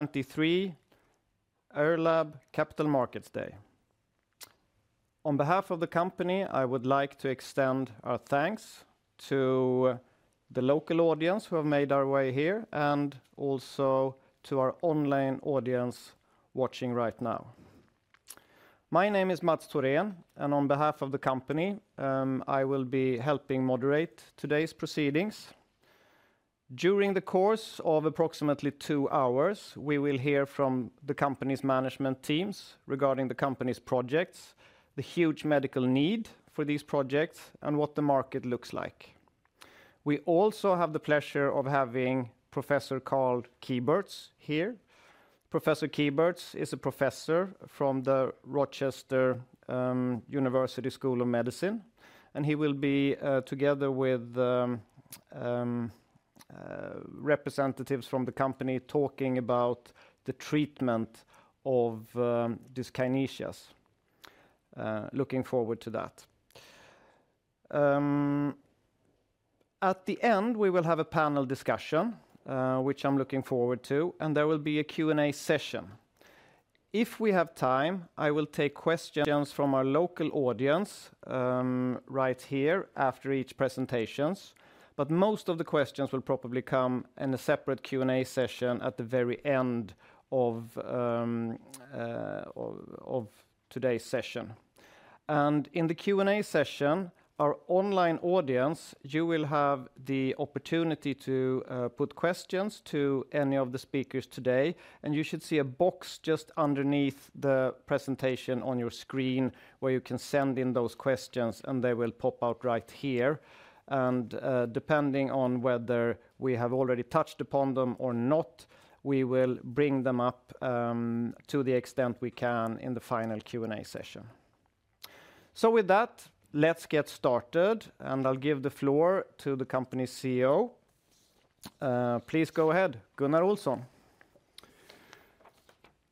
2023, IRLAB Capital Markets Day. On behalf of the company, I would like to extend our thanks to the local audience who have made our way here, and also to our online audience watching right now. My name is Mats Thorén, and on behalf of the company, I will be helping moderate today's proceedings. During the course of approximately two hours, we will hear from the company's management teams regarding the company's projects, the huge medical need for these projects, and what the market looks like. We also have the pleasure of having Professor Karl Kieburtz here. Professor Kieburtz is a professor from the University of Rochester School of Medicine, and he will be, together with the representatives from the company, talking about the treatment of dyskinesias. Looking forward to that. At the end, we will have a panel discussion, which I'm looking forward to, and there will be a Q&A session. If we have time, I will take questions from our local audience, right here after each presentations, but most of the questions will probably come in a separate Q&A session at the very end of today's session. And in the Q&A session, our online audience, you will have the opportunity to put questions to any of the speakers today, and you should see a box just underneath the presentation on your screen, where you can send in those questions, and they will pop out right here. And, depending on whether we have already touched upon them or not, we will bring them up, to the extent we can in the final Q&A session. So with that, let's get started, and I'll give the floor to the company's CEO. Please go ahead, Gunnar Olsson.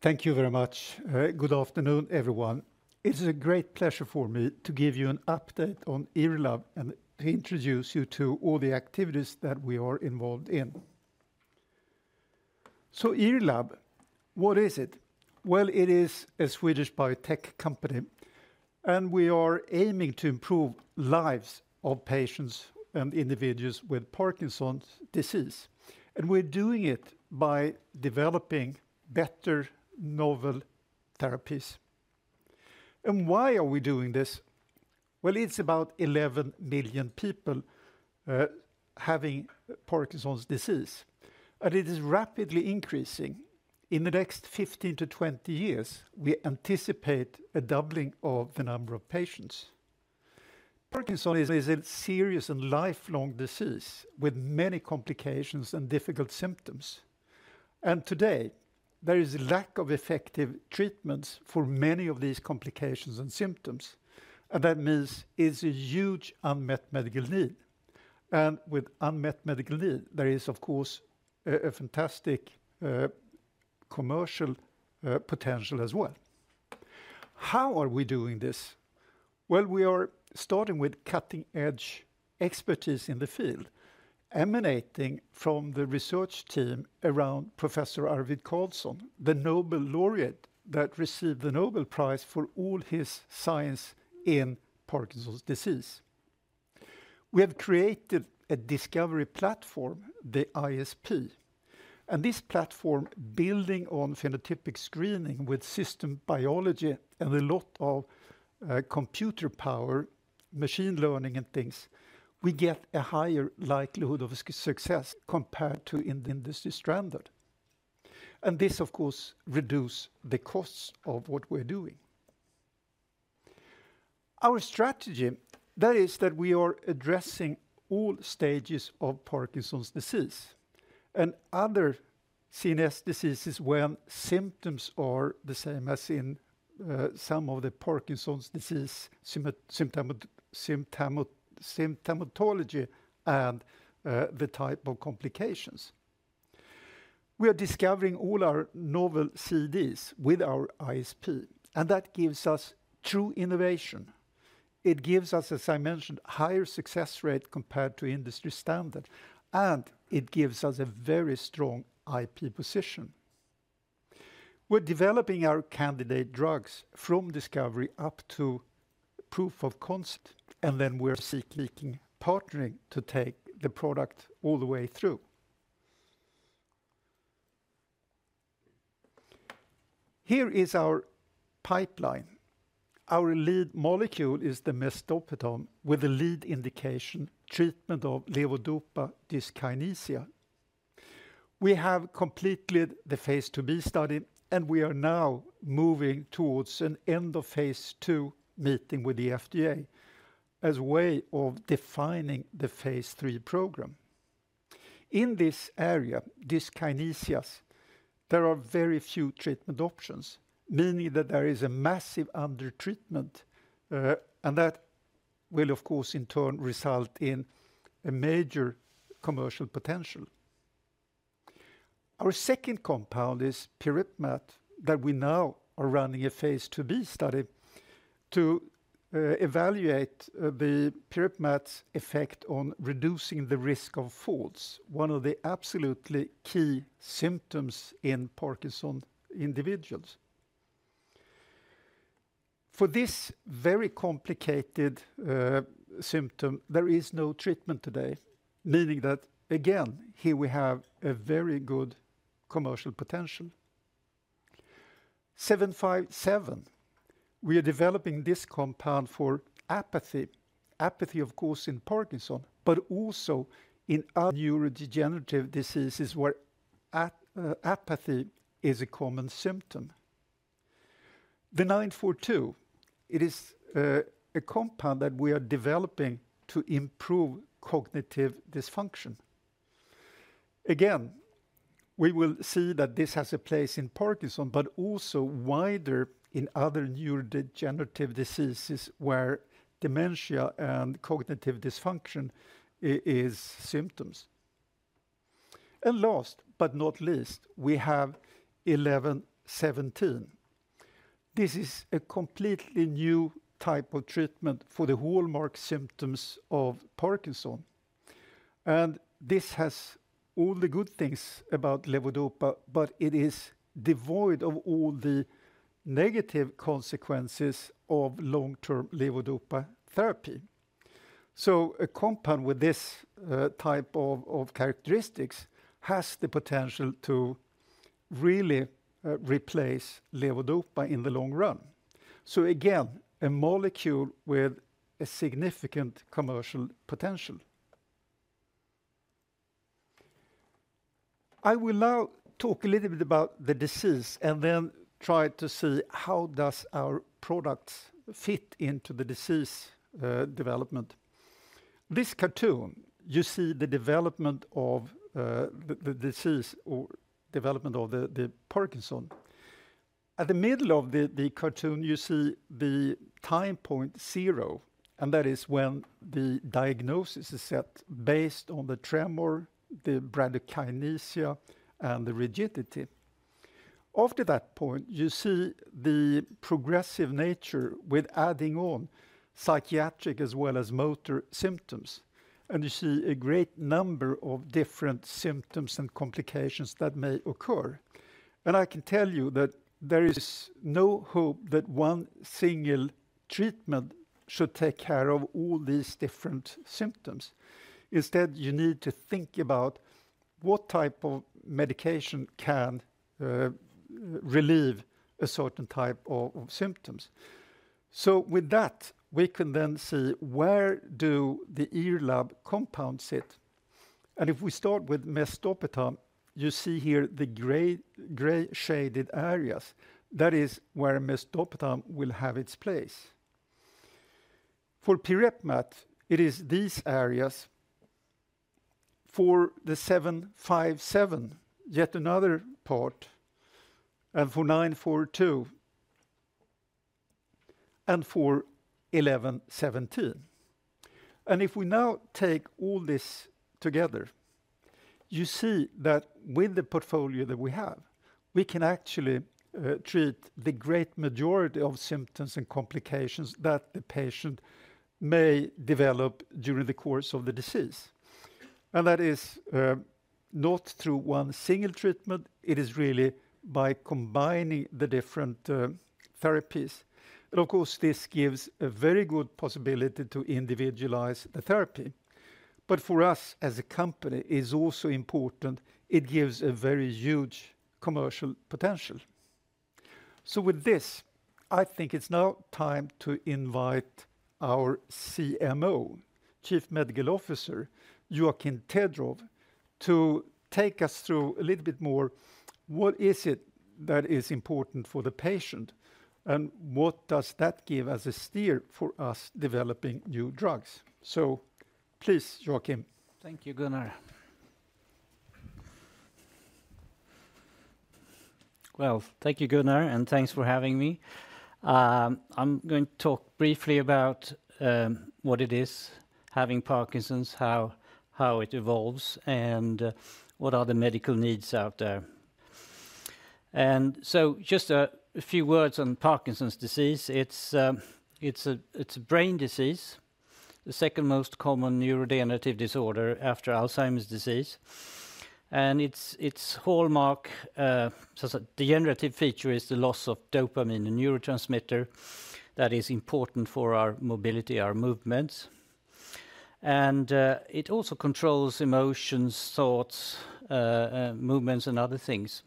Thank you very much. Good afternoon, everyone. It is a great pleasure for me to give you an update on IRLAB and to introduce you to all the activities that we are involved in. So IRLAB, what is it? Well, it is a Swedish biotech company, and we are aiming to improve lives of patients and individuals with Parkinson's disease, and we're doing it by developing better novel therapies. And why are we doing this? Well, it's about 11 million people having Parkinson's disease, and it is rapidly increasing. In the next 15-20 years, we anticipate a doubling of the number of patients. Parkinson's is a serious and lifelong disease with many complications and difficult symptoms. And today, there is a lack of effective treatments for many of these complications and symptoms, and that means it's a huge unmet medical need. With unmet medical need, there is, of course, a fantastic commercial potential as well. How are we doing this? Well, we are starting with cutting-edge expertise in the field, emanating from the research team around Professor Arvid Carlsson, the Nobel laureate that received the Nobel Prize for all his science in Parkinson's disease. We have created a discovery platform, the ISP. And this platform, building on phenotypic screening with systems biology and a lot of computer power, machine learning and things, we get a higher likelihood of success compared to in the industry standard. This, of course, reduce the costs of what we're doing. Our strategy, that is that we are addressing all stages of Parkinson's disease and other CNS diseases when symptoms are the same as in some of the Parkinson's disease symptomatology and the type of complications. We are discovering all our novel CDs with our ISP, and that gives us true innovation. It gives us, as I mentioned, higher success rate compared to industry standard, and it gives us a very strong IP position. We're developing our candidate drugs from discovery up to proof of concept, and then we're seeking partnering to take the product all the way through. Here is our pipeline. Our lead molecule is the mesdopetam, with the lead indication, treatment of levodopa dyskinesia. We have completed the Phase IIb study, and we are now moving towards an end of Phase II meeting with the FDA as a way of defining the Phase III program. In this area, dyskinesias, there are very few treatment options, meaning that there is a massive undertreatment, and that will, of course, in turn, result in a major commercial potential. Our second compound is pirepemat, that we now are running a Phase IIb study to evaluate the pirepemat effect on reducing the risk of falls, one of the absolutely key symptoms in Parkinson individuals. For this very complicated symptom, there is no treatment today, meaning that, again, here we have a very good commercial potential. 757, we are developing this compound for apathy. Apathy, of course, in Parkinson, but also in other neurodegenerative diseases where apathy is a common symptom. IRL942, it is a compound that we are developing to improve cognitive dysfunction. Again, we will see that this has a place in Parkinson's, but also wider in other neurodegenerative diseases where dementia and cognitive dysfunction is symptoms. And last but not least, we have IRL1117. This is a completely new type of treatment for the hallmark symptoms of Parkinson's. And this has all the good things about levodopa, but it is devoid of all the negative consequences of long-term levodopa therapy. So a compound with this type of characteristics has the potential to really replace levodopa in the long run. So again, a molecule with a significant commercial potential. I will now talk a little bit about the disease and then try to see how does our products fit into the disease development. This cartoon, you see the development of the disease or development of the Parkinson's. At the middle of the cartoon, you see the time point zero, and that is when the diagnosis is set based on the tremor, the bradykinesia, and the rigidity. After that point, you see the progressive nature with adding on psychiatric as well as motor symptoms, and you see a great number of different symptoms and complications that may occur. And I can tell you that there is no hope that one single treatment should take care of all these different symptoms. Instead, you need to think about what type of medication can relieve a certain type of symptoms. So with that, we can then see where do the IRLAB compounds sit. And if we start with mesdopetam, you see here the gray, gray shaded areas. That is where mesdopetam will have its place. For pirepemat, it is these areas. For IRL757, yet another part, and for IRL942, and for IRL1117. And if we now take all this together, you see that with the portfolio that we have, we can actually treat the great majority of symptoms and complications that a patient may develop during the course of the disease. And that is, not through one single treatment, it is really by combining the different, therapies. And of course, this gives a very good possibility to individualize the therapy. But for us as a company, it is also important it gives a very huge commercial potential. So with this, I think it's now time to invite our CMO, Chief Medical Officer, Joakim Tedroff, to take us through a little bit more, what is it that is important for the patient, and what does that give as a steer for us developing new drugs? So please, Joakim. Thank you, Gunnar. Well, thank you, Gunnar, and thanks for having me. I'm going to talk briefly about what it is having Parkinson's, how it evolves, and what are the medical needs out there. And so just a few words on Parkinson's disease. It's a brain disease, the second most common neurodegenerative disorder after Alzheimer's disease. And its hallmark degenerative feature is the loss of dopamine and neurotransmitter that is important for our mobility, our movements. And it also controls emotions, thoughts, movements, and other things.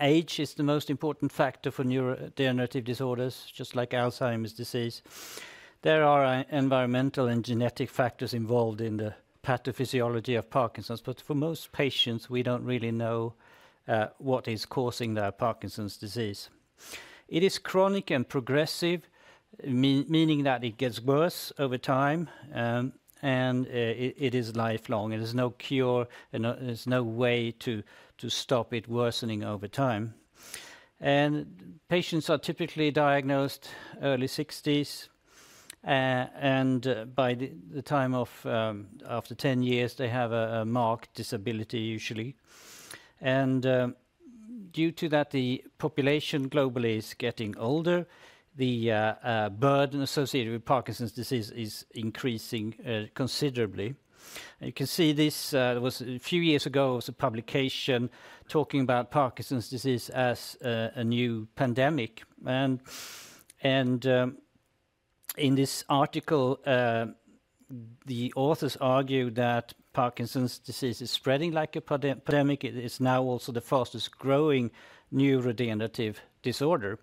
Age is the most important factor for neurodegenerative disorders, just like Alzheimer's disease. There are environmental and genetic factors involved in the pathophysiology of Parkinson's, but for most patients, we don't really know what is causing their Parkinson's disease. It is chronic and progressive, meaning that it gets worse over time, and it is lifelong. There's no cure and there's no way to stop it worsening over time. And patients are typically diagnosed early sixties and by the time after 10 years, they have a marked disability usually. And due to that, the population globally is getting older, the burden associated with Parkinson's disease is increasing considerably. You can see this was a few years ago, it was a publication talking about Parkinson's disease as a new pandemic. And in this article, the authors argue that Parkinson's disease is spreading like a pandemic. It is now also the fastest growing neurodegenerative disorder.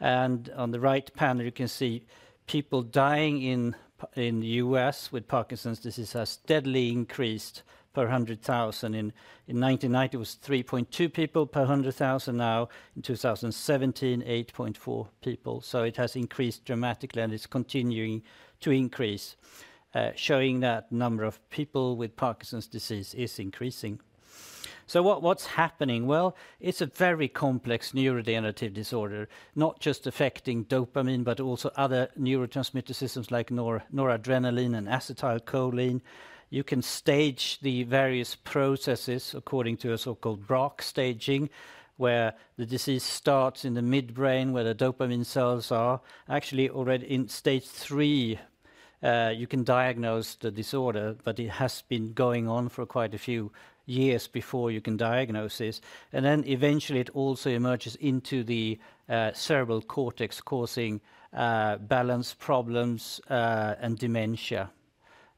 On the right panel, you can see people dying in PD in the US with Parkinson's disease has steadily increased per 100,000. In 1990, it was 3.2 people per 100,000. Now, in 2017, 8.4 people. So it has increased dramatically, and it's continuing to increase, showing that number of people with Parkinson's disease is increasing. So what's happening? Well, it's a very complex neurodegenerative disorder, not just affecting dopamine, but also other neurotransmitter systems like noradrenaline and acetylcholine. You can stage the various processes according to a so-called Braak staging, where the disease starts in the midbrain, where the dopamine cells are. Actually, already in stage three, you can diagnose the disorder, but it has been going on for quite a few years before you can diagnose this. Then eventually, it also emerges into the cerebral cortex, causing balance problems and dementia.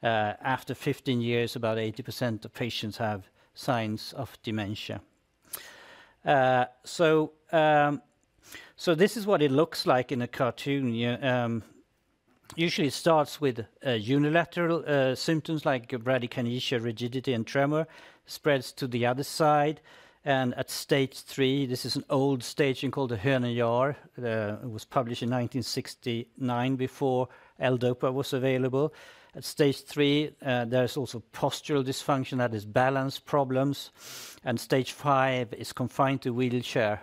After 15 years, about 80% of patients have signs of dementia. This is what it looks like in a cartoon. Yeah, usually it starts with unilateral symptoms like bradykinesia, rigidity, and tremor, spreads to the other side. And at stage 3, this is an old staging called the Hoehn and Yahr. It was published in 1969 before L-DOPA was available. At stage 3, there is also postural dysfunction, that is balance problems, and stage 5 is confined to wheelchair.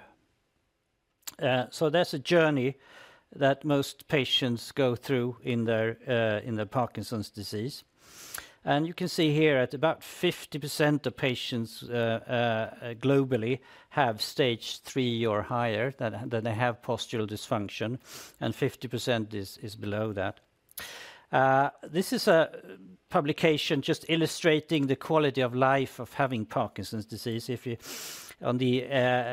That's a journey that most patients go through in their Parkinson's disease. You can see here at about 50% of patients globally have stage three or higher, that they have postural dysfunction, and 50% is below that. This is a publication just illustrating the quality of life of having Parkinson's disease. On the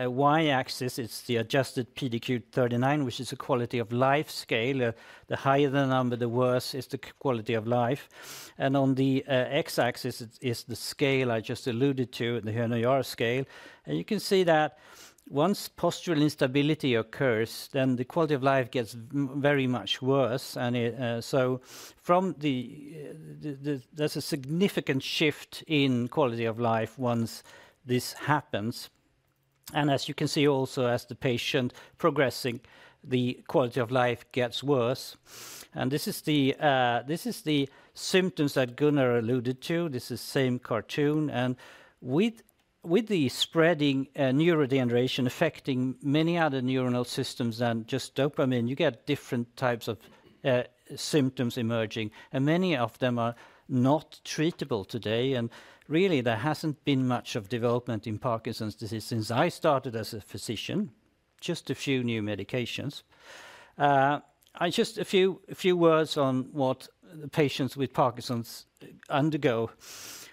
y-axis, it's the adjusted PDQ-39, which is a quality of life scale. The higher the number, the worse is the quality of life. And on the x-axis is the scale I just alluded to, the Hoehn and Yahr scale. And you can see that once postural instability occurs, then the quality of life gets very much worse, and it. So there's a significant shift in quality of life once this happens. And as you can see, also, as the patient progressing, the quality of life gets worse. This is the symptoms that Gunnar alluded to. This is same cartoon. And with the spreading neurodegeneration affecting many other neuronal systems than just dopamine, you get different types of symptoms emerging, and many of them are not treatable today. And really, there hasn't been much of development in Parkinson's disease since I started as a physician, just a few new medications. And just a few words on what the patients with Parkinson's undergo.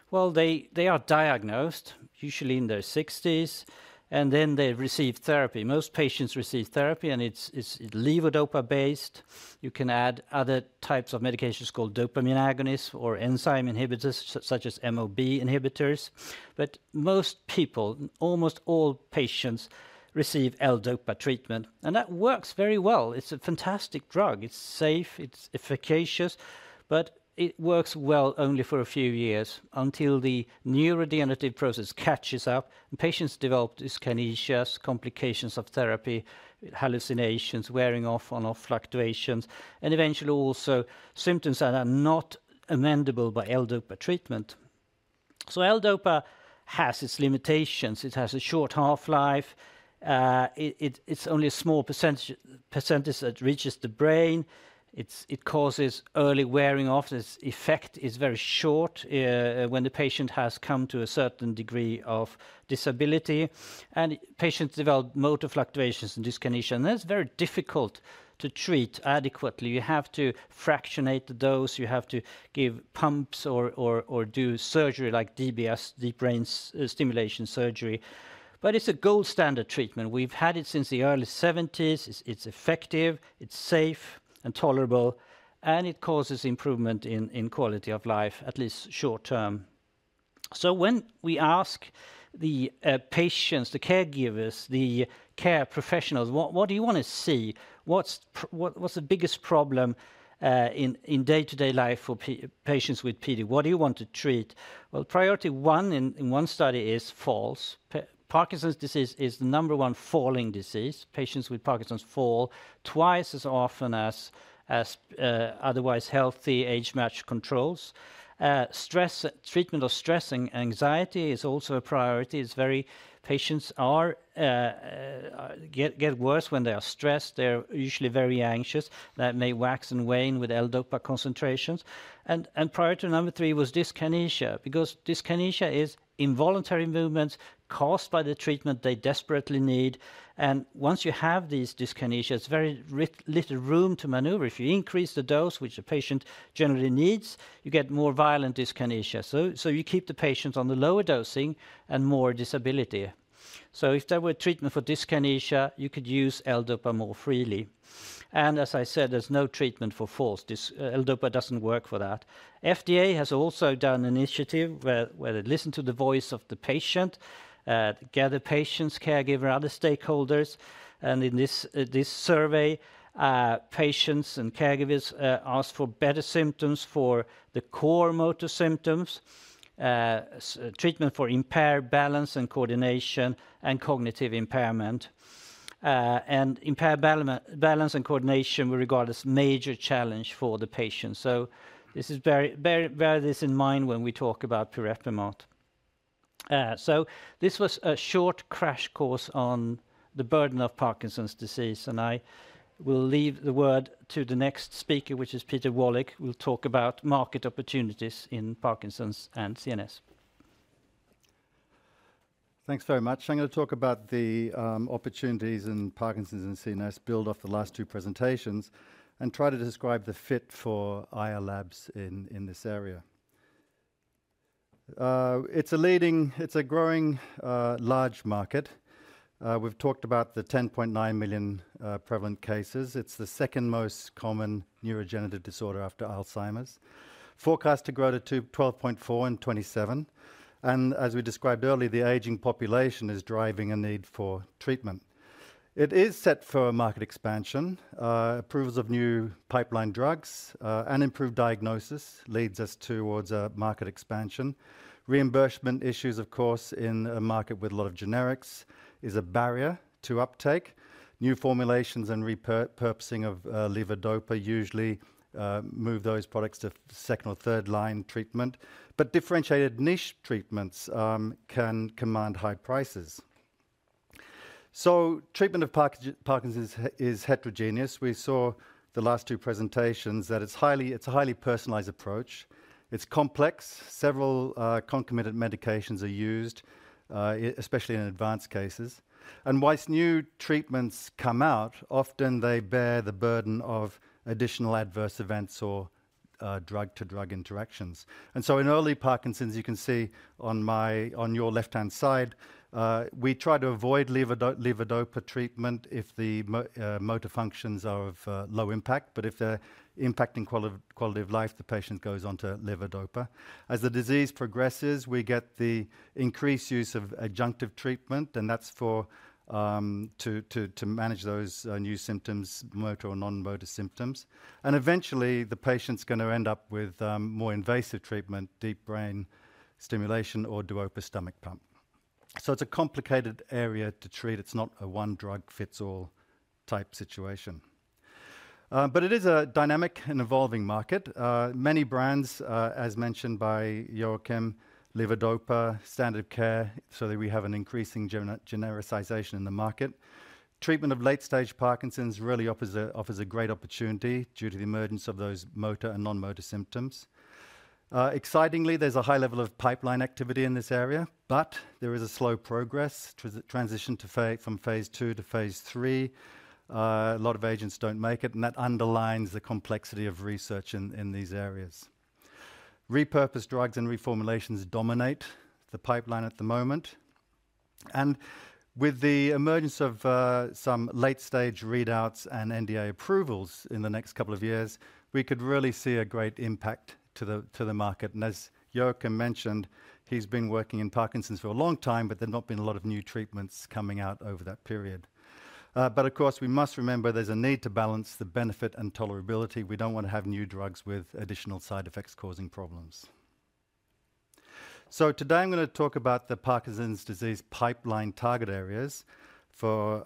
Well, they are diagnosed usually in their sixties, and then they receive therapy. Most patients receive therapy, and it's levodopa based. You can add other types of medications called dopamine agonists or enzyme inhibitors, such as MAO-B inhibitors. But most people, almost all patients, receive L-DOPA treatment, and that works very well. It's a fantastic drug. It's safe, it's efficacious, but it works well only for a few years until the neurodegenerative process catches up, and patients develop dyskinesias, complications of therapy, hallucinations, wearing off, ON-OFF fluctuations, and eventually also symptoms that are not amenable by L-DOPA treatment. So L-DOPA has its limitations. It has a short half-life. It, it's only a small percentage that reaches the brain. It causes early wearing off. Its effect is very short, when the patient has come to a certain degree of disability, and patients develop motor fluctuations and dyskinesia, and that's very difficult to treat adequately. You have to fractionate the dose, you have to give pumps or do surgery like DBS, deep brain stimulation surgery. But it's a gold standard treatment. We've had it since the early 1970s. It's effective, it's safe and tolerable, and it causes improvement in quality of life, at least short term... So when we ask the patients, the caregivers, the care professionals, "What do you want to see? What's the biggest problem in day-to-day life for patients with PD? What do you want to treat?" Well, priority one in one study is falls. Parkinson's disease is the number one falling disease. Patients with Parkinson's fall twice as often as otherwise healthy age-matched controls. Stress, treatment of stress and anxiety is also a priority. It's very patients get worse when they are stressed. They're usually very anxious. That may wax and wane with L-DOPA concentrations. Priority number three was dyskinesia, because dyskinesia is involuntary movements caused by the treatment they desperately need, and once you have these dyskinesia, it's very little room to maneuver. If you increase the dose, which the patient generally needs, you get more violent dyskinesia. So you keep the patient on the lower dosing and more disability. So if there were treatment for dyskinesia, you could use L-DOPA more freely. And as I said, there's no treatment for falls. L-DOPA doesn't work for that. FDA has also done an initiative where they listen to the voice of the patient, gather patients, caregiver, other stakeholders, and in this survey, patients and caregivers asked for better symptoms for the core motor symptoms, treatment for impaired balance and coordination and cognitive impairment. And impaired balance and coordination we regard as major challenge for the patient. So bear this in mind when we talk about pirepemat. So this was a short crash course on the burden of Parkinson's disease, and I will leave the word to the next speaker, which is Peter Wallich, who will talk about market opportunities in Parkinson's and CNS. Thanks very much. I'm going to talk about the opportunities in Parkinson's and CNS, build off the last two presentations, and try to describe the fit for IRLAB in this area. It's a growing large market. We've talked about the 10.9 million prevalent cases. It's the second most common neurodegenerative disorder after Alzheimer's. Forecast to grow to 12.4 in 2027, and as we described earlier, the aging population is driving a need for treatment. It is set for a market expansion. Approvals of new pipeline drugs and improved diagnosis leads us towards a market expansion. Reimbursement issues, of course, in a market with a lot of generics is a barrier to uptake. New formulations and repurposing of levodopa usually move those products to second or third-line treatment. But differentiated niche treatments can command high prices. So treatment of Parkinson's is heterogeneous. We saw the last two presentations that it's a highly personalized approach. It's complex. Several concomitant medications are used, especially in advanced cases. And whilst new treatments come out, often they bear the burden of additional adverse events or drug-to-drug interactions. And so in early Parkinson's, you can see on my, on your left-hand side, we try to avoid levodopa treatment if the motor functions are of low impact. But if they're impacting quality of life, the patient goes on to levodopa. As the disease progresses, we get the increased use of adjunctive treatment, and that's for to manage those new symptoms, motor or non-motor symptoms. Eventually, the patient's gonna end up with more invasive treatment, deep brain stimulation, or Duodopa stomach pump. So it's a complicated area to treat. It's not a one-drug-fits-all type situation. But it is a dynamic and evolving market. Many brands, as mentioned by Joakim, levodopa, standard care, so that we have an increasing genericization in the market. Treatment of late-stage Parkinson's really offers a great opportunity due to the emergence of those motor and non-motor symptoms. Excitingly, there's a high level of pipeline activity in this area, but there is a slow progress. Transition to phase, from phase two to phase three, a lot of agents don't make it, and that underlines the complexity of research in these areas. Repurposed drugs and reformulations dominate the pipeline at the moment. With the emergence of some late-stage readouts and NDA approvals in the next couple of years, we could really see a great impact to the, to the market. As Joakim mentioned, he's been working in Parkinson's for a long time, but there have not been a lot of new treatments coming out over that period. But of course, we must remember there's a need to balance the benefit and tolerability. We don't want to have new drugs with additional side effects causing problems. So today I'm gonna talk about the Parkinson's disease pipeline target areas for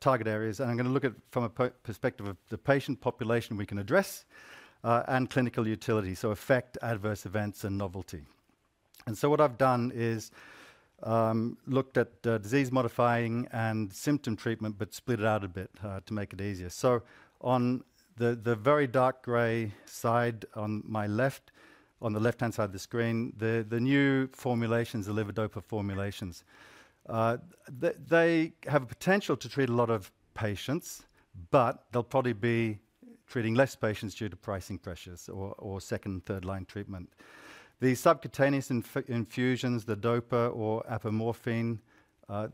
target areas, and I'm gonna look at from a perspective of the patient population we can address, and clinical utility, so effect, adverse events, and novelty. And so what I've done is looked at disease-modifying and symptom treatment, but split it out a bit to make it easier. So on the very dark gray side, on my left, on the left-hand side of the screen, the new formulations, the levodopa formulations, they have a potential to treat a lot of patients, but they'll probably be treating less patients due to pricing pressures or second and third-line treatment. The subcutaneous infusions, levodopa or apomorphine,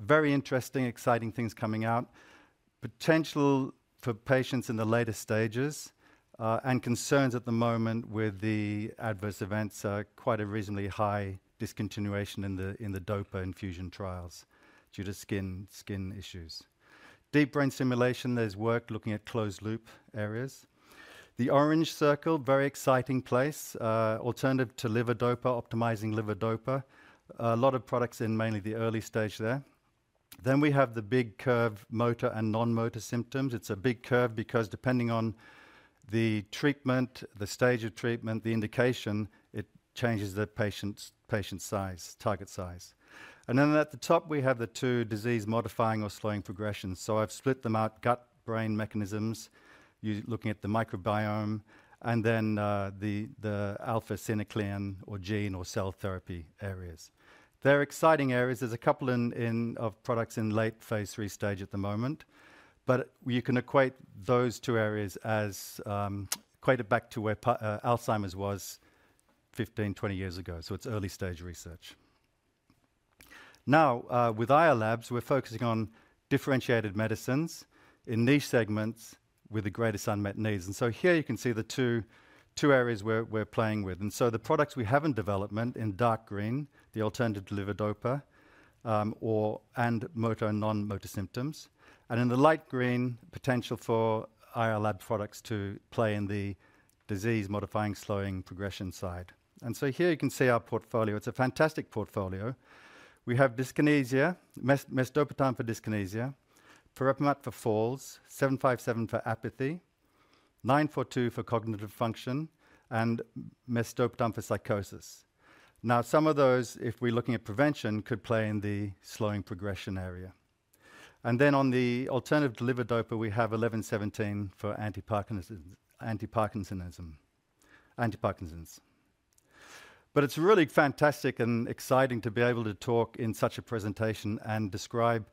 very interesting, exciting things coming out. Potential for patients in the later stages, and concerns at the moment with the adverse events are quite a reasonably high discontinuation in levodopa infusion trials due to skin issues. Deep brain stimulation, there's work looking at closed loop areas. The orange circle, very exciting place, alternative to levodopa, optimizing levodopa. A lot of products in mainly the early stage there. Then we have the big curve, motor and non-motor symptoms. It's a big curve because depending on the treatment, the stage of treatment, the indication, it changes the patient's, patient size, target size. And then at the top, we have the two disease-modifying or slowing progression. So I've split them out, gut-brain mechanisms, looking at the microbiome, and then, the, the alpha-synuclein or gene or cell therapy areas. They're exciting areas. There's a couple of products in late Phase III stage at the moment, but you can equate those two areas as, equate it back to where Alzheimer's was 15, 20 years ago. So it's early-stage research. Now, with IRLAB, we're focusing on differentiated medicines in niche segments with the greatest unmet needs. And so here you can see the two areas we're playing with. And so the products we have in development in dark green, the alternative to levodopa, and motor and non-motor symptoms, and in the light green, potential for IRLAB products to play in the disease-modifying, slowing progression side. And so here you can see our portfolio. It's a fantastic portfolio. We have mesdopetam for dyskinesia, pirepemat for falls, IRL757 for apathy, IRL942 for cognitive function, and mesdopetam for psychosis. Now, some of those, if we're looking at prevention, could play in the slowing progression area. And then on the alternative to levodopa, we have IRL1117 for antiparkinson's. It's really fantastic and exciting to be able to talk in such a presentation and describe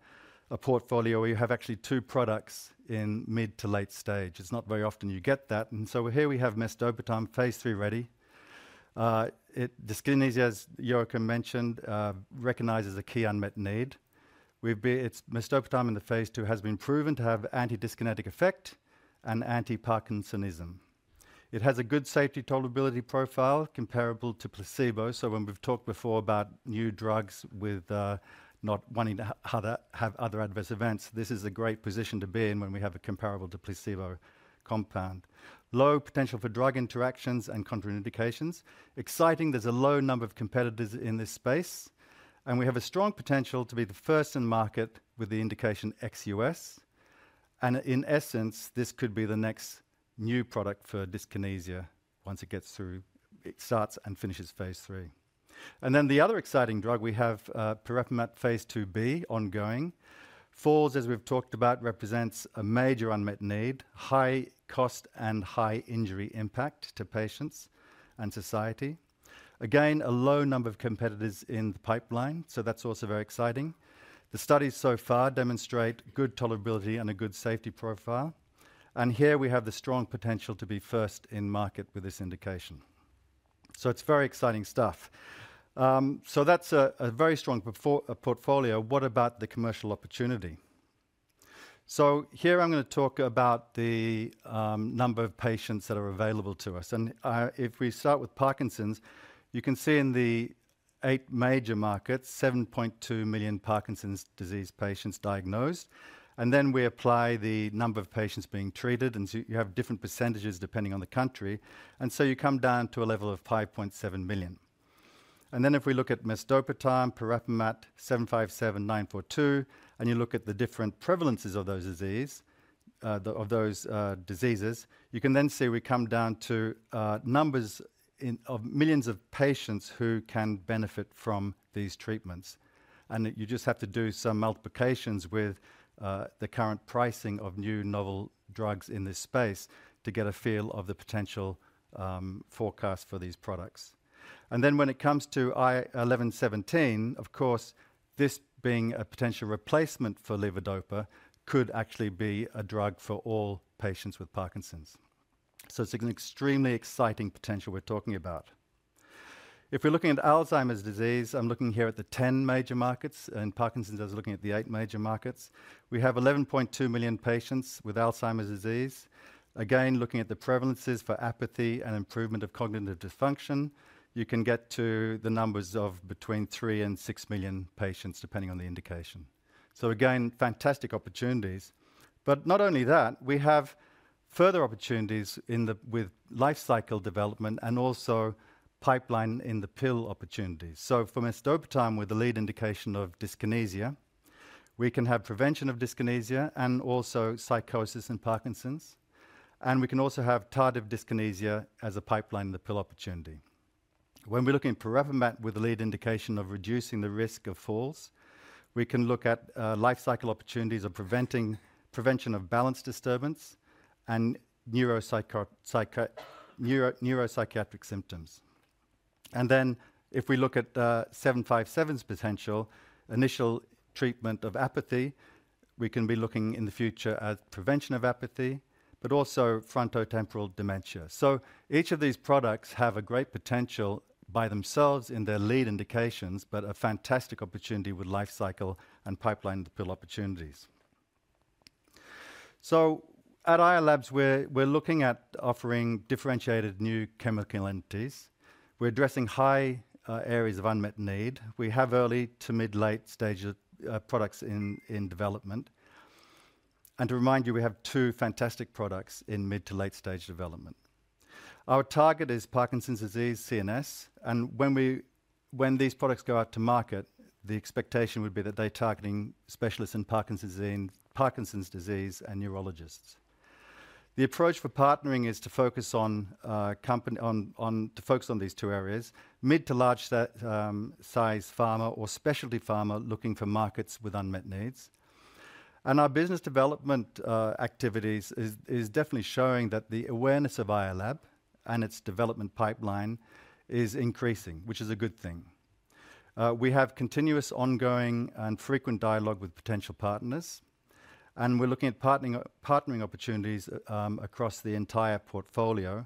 a portfolio where you have actually two products in mid to late stage. It's not very often you get that. Here we have mesdopetam, Phase III ready. It, dyskinesia, as Joakim mentioned, recognizes a key unmet need. We've, it's mesdopetam in the Phase II has been proven to have anti-dyskinetic effect and anti-parkinsonism. It has a good safety tolerability profile comparable to placebo. When we've talked before about new drugs with not wanting to have other adverse events, this is a great position to be in when we have a comparable to placebo compound. Low potential for drug interactions and contraindications. Exciting. There's a low number of competitors in this space, and we have a strong potential to be the first in market with the indication ex US. And in essence, this could be the next new product for dyskinesia once it gets through it starts and finishes Phase III. And then the other exciting drug we have, pirepemat Phase IIb ongoing. Falls, as we've talked about, represents a major unmet need, high cost and high injury impact to patients and society. Again, a low number of competitors in the pipeline, so that's also very exciting. The studies so far demonstrate good tolerability and a good safety profile, and here we have the strong potential to be first in market with this indication. So it's very exciting stuff. So that's a very strong portfolio. What about the commercial opportunity? So here I'm gonna talk about the number of patients that are available to us. And if we start with Parkinson's, you can see in the eight major markets, 7.2 million Parkinson's disease patients diagnosed, and then we apply the number of patients being treated, and so you have different percentages depending on the country, and so you come down to a level of 5.7 million. And then if we look at mesdopetam, pirepemat, IRL757, IRL942, and you look at the different prevalences of those disease, the of those diseases, you can then see we come down to numbers in of millions of patients who can benefit from these treatments. You just have to do some multiplications with the current pricing of new novel drugs in this space to get a feel of the potential forecast for these products. And then when it comes to IRL1117, of course, this being a potential replacement for levodopa, could actually be a drug for all patients with Parkinson's. So it's an extremely exciting potential we're talking about. If we're looking at Alzheimer's disease, I'm looking here at the 10 major markets, in Parkinson's, I was looking at the 8 major markets. We have 11.2 million patients with Alzheimer's disease. Again, looking at the prevalences for apathy and improvement of cognitive dysfunction, you can get to the numbers of between 3 and 6 million patients, depending on the indication. So again, fantastic opportunities. But not only that, we have further opportunities in the with lifecycle development and also pipeline in the pill opportunities. So for mesdopetam with the lead indication of dyskinesia, we can have prevention of dyskinesia and also psychosis in Parkinson's, and we can also have tardive dyskinesia as a pipeline in the pill opportunity. When we're looking at pirepemat with the lead indication of reducing the risk of falls, we can look at life cycle opportunities of prevention of balance disturbance and neuropsychiatric symptoms. And then if we look at 757's potential initial treatment of apathy, we can be looking in the future at prevention of apathy - but also frontotemporal dementia. So each of these products have a great potential by themselves in their lead indications, but a fantastic opportunity with life cycle and pipeline pill opportunities. So at IRLAB, we're, we're looking at offering differentiated new chemical entities. We're addressing high areas of unmet need. We have early to mid-late stage products in, in development. And to remind you, we have two fantastic products in mid to late-stage development. Our target is Parkinson's disease, CNS, and when these products go out to market, the expectation would be that they're targeting specialists in Parkinson's disease, Parkinson's disease and neurologists. The approach for partnering is to focus on these two areas: mid to large size pharma or specialty pharma, looking for markets with unmet needs. And our business development activities is, is definitely showing that the awareness of IRLAB and its development pipeline is increasing, which is a good thing. We have continuous, ongoing, and frequent dialogue with potential partners, and we're looking at partnering, partnering opportunities across the entire portfolio.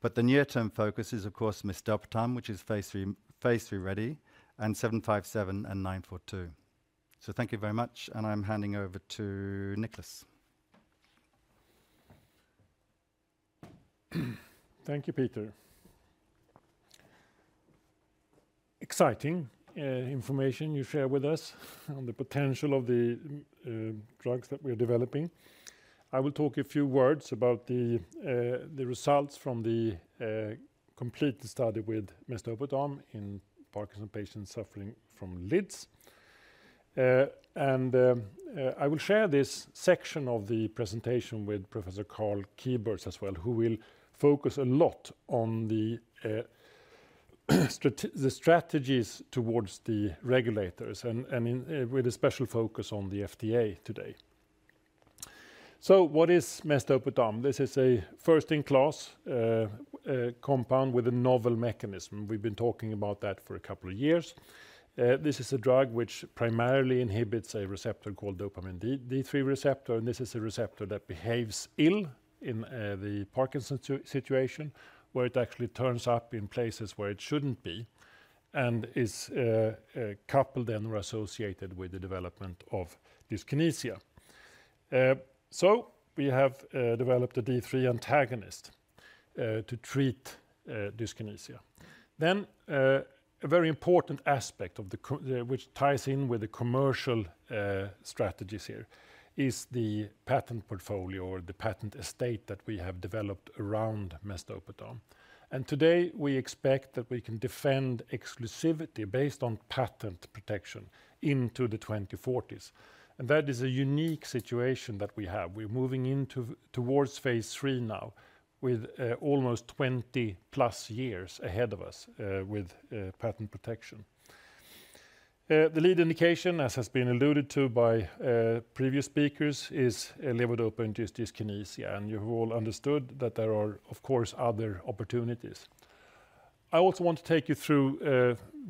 But the near-term focus is, of course, mesdopetam, which is Phase III, Phase III ready, and 757 and 942. So thank you very much, and I'm handing over to Nicholas. Thank you, Peter. Exciting information you share with us on the potential of the drugs that we're developing. I will talk a few words about the results from the complete study with mesdopetam in Parkinson patients suffering from LIDs. I will share this section of the presentation with Professor Karl Kieburtz as well, who will focus a lot on the strategies towards the regulators and with a special focus on the FDA today. So what is mesdopetam? This is a first-in-class compound with a novel mechanism. We've been talking about that for a couple of years. This is a drug which primarily inhibits a receptor called dopamine D3 receptor, and this is a receptor that behaves ill in the Parkinson's situation, where it actually turns up in places where it shouldn't be and is coupled and/or associated with the development of dyskinesia. So we have developed a D3 antagonist to treat dyskinesia. Then a very important aspect of the co- which ties in with the commercial strategies here is the patent portfolio or the patent estate that we have developed around mesdopetam. And today, we expect that we can defend exclusivity based on patent protection into the 2040s. And that is a unique situation that we have. We're moving into- towards Phase III now, with almost 20+ years ahead of us with patent protection. The lead indication, as has been alluded to by previous speakers, is levodopa-induced dyskinesia, and you've all understood that there are, of course, other opportunities. I also want to take you through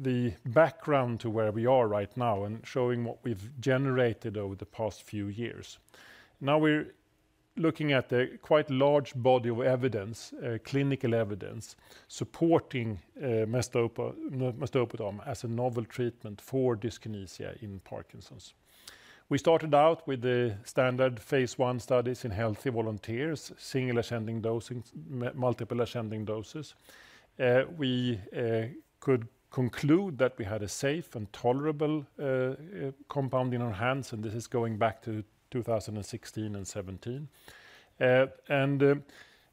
the background to where we are right now and showing what we've generated over the past few years. Now, we're looking at a quite large body of evidence, clinical evidence, supporting mesdopetam as a novel treatment for dyskinesia in Parkinson's. We started out with the standard Phase I studies in healthy volunteers, single-ascending dosing, multiple-ascending doses. We could conclude that we had a safe and tolerable compound in our hands, and this is going back to 2016 and 2017. And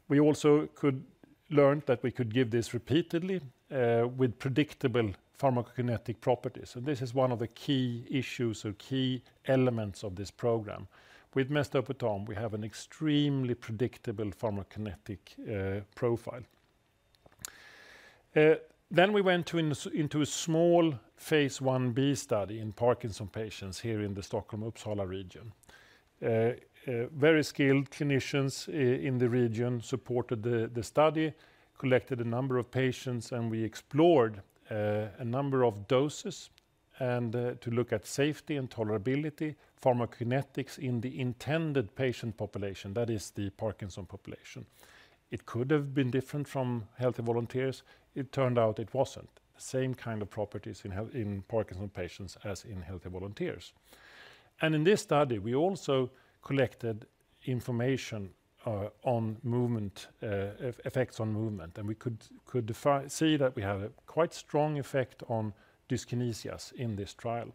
we also could learn that we could give this repeatedly with predictable pharmacokinetic properties. So this is one of the key issues or key elements of this program. With mesdopetam, we have an extremely predictable pharmacokinetic profile. Then we went into a small Phase Ib study in Parkinson patients here in the Stockholm-Uppsala region. Very skilled clinicians in the region supported the study, collected a number of patients, and we explored a number of doses and to look at safety and tolerability, pharmacokinetics in the intended patient population, that is the Parkinson population. It could have been different from healthy volunteers. It turned out it wasn't. The same kind of properties in Parkinson patients as in healthy volunteers. And in this study, we also collected information on movement, effects on movement, and we could see that we have a quite strong effect on dyskinesias in this trial.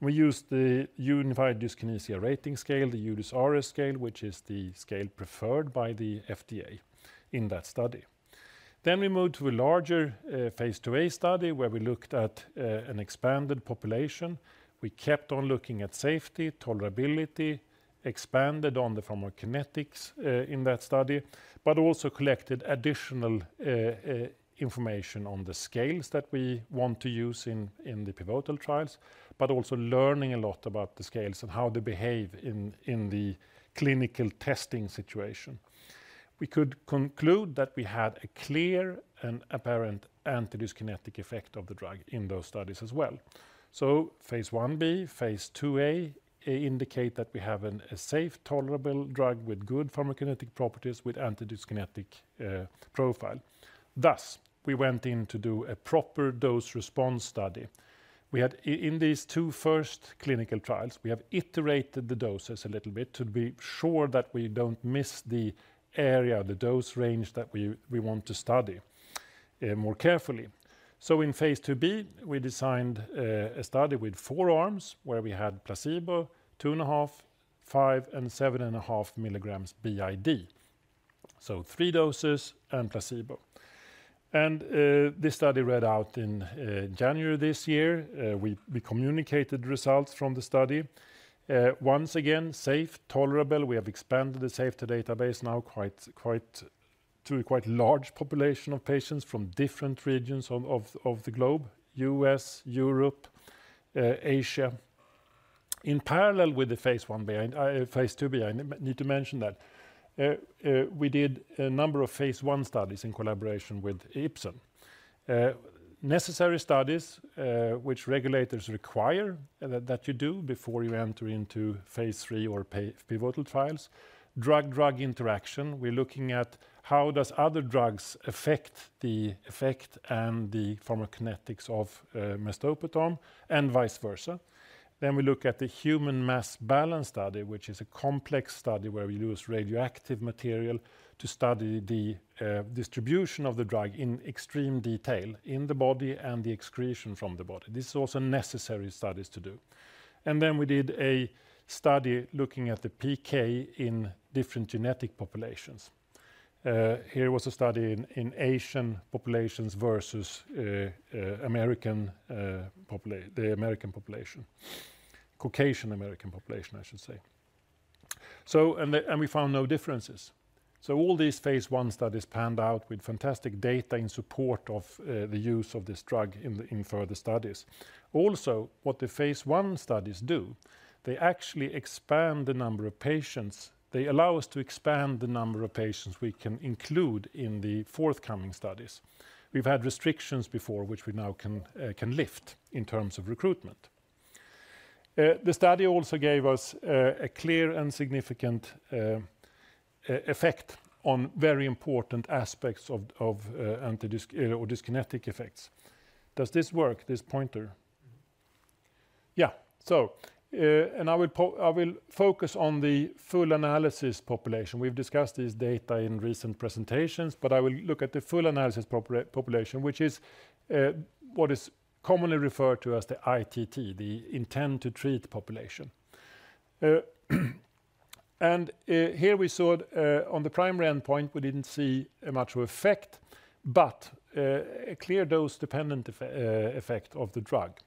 We used the Unified Dyskinesia Rating Scale, the UDysRS scale, which is the scale preferred by the FDA in that study. Then we moved to a larger, Phase II study, where we looked at an expanded population. We kept on looking at safety, tolerability, expanded on the pharmacokinetics in that study, but also collected additional information on the scales that we want to use in the pivotal trials, but also learning a lot about the scales and how they behave in the clinical testing situation. We could conclude that we had a clear and apparent antidyskinetic effect of the drug in those studies as well. So Phase Ia/b, Phase IIa, indicate that we have a safe, tolerable drug with good pharmacokinetic properties, with antidyskinetic profile. Thus, we went in to do a proper dose response study. We had in these two first clinical trials, we have iterated the doses a little bit to be sure that we don't miss the area, the dose range that we want to study more carefully. So in Phase IIb, we designed a study with four arms, where we had placebo, 2.5, 5 and 7.5 milligrams BID. So three doses and placebo. And this study read out in January this year. We communicated results from the study. Once again, safe, tolerable. We have expanded the safety database now quite to a quite large population of patients from different regions of the globe: US, Europe, Asia. In parallel with the Phase Ia behind Phase IIb, I need to mention that we did a number of Phase I studies in collaboration with Ipsen. Necessary studies, which regulators require, that you do before you enter into Phase III or pivotal trials. Drug-drug interaction, we're looking at how does other drugs affect the effect and the pharmacokinetics of mesdopetam and vice versa. Then we look at the human mass balance study, which is a complex study where we use radioactive material to study the distribution of the drug in extreme detail in the body and the excretion from the body. This is also necessary studies to do. And then we did a study looking at the PK in different genetic populations. Here was a study in Asian populations versus American population. Caucasian American population, I should say. We found no differences. So all these Phase I studies panned out with fantastic data in support of the use of this drug in further studies. Also, what the Phase I studies do, they actually expand the number of patients. They allow us to expand the number of patients we can include in the forthcoming studies. We've had restrictions before, which we now can lift in terms of recruitment. The study also gave us a clear and significant effect on very important aspects of anti-dyskinetic effects. Does this work, this pointer? Yeah. So, I will focus on the full analysis population. We've discussed this data in recent presentations, but I will look at the full analysis population, which is what is commonly referred to as the ITT, the intent to treat population. Here we saw it on the primary endpoint; we didn't see a much effect, but a clear dose-dependent effect of the drug.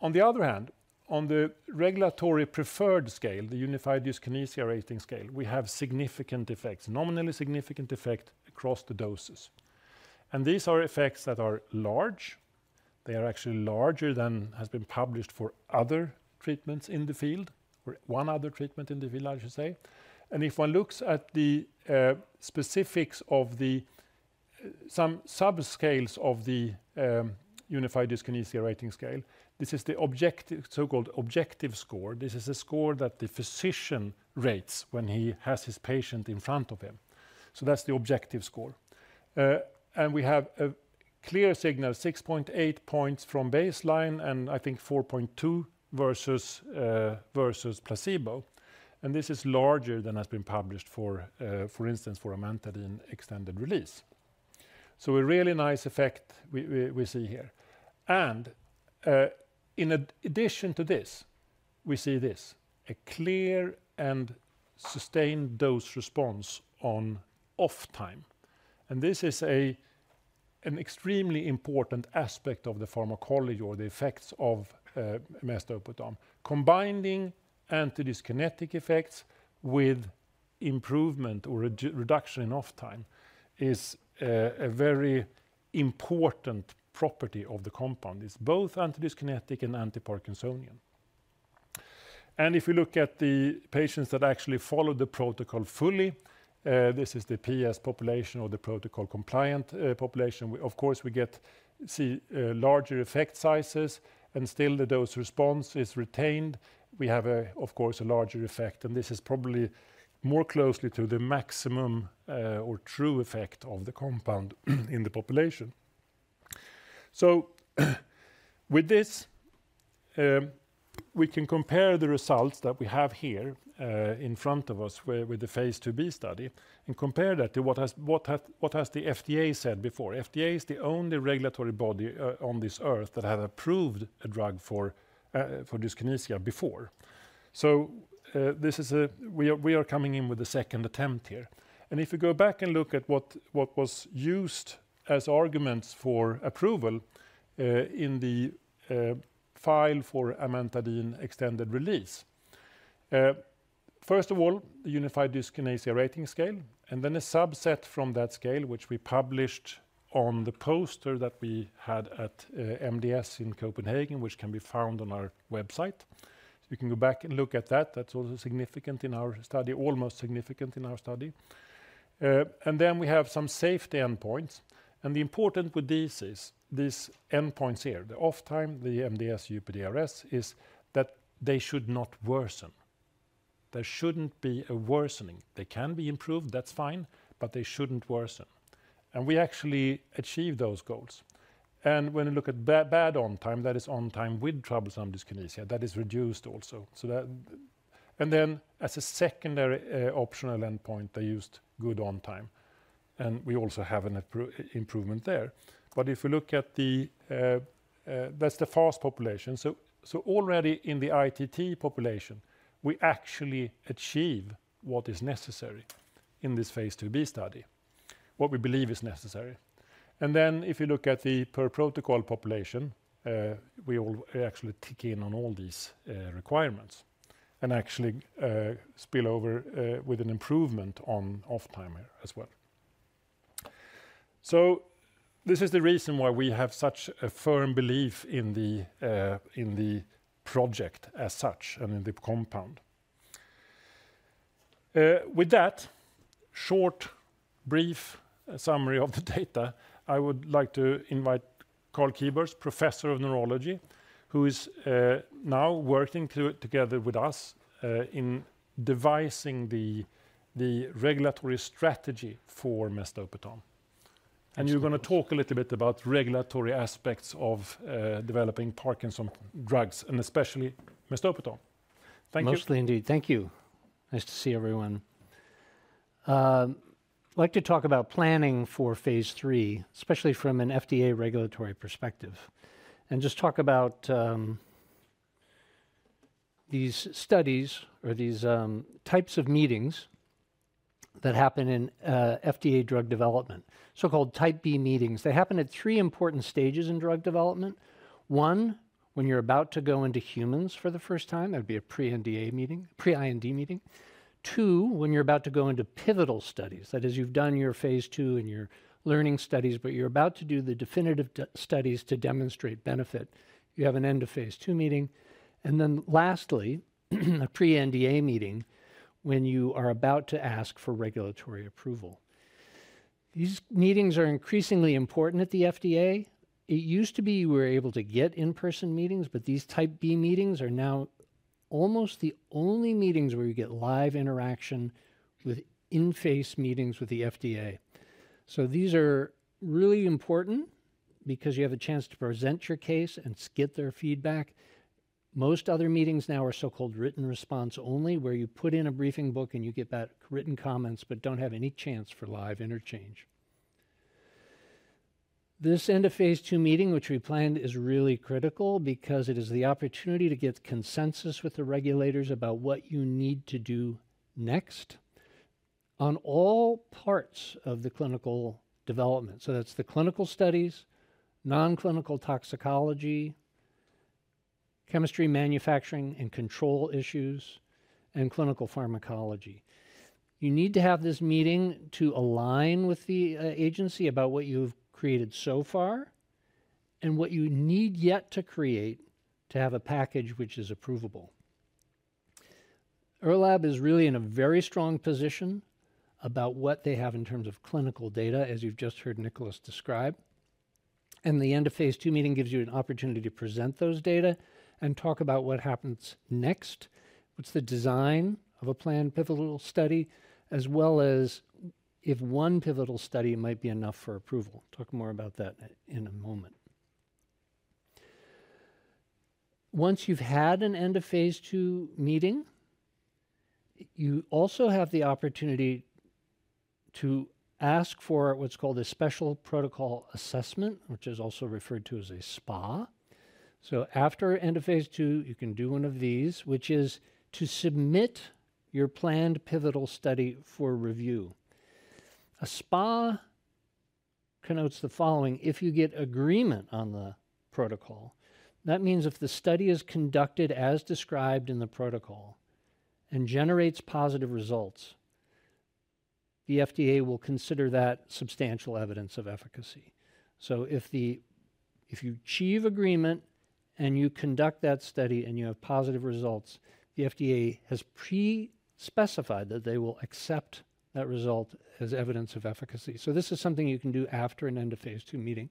On the other hand, on the regulatory preferred scale, the Unified Dyskinesia Rating Scale, we have significant effects, nominally significant effect across the doses. These are effects that are large. They are actually larger than has been published for other treatments in the field, or one other treatment in the field, I should say. If one looks at the specifics of some subscales of the Unified Dyskinesia Rating Scale, this is the objective, so-called objective score. This is a score that the physician rates when he has his patient in front of him. So that's the objective score. And we have a clear signal, 6.8 points from baseline, and I think 4.2 versus placebo. And this is larger than has been published for, for instance, for amantadine extended release. So a really nice effect we see here. And in addition to this, we see this: a clear and sustained dose response on OFF time. And this is an extremely important aspect of the pharmacology or the effects of mesdopetam. Combining antidyskinetic effects with improvement or reduction in OFF time is a very important property of the compound. It's both antidyskinetic and antiparkinsonian. If you look at the patients that actually followed the protocol fully, this is the PP population or the protocol-compliant population. We, of course, get larger effect sizes, and still the dose response is retained. We have, of course, a larger effect, and this is probably more closely to the maximum or true effect of the compound in the population. So with this, we can compare the results that we have here in front of us with the Phase IIb study, and compare that to what the FDA said before. FDA is the only regulatory body on this earth that have approved a drug for dyskinesia before. So this is. We are coming in with a second attempt here. If you go back and look at what was used as arguments for approval in the file for amantadine extended release. First of all, the Unified Dyskinesia Rating Scale, and then a subset from that scale, which we published on the poster that we had at MDS in Copenhagen, which can be found on our website. So we can go back and look at that. That's also significant in our study, almost significant in our study. And then we have some safety endpoints, and the important with this is, these endpoints here, the OFF time, the MDS-UPDRS, is that they should not worsen. There shouldn't be a worsening. They can be improved, that's fine, but they shouldn't worsen. And we actually achieved those goals. And when you look at Bad ON time, that is on time with troublesome dyskinesia, that is reduced also. So that. And then as a secondary, optional endpoint, they used Good ON time, and we also have an improvement there. But if you look at the, that's the ITT population. So, already in the ITT population, we actually achieve what is necessary in this Phase IIb study, what we believe is necessary. And then if you look at the per-protocol population, we actually tick in on all these requirements and actually spill over with an improvement on OFF time here as well. So this is the reason why we have such a firm belief in the project as such and in the compound. With that short, brief summary of the data, I would like to invite Karl Kieburtz, Professor of Neurology, who is now working together with us in devising the regulatory strategy for mesdopetam. And you're gonna talk a little bit about regulatory aspects of developing Parkinson's drugs and especially mesdopetam. Thank you. Mostly indeed. Thank you. Nice to see everyone. I'd like to talk about planning for Phase III, especially from an FDA regulatory perspective, and just talk about these studies or these types of meetings that happen in FDA drug development, so-called Type B meetings. They happen at three important stages in drug development. One, when you're about to go into humans for the first time, that would be a pre-IND meeting. Two, when you're about to go into pivotal studies, that is you've done your Phase II and your learning studies, but you're about to do the definitive studies to demonstrate benefit, you have an end-of-Phase II meeting. And then lastly, a pre-NDA meeting when you are about to ask for regulatory approval. These meetings are increasingly important at the FDA. It used to be you were able to get in-person meetings, but these Type B meetings are now almost the only meetings where you get live interaction with in-person meetings with the FDA. So these are really important because you have a chance to present your case and get their feedback. Most other meetings now are so-called written response only, where you put in a briefing book and you get back written comments but don't have any chance for live interchange. This End of Phase II meeting, which we planned, is really critical because it is the opportunity to get consensus with the regulators about what you need to do next on all parts of the clinical development. So that's the clinical studies, non-clinical toxicology, chemistry, manufacturing and control issues, and clinical pharmacology. You need to have this meeting to align with the agency about what you've created so far and what you need yet to create to have a package which is approvable. IRLAB is really in a very strong position about what they have in terms of clinical data, as you've just heard Nicholas describe. The end of Phase II meeting gives you an opportunity to present those data and talk about what happens next, what's the design of a planned pivotal study, as well as if one pivotal study might be enough for approval. Talk more about that in a moment. Once you've had an end of Phase II meeting, you also have the opportunity to ask for what's called a Special Protocol Assessment, which is also referred to as a SPA. After end of Phase II, you can do one of these, which is to submit your planned pivotal study for review. A SPA connotes the following: If you get agreement on the protocol, that means if the study is conducted as described in the protocol and generates positive results, the FDA will consider that substantial evidence of efficacy. So if you achieve agreement and you conduct that study and you have positive results, the FDA has pre-specified that they will accept that result as evidence of efficacy. This is something you can do after an end of Phase II meeting.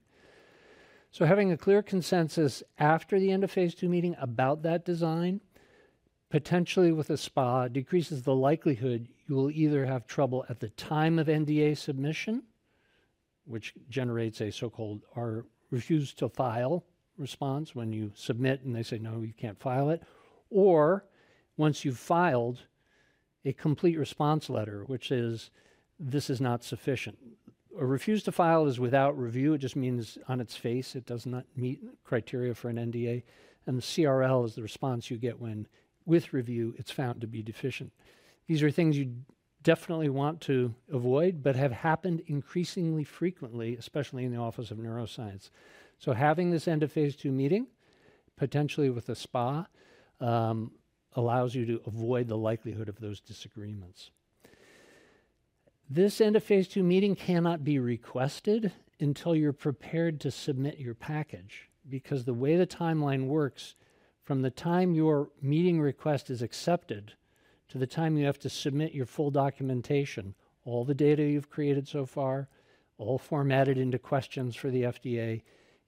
Having a clear consensus after the end of Phase II meeting about that design, potentially with a SPA, decreases the likelihood you will either have trouble at the time of NDA submission, which generates a so-called RTF, Refuse to File response when you submit, and they say, "No, you can't file it." Or once you've filed a Complete Response Letter, which is, "This is not sufficient." A Refuse to File is without review. It just means on its face, it does not meet criteria for an NDA, and the CRL is the response you get when, with review, it's found to be deficient. These are things you definitely want to avoid but have happened increasingly frequently, especially in the Office of Neuroscience. So having this end of Phase II meeting, potentially with a SPA, allows you to avoid the likelihood of those disagreements. This end of Phase II meeting cannot be requested until you're prepared to submit your package, because the way the timeline works, from the time your meeting request is accepted to the time you have to submit your full documentation, all the data you've created so far, all formatted into questions for the FDA,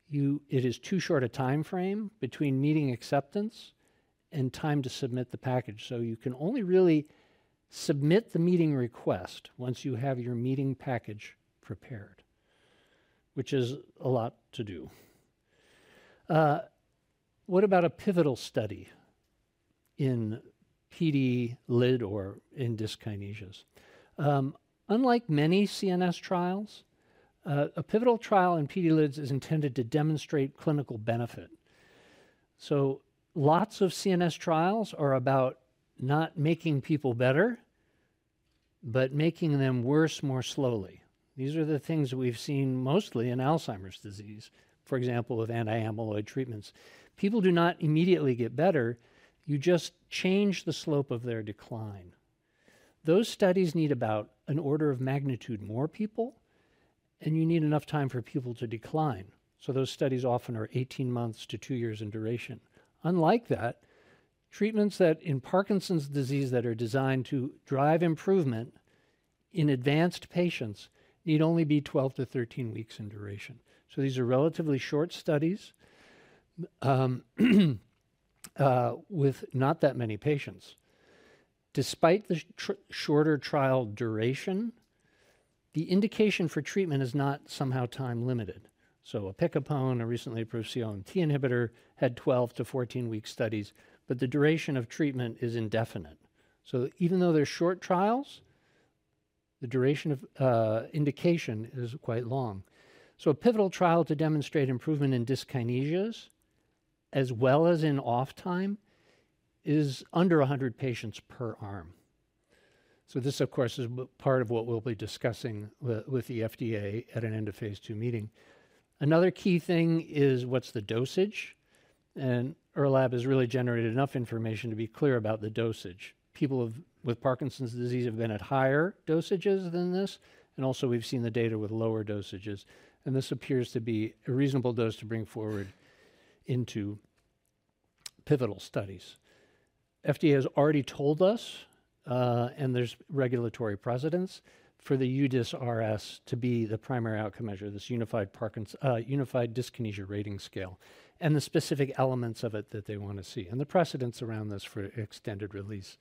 you it is too short a time frame between meeting acceptance and time to submit the package. So you can only really submit the meeting request once you have your meeting package prepared, which is a lot to do. What about a pivotal study in PD LID or in dyskinesias? Unlike many CNS trials, a pivotal trial in PD LID is intended to demonstrate clinical benefit. So lots of CNS trials are about not making people better, but making them worse more slowly. These are the things we've seen mostly in Alzheimer's disease, for example, with anti-amyloid treatments. People do not immediately get better, you just change the slope of their decline. Those studies need about an order of magnitude more people, and you need enough time for people to decline. So those studies often are 18 months to 2 years in duration. Unlike that, treatments that in Parkinson's disease that are designed to drive improvement in advanced patients need only be 12-13 weeks in duration. So these are relatively short studies with not that many patients. Despite the shorter trial duration, the indication for treatment is not somehow time-limited. So opicapone, a recently approved COMT inhibitor, had 12-14 week studies, but the duration of treatment is indefinite. So even though they're short trials, the duration of indication is quite long. So a pivotal trial to demonstrate improvement in dyskinesias as well as in off time is under 100 patients per arm. So this, of course, is part of what we'll be discussing with the FDA at an end of Phase II meeting. Another key thing is what's the dosage? And our lab has really generated enough information to be clear about the dosage. People with Parkinson's disease have been at higher dosages than this, and also we've seen the data with lower dosages, and this appears to be a reasonable dose to bring forward into pivotal studies. FDA has already told us, and there's regulatory precedence for the UDysRS to be the primary outcome measure, this Unified Dyskinesia Rating Scale, and the specific elements of it that they wanna see, and the precedents around this for extended release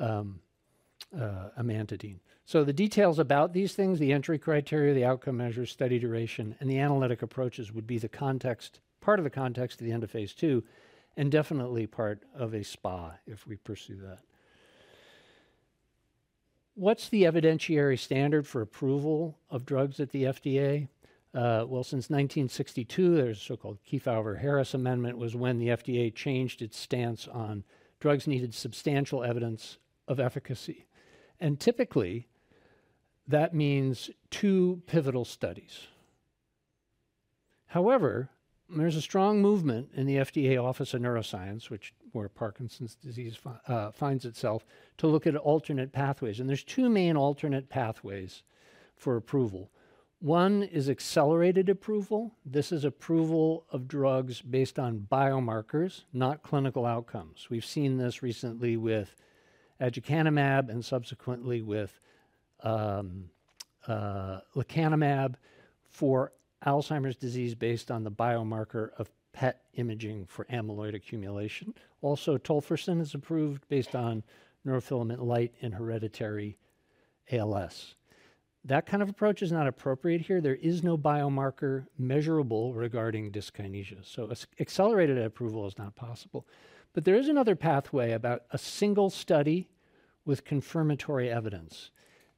amantadine. So the details about these things, the entry criteria, the outcome measures, study duration, and the analytic approaches would be the context, part of the context at the end of Phase II, and definitely part of a SPA, if we pursue that. What's the evidentiary standard for approval of drugs at the FDA? Well, since 1962, there's a so-called Kefauver-Harris Amendment, was when the FDA changed its stance on drugs needed substantial evidence of efficacy, and typically, that means two pivotal studies. However, there's a strong movement in the FDA Office of Neuroscience, which where Parkinson's disease finds itself, to look at alternate pathways, and there's two main alternate pathways for approval. One is accelerated approval. This is approval of drugs based on biomarkers, not clinical outcomes. We've seen this recently with aducanumab and subsequently with lecanemab for Alzheimer's disease based on the biomarker of PET imaging for amyloid accumulation. Also, tofersen is approved based on neurofilament light and hereditary ALS. That kind of approach is not appropriate here. There is no biomarker measurable regarding dyskinesia, so accelerated approval is not possible. But there is another pathway about a single study with confirmatory evidence,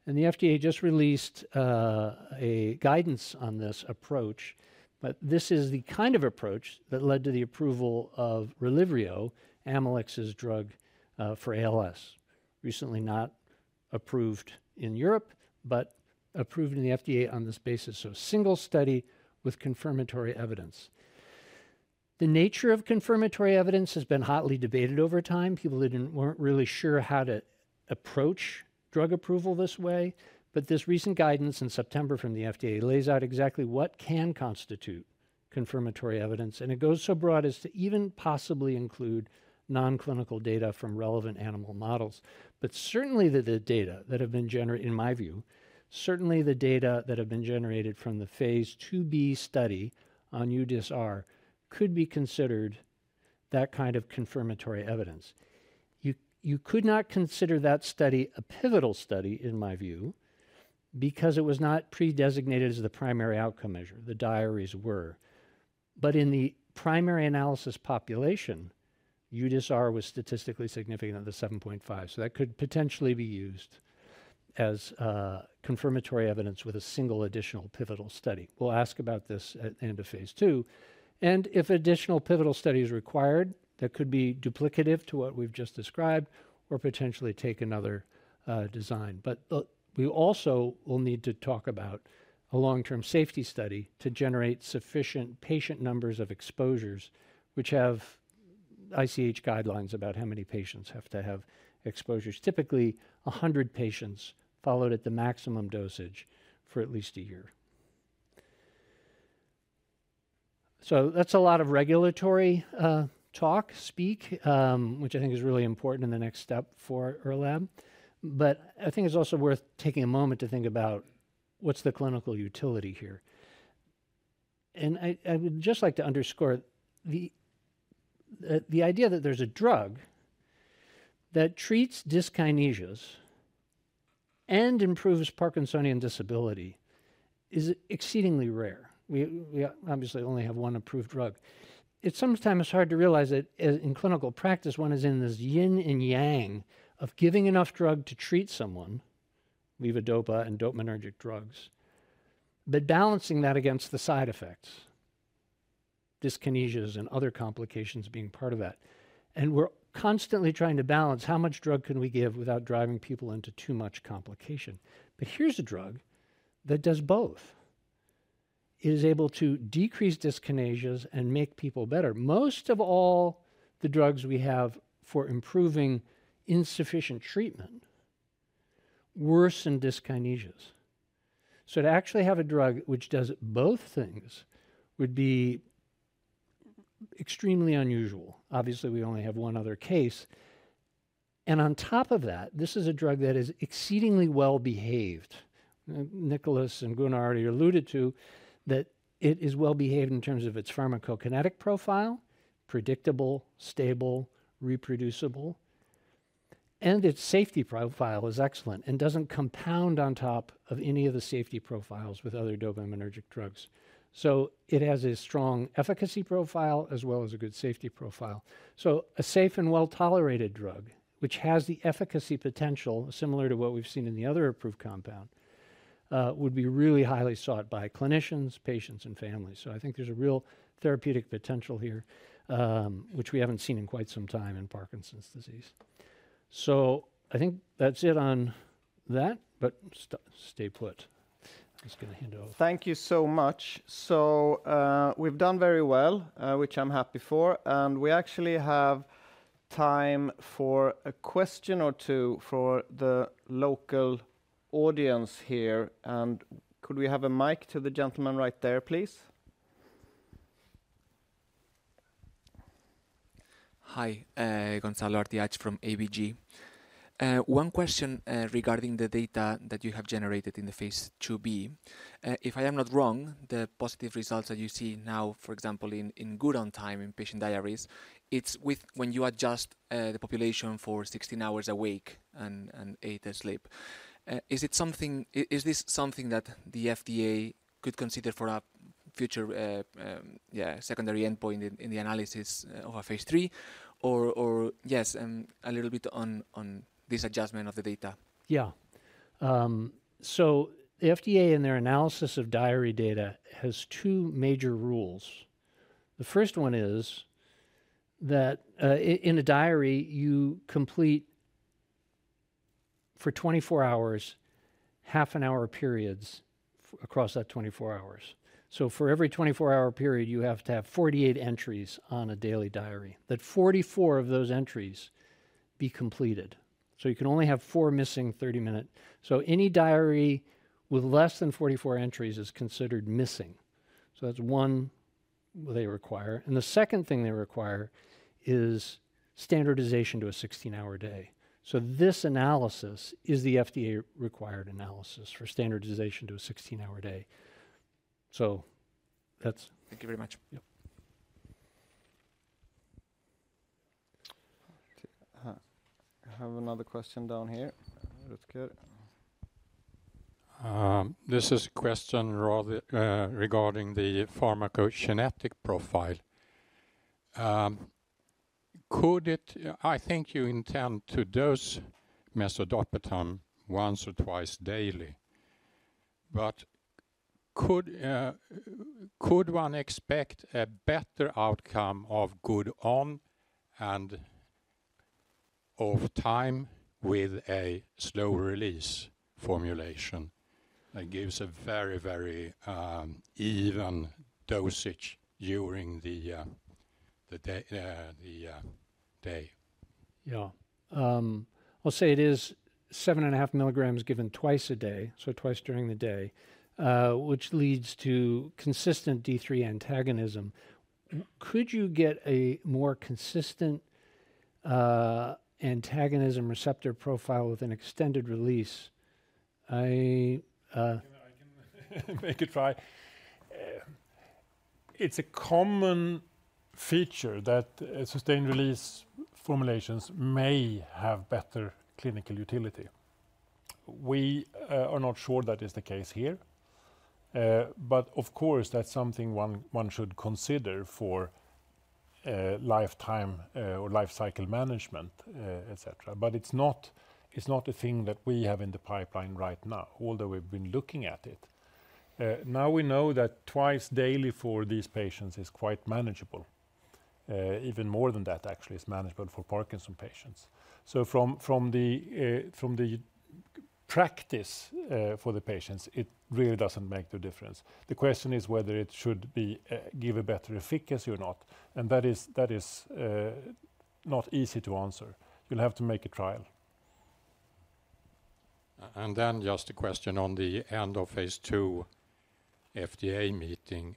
and the FDA just released a guidance on this approach. But this is the kind of approach that led to the approval of Relyvrio, Amylyx's drug for ALS. Recently not approved in Europe, but approved in the FDA on this basis of single study with confirmatory evidence. The nature of confirmatory evidence has been hotly debated over time. People weren't really sure how to approach drug approval this way, but this recent guidance in September from the FDA lays out exactly what can constitute confirmatory evidence, and it goes so broad as to even possibly include non-clinical data from relevant animal models. But certainly, the data that have been generated from the Phase IIb study on UDysRS could be considered that kind of confirmatory evidence. You could not consider that study a pivotal study, in my view, because it was not predesignated as the primary outcome measure, the diaries were. But in the primary analysis population, UDysRS was statistically significant at the 7.5, so that could potentially be used as confirmatory evidence with a single additional pivotal study. We'll ask about this at end of Phase II, and if additional pivotal study is required, that could be duplicative to what we've just described or potentially take another design. But we also will need to talk about a long-term safety study to generate sufficient patient numbers of exposures, which have ICH guidelines about how many patients have to have exposures. Typically, 100 patients followed at the maximum dosage for at least a year. So that's a lot of regulatory talk, speak, which I think is really important in the next step for IRLAB. But I think it's also worth taking a moment to think about what's the clinical utility here. And I would just like to underscore the idea that there's a drug that treats dyskinesias and improves Parkinsonian disability is exceedingly rare. We obviously only have one approved drug. It's sometimes hard to realize that in clinical practice, one is in this yin and yang of giving enough drug to treat someone, levodopa and dopaminergic drugs, but balancing that against the side effects, dyskinesias and other complications being part of that. And we're constantly trying to balance how much drug can we give without driving people into too much complication. But here's a drug that does both. It is able to decrease dyskinesias and make people better. Most of all the drugs we have for improving insufficient treatment worsen dyskinesias. So to actually have a drug which does both things would be extremely unusual. Obviously, we only have one other case, and on top of that, this is a drug that is exceedingly well-behaved. Nicholas and Gunnar already alluded to that it is well-behaved in terms of its pharmacokinetic profile: predictable, stable, reproducible, and its safety profile is excellent and doesn't compound on top of any of the safety profiles with other dopaminergic drugs. So it has a strong efficacy profile, as well as a good safety profile. So a safe and well-tolerated drug, which has the efficacy potential, similar to what we've seen in the other approved compound, would be really highly sought by clinicians, patients, and families. So I think there's a real therapeutic potential here, which we haven't seen in quite some time in Parkinson's disease. So I think that's it on that, but stay put. I'm just gonna hand over. Thank you so much. We've done very well, which I'm happy for, and we actually have time for a question or two for the local audience here. Could we have a mic to the gentleman right there, please? Hi, Gonzalo Artiach from ABG. One question regarding the data that you have generated in the Phase IIb. If I am not wrong, the positive results that you see now, for example, in Good ON time in patient diaries, it's with when you adjust the population for 16 hours awake and 8 asleep. Is this something that the FDA could consider for a future secondary endpoint in the analysis of a Phase III? Or... Yes, a little bit on this adjustment of the data. Yeah. So the FDA, analysis of diary data, has two major rules. The first one is that, in a diary, you complete for 24 hours, 30-minute periods across that 24 hours. So for every 24-hour period, you have to have 48 entries on a daily diary, that 44 of those entries be completed. So you can only have 4 missing 30-minute. So any diary with less than 44 entries is considered missing. So that's one they require. And the second thing they require is standardization to a 16-hour day. So this analysis is the FDA-required analysis for standardization to a 16-hour day. So that's- Thank you very much. Yep. I have another question down here. Rutger. This is a question rather regarding the pharmacokinetic profile. I think you intend to dose mesdopetam once or twice daily. But could one expect a better outcome of Good ON and OFF time with a slow-release formulation that gives a very, very even dosage during the day? Yeah. I'll say it is 7.5 milligrams given twice a day, so twice during the day, which leads to consistent D3 antagonism. Could you get a more consistent antagonism receptor profile with an extended release? I- I can make a try. It's a common feature that sustained release formulations may have better clinical utility. We are not sure that is the case here. But of course, that's something one should consider for lifetime or lifecycle management, et cetera. But it's not, it's not a thing that we have in the pipeline right now, although we've been looking at it. Now we know that twice daily for these patients is quite manageable. Even more than that, actually, it's manageable for Parkinson patients. So from the practice for the patients, it really doesn't make the difference. The question is whether it should be give a better efficacy or not, and that is not easy to answer. You'll have to make a trial.... and then just a question on the end of phase two FDA meeting.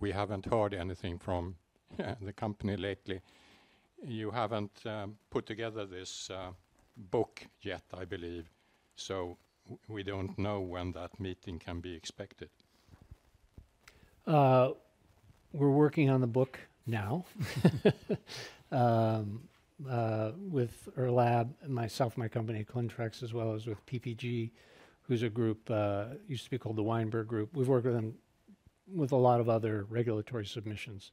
We haven't heard anything from the company lately. You haven't put together this book yet, I believe, so we don't know when that meeting can be expected. We're working on the book now. With IRLAB and myself, my company, Clintrex, as well as with PPD, who's a group, used to be called the Weinberg Group. We've worked with them with a lot of other regulatory submissions.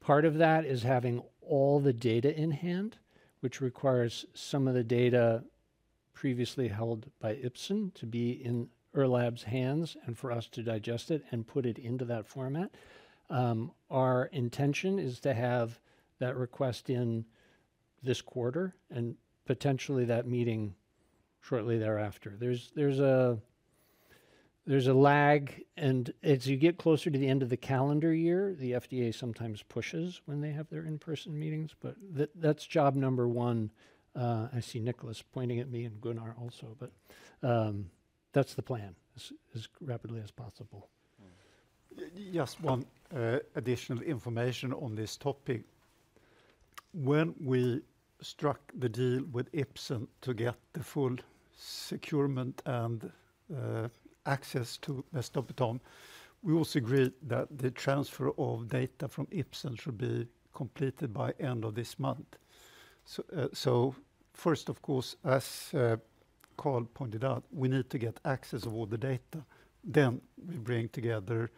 Part of that is having all the data in hand, which requires some of the data previously held by Ipsen to be in IRLAB's hands and for us to digest it and put it into that format. Our intention is to have that request in this quarter and potentially that meeting shortly thereafter. There's a lag, and as you get closer to the end of the calendar year, the FDA sometimes pushes when they have their in-person meetings, but that's job number one. I see Nicholas pointing at me and Gunnar also, but that's the plan, as rapidly as possible. Mm. Just one additional information on this topic. When we struck the deal with Ipsen to get the full securement and access to mesdopetam, we also agreed that the transfer of data from Ipsen should be completed by end of this month. So, so first, of course, as Karl pointed out, we need to get access of all the data, then we bring together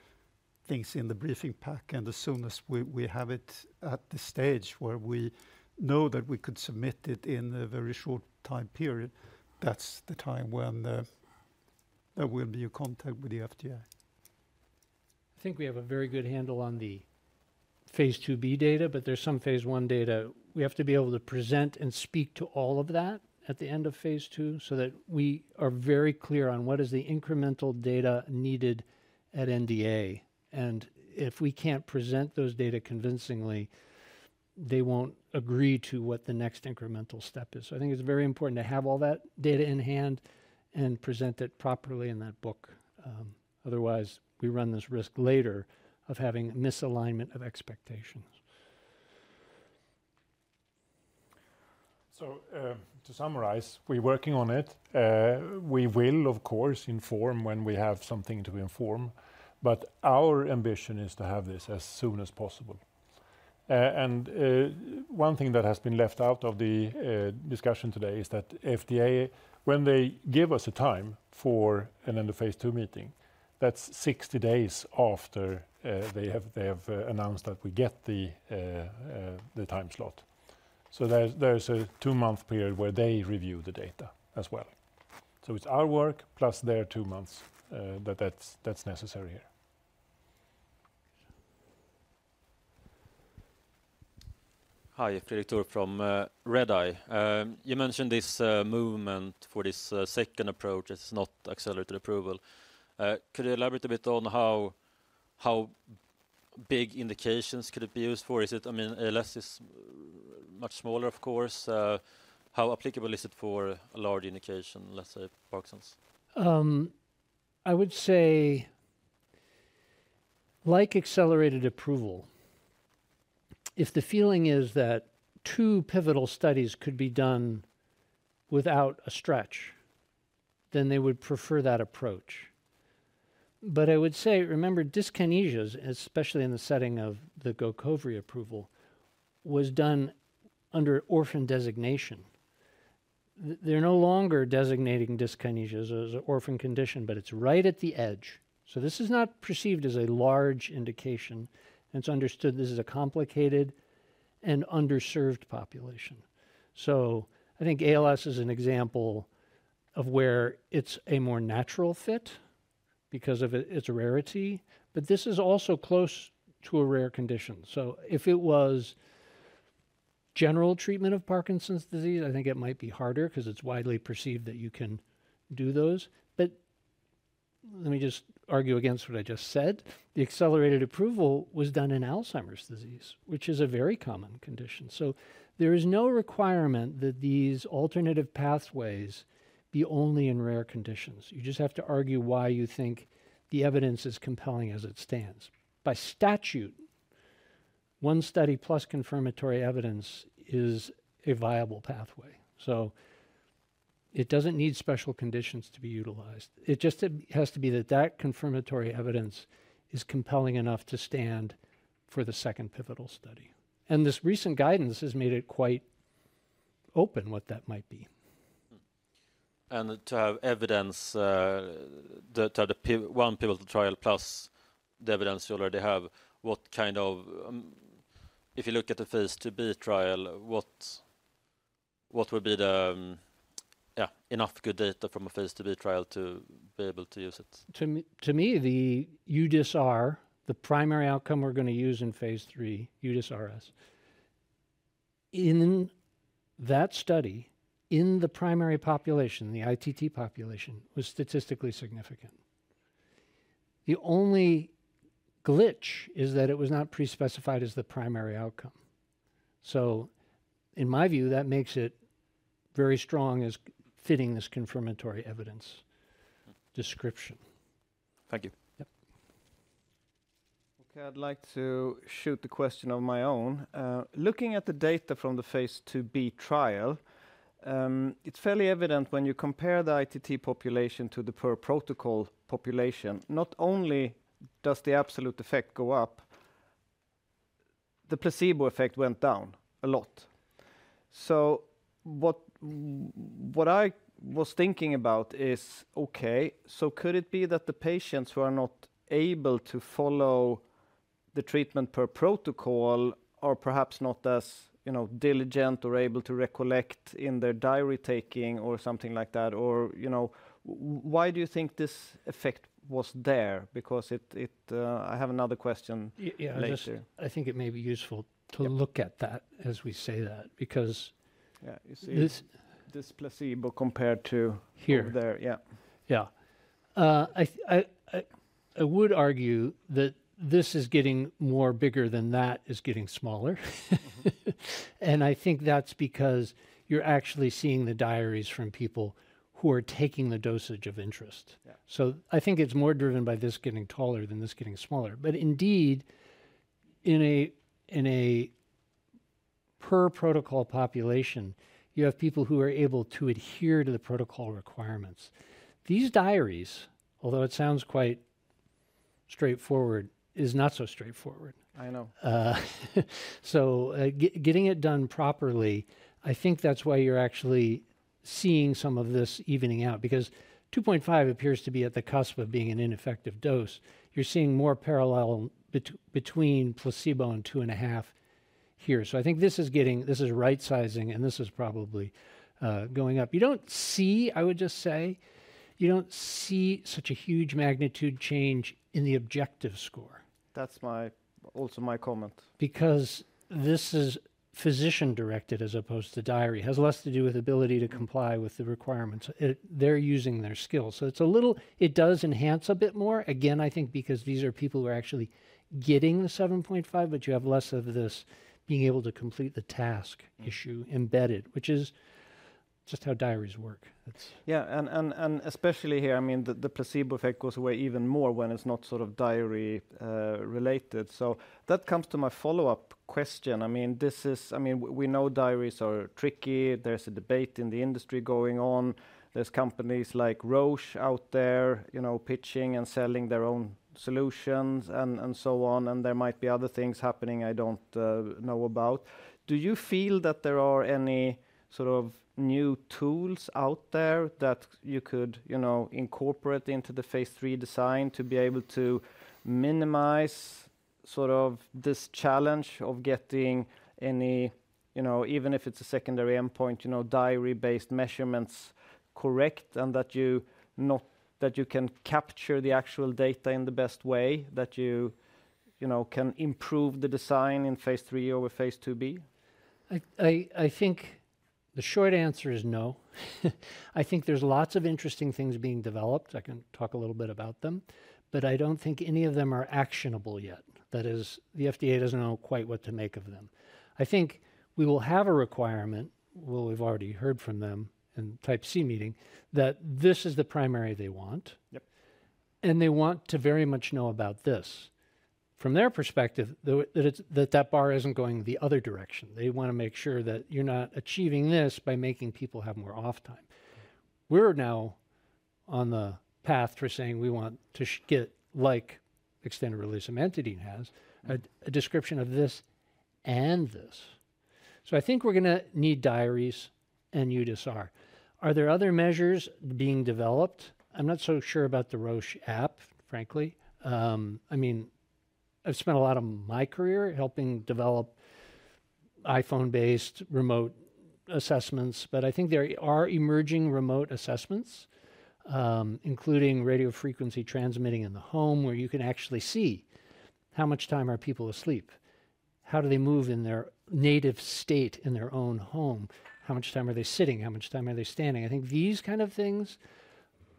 things in the briefing pack, and as soon as we have it at the stage where we know that we could submit it in a very short time period, that's the time when there will be a contact with the FDA. I think we have a very good handle on the phase 2b data, but there's some phase 1 data. We have to be able to present and speak to all of that at the end of phase 2, so that we are very clear on what is the incremental data needed at NDA. And if we can't present those data convincingly, they won't agree to what the next incremental step is. So I think it's very important to have all that data in hand and present it properly in that book. Otherwise, we run this risk later of having misalignment of expectations. So, to summarize, we're working on it. We will, of course, inform when we have something to inform, but our ambition is to have this as soon as possible. And, one thing that has been left out of the discussion today is that FDA, when they give us a time for an End of Phase II meeting, that's 60 days after they have, they have, announced that we get the time slot. So there's a two-month period where they review the data as well. So it's our work, plus their two months, that that's necessary here. Hi, Fredrik Thor from Redeye. You mentioned this movement for this second approach. It's not accelerated approval. Could you elaborate a bit on how big indications could it be used for? Is it... I mean, ALS is much smaller, of course. How applicable is it for a large indication, let's say, Parkinson's? I would say, like accelerated approval, if the feeling is that two pivotal studies could be done without a stretch, then they would prefer that approach. But I would say, remember dyskinesias, especially in the setting of the Gocovri approval, was done under orphan designation. They're no longer designating dyskinesias as an orphan condition, but it's right at the edge. So this is not perceived as a large indication, and it's understood this is a complicated and underserved population. So I think ALS is an example of where it's a more natural fit because of its rarity, but this is also close to a rare condition. So if it was general treatment of Parkinson's disease, I think it might be harder 'cause it's widely perceived that you can do those. But let me just argue against what I just said. The accelerated approval was done in Alzheimer's disease, which is a very common condition. So there is no requirement that these alternative pathways be only in rare conditions. You just have to argue why you think the evidence is compelling as it stands. By statute, one study plus confirmatory evidence is a viable pathway, so it doesn't need special conditions to be utilized. It just has to be that confirmatory evidence is compelling enough to stand for the second pivotal study, and this recent guidance has made it quite open what that might be. To have evidence. The one pivotal trial plus the evidence you already have, what kind of? If you look at the phase two B trial, what would be enough good data from a phase two B trial to be able to use it? To me, the UDysRS is the primary outcome we're gonna use in phase threvrie, UDysRS. In that study, in the primary population, the ITT population was statistically significant. The only glitch is that it was not pre-specified as the primary outcome. So in my view, that makes it very strong as fitting this confirmatory evidence description. Thank you. Yep. Okay, I'd like to shoot the question on my own. Looking at the data from the Phase IIb trial, it's fairly evident when you compare the ITT population to the per-protocol population, not only does the absolute effect go up, the placebo effect went down a lot. So what I was thinking about is, okay, so could it be that the patients who are not able to follow the treatment per protocol are perhaps not as, you know, diligent or able to recollect in their diary taking or something like that? Or, you know, why do you think this effect was there? Because it, it... I have another question- Ye- yeah -later. I think it may be useful- Yeah... to look at that as we say that, because- Yeah, you see- This- this placebo compared to Here -there. Yeah. Yeah. I would argue that this is getting more bigger than that is getting smaller. Mm-hmm. I think that's because you're actually seeing the diaries from people who are taking the dosage of interest. Yeah. I think it's more driven by this getting taller than this getting smaller. But indeed, in a per-protocol population, you have people who are able to adhere to the protocol requirements. These diaries, although it sounds quite straightforward, is not so straightforward. I know. So, getting it done properly, I think that's why you're actually seeing some of this evening out, because 2.5 appears to be at the cusp of being an ineffective dose. You're seeing more parallel between placebo and 2.5 here. So I think this is right sizing, and this is probably going up. You don't see, I would just say, you don't see such a huge magnitude change in the objective score. That's also my comment. Because this is physician-directed as opposed to diary. Has less to do with ability to comply with the requirements. It. They're using their skills. So it's a little... It does enhance a bit more, again, I think, because these are people who are actually getting the 7.5, but you have less of this being able to complete the task- Mm... issue embedded, which is just how diaries work. It's- Yeah, and especially here, I mean, the placebo effect goes away even more when it's not sort of diary related. So that comes to my follow-up question. I mean, this is—I mean, we know diaries are tricky. There's a debate in the industry going on. There's companies like Roche out there, you know, pitching and selling their own solutions and so on, and there might be other things happening I don't know about. Do you feel that there are any sort of new tools out there that you could, you know, incorporate into the Phase III design to be able to minimize sort of this challenge of getting any, you know, even if it's a secondary endpoint, you know, diary-based measurements correct, and that you can capture the actual data in the best way, that you, you know, can improve the design in Phase III over Phase IIb? I think the short answer is no. I think there's lots of interesting things being developed. I can talk a little bit about them, but I don't think any of them are actionable yet. That is, the FDA doesn't know quite what to make of them. I think we will have a requirement, well, we've already heard from them in Type C meeting, that this is the primary they want. Yep. They want to very much know about this. From their perspective, though, that it's that that bar isn't going the other direction. They wanna make sure that you're not achieving this by making people have more off time. We're now on the path to saying we want to get, like, extended-release amantadine has- Mm... a description of this and this. So I think we're gonna need diaries and UDysRS. Are there other measures being developed? I'm not so sure about the Roche app, frankly. I mean, I've spent a lot of my career helping develop iPhone-based remote assessments, but I think there are emerging remote assessments, including radio frequency transmitting in the home, where you can actually see how much time are people asleep, how do they move in their native state, in their own home, how much time are they sitting, how much time are they standing? I think these kind of things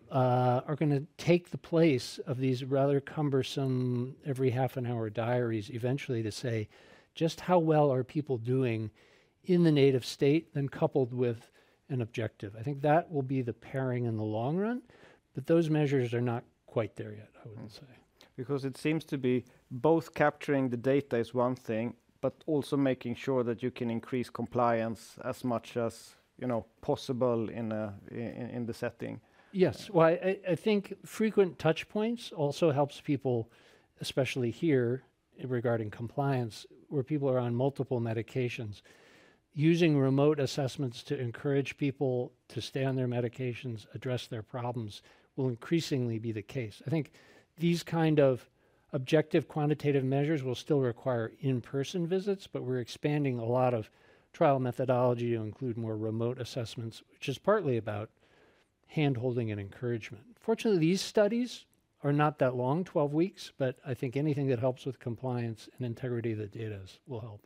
are gonna take the place of these rather cumbersome, every half-an-hour diaries eventually to say, just how well are people doing in the native state then coupled with an objective? I think that will be the pairing in the long run, but those measures are not quite there yet, I wouldn't say. Because it seems to be both capturing the data is one thing, but also making sure that you can increase compliance as much as, you know, possible in the setting. Yes. Well, I, I think frequent touch points also helps people, especially here, regarding compliance, where people are on multiple medications. Using remote assessments to encourage people to stay on their medications, address their problems, will increasingly be the case. I think these kind of objective, quantitative measures will still require in-person visits, but we're expanding a lot of trial methodology to include more remote assessments, which is partly about hand-holding and encouragement. Fortunately, these studies are not that long, 12 weeks, but I think anything that helps with compliance and integrity of the data will help. ...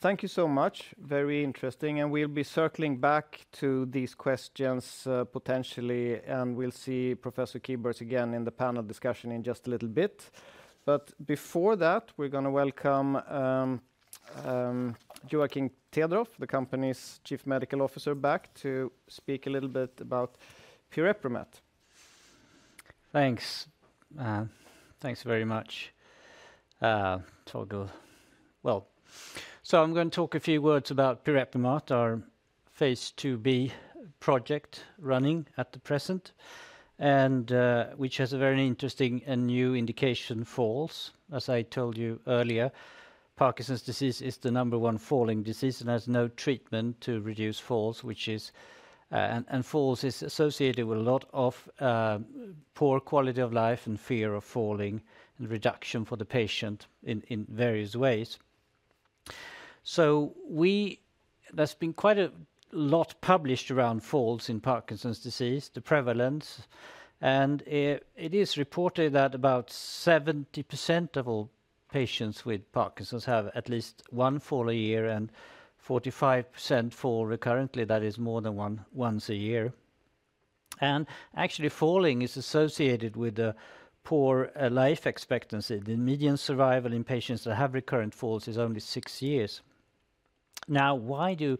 Okay. Thank you so much. Very interesting, and we'll be circling back to these questions, potentially, and we'll see Professor Kieburtz again in the panel discussion in just a little bit. But before that, we're gonna welcome, Joakim Tedroff, the company's Chief Medical Officer, back to speak a little bit about pirepemat. Thanks. Thanks very much, Torfgård. Well, so I'm gonna talk a few words about pirepemat, our Phase IIb project running at the present, and which has a very interesting and new indication, falls. As I told you earlier, Parkinson's disease is the number one falling disease and has no treatment to reduce falls, which is... falls is associated with a lot of poor quality of life and fear of falling and reduction for the patient in various ways. There's been quite a lot published around falls in Parkinson's disease, the prevalence, and it is reported that about 70% of all patients with Parkinson's have at least one fall a year, and 45% fall recurrently, that is more than once a year. And actually, falling is associated with a poor life expectancy. The median survival in patients that have recurrent falls is only six years. Now, why do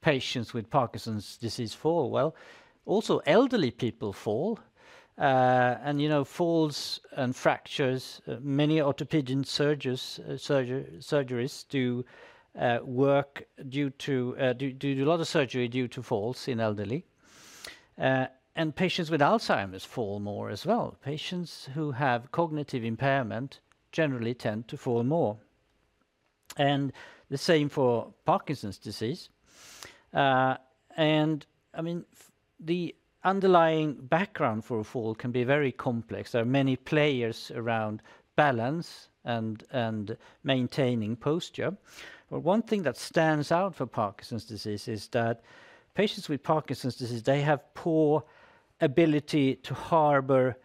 patients with Parkinson's disease fall? Well, also elderly people fall, and, you know, falls and fractures, many orthopedic surgeons do a lot of surgery due to falls in elderly. And patients with Alzheimer's fall more as well. Patients who have cognitive impairment generally tend to fall more, and the same for Parkinson's disease. I mean, the underlying background for a fall can be very complex. There are many players around balance and maintaining posture. But one thing that stands out for Parkinson's disease is that patients with Parkinson's disease, they have poor ability to harbor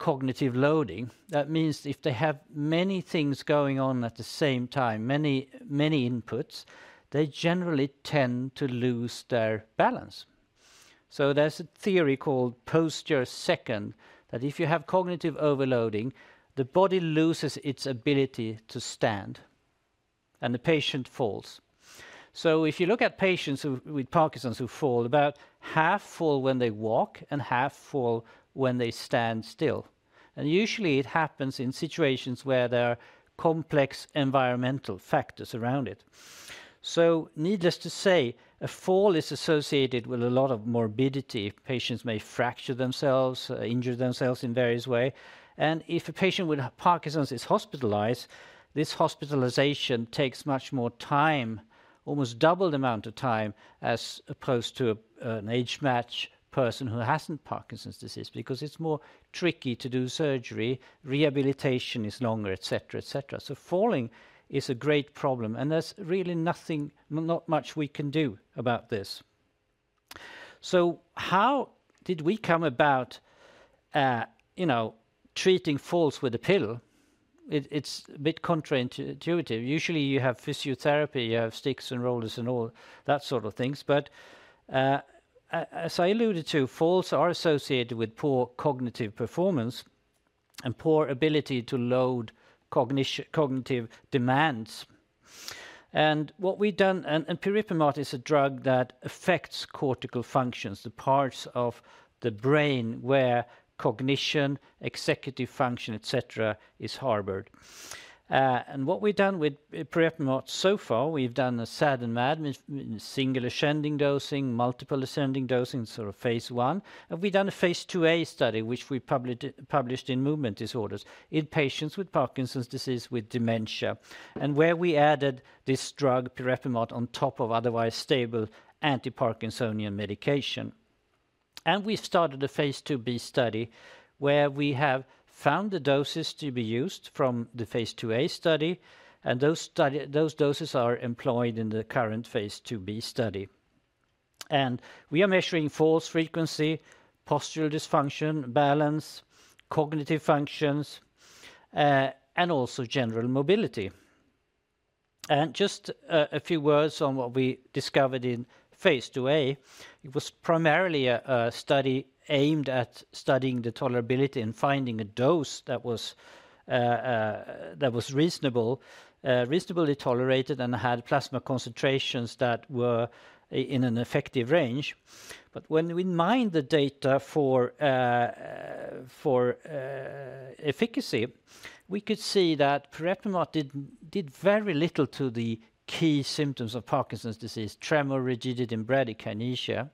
cognitive loading. That means if they have many things going on at the same time, many, many inputs, they generally tend to lose their balance. So there's a theory called Posture Second, that if you have cognitive overloading, the body loses its ability to stand, and the patient falls. So if you look at patients with Parkinson's who fall, about half fall when they walk and half fall when they stand still. And usually, it happens in situations where there are complex environmental factors around it. So needless to say, a fall is associated with a lot of morbidity. Patients may fracture themselves, injure themselves in various ways. If a patient with Parkinson's is hospitalized, this hospitalization takes much more time, almost double the amount of time, as opposed to an age-matched person who hasn't Parkinson's disease, because it's more tricky to do surgery, rehabilitation is longer, et cetera, et cetera. So falling is a great problem, and there's really nothing, not much we can do about this. So how did we come about, you know, treating falls with a pill? It, it's a bit counterintuitive. Usually, you have physiotherapy, you have sticks and rollers and all that sort of things. But, as I alluded to, falls are associated with poor cognitive performance and poor ability to load cognitive demands. And what we've done... And, and pirepemat is a drug that affects cortical functions, the parts of the brain where cognition, executive function, et cetera, is harbored. And what we've done with pirepemat so far, we've done a SAD and MAD, single ascending dosing, multiple ascending dosing, sort of Phase I. And we've done a Phase IIa study, which we published in Movement Disorders in patients with Parkinson's disease with dementia, and where we added this drug, pirepemat, on top of otherwise stable antiparkinsonian medication. And we've started a Phase IIb study, where we have found the doses to be used from the Phase IIa study, and those doses are employed in the current Phase IIb study. And we are measuring falls frequency, postural dysfunction, balance, cognitive functions, and also general mobility. And just a few words on what we discovered in Phase IIa. It was primarily a study aimed at studying the tolerability and finding a dose that was reasonable, reasonably tolerated and had plasma concentrations that were in an effective range. But when we mined the data for efficacy, we could see that pirepemat did very little to the key symptoms of Parkinson's disease: tremor, rigidity, and bradykinesia.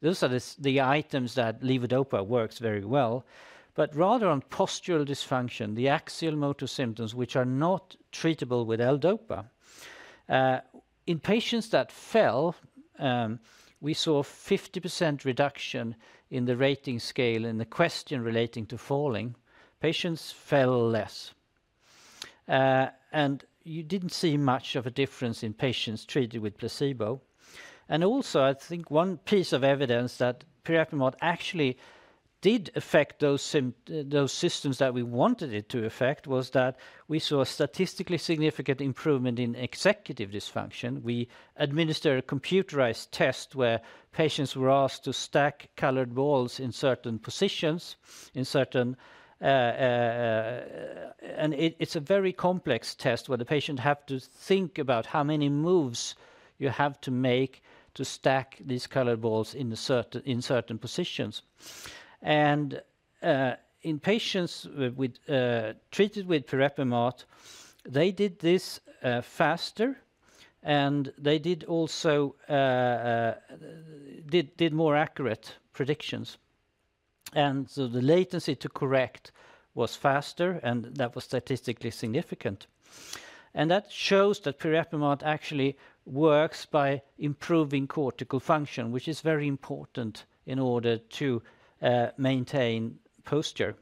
Those are the items that levodopa works very well. But rather on postural dysfunction, the axial motor symptoms, which are not treatable with L-DOPA, in patients that fell, we saw a 50% reduction in the rating scale in the question relating to falling. Patients fell less. And you didn't see much of a difference in patients treated with placebo. And also, I think one piece of evidence that pirepemat actually-... did affect those systems that we wanted it to affect, was that we saw a statistically significant improvement in executive dysfunction. We administered a computerized test where patients were asked to stack colored balls in certain positions, in certain and it, it's a very complex test where the patient have to think about how many moves you have to make to stack these colored balls in a certain-- in certain positions. And, in patients with treated with pirepemat, they did this faster, and they did also did more accurate predictions. And so the latency to correct was faster, and that was statistically significant. And that shows that pirepemat actually works by improving cortical function, which is very important in order to maintain posture.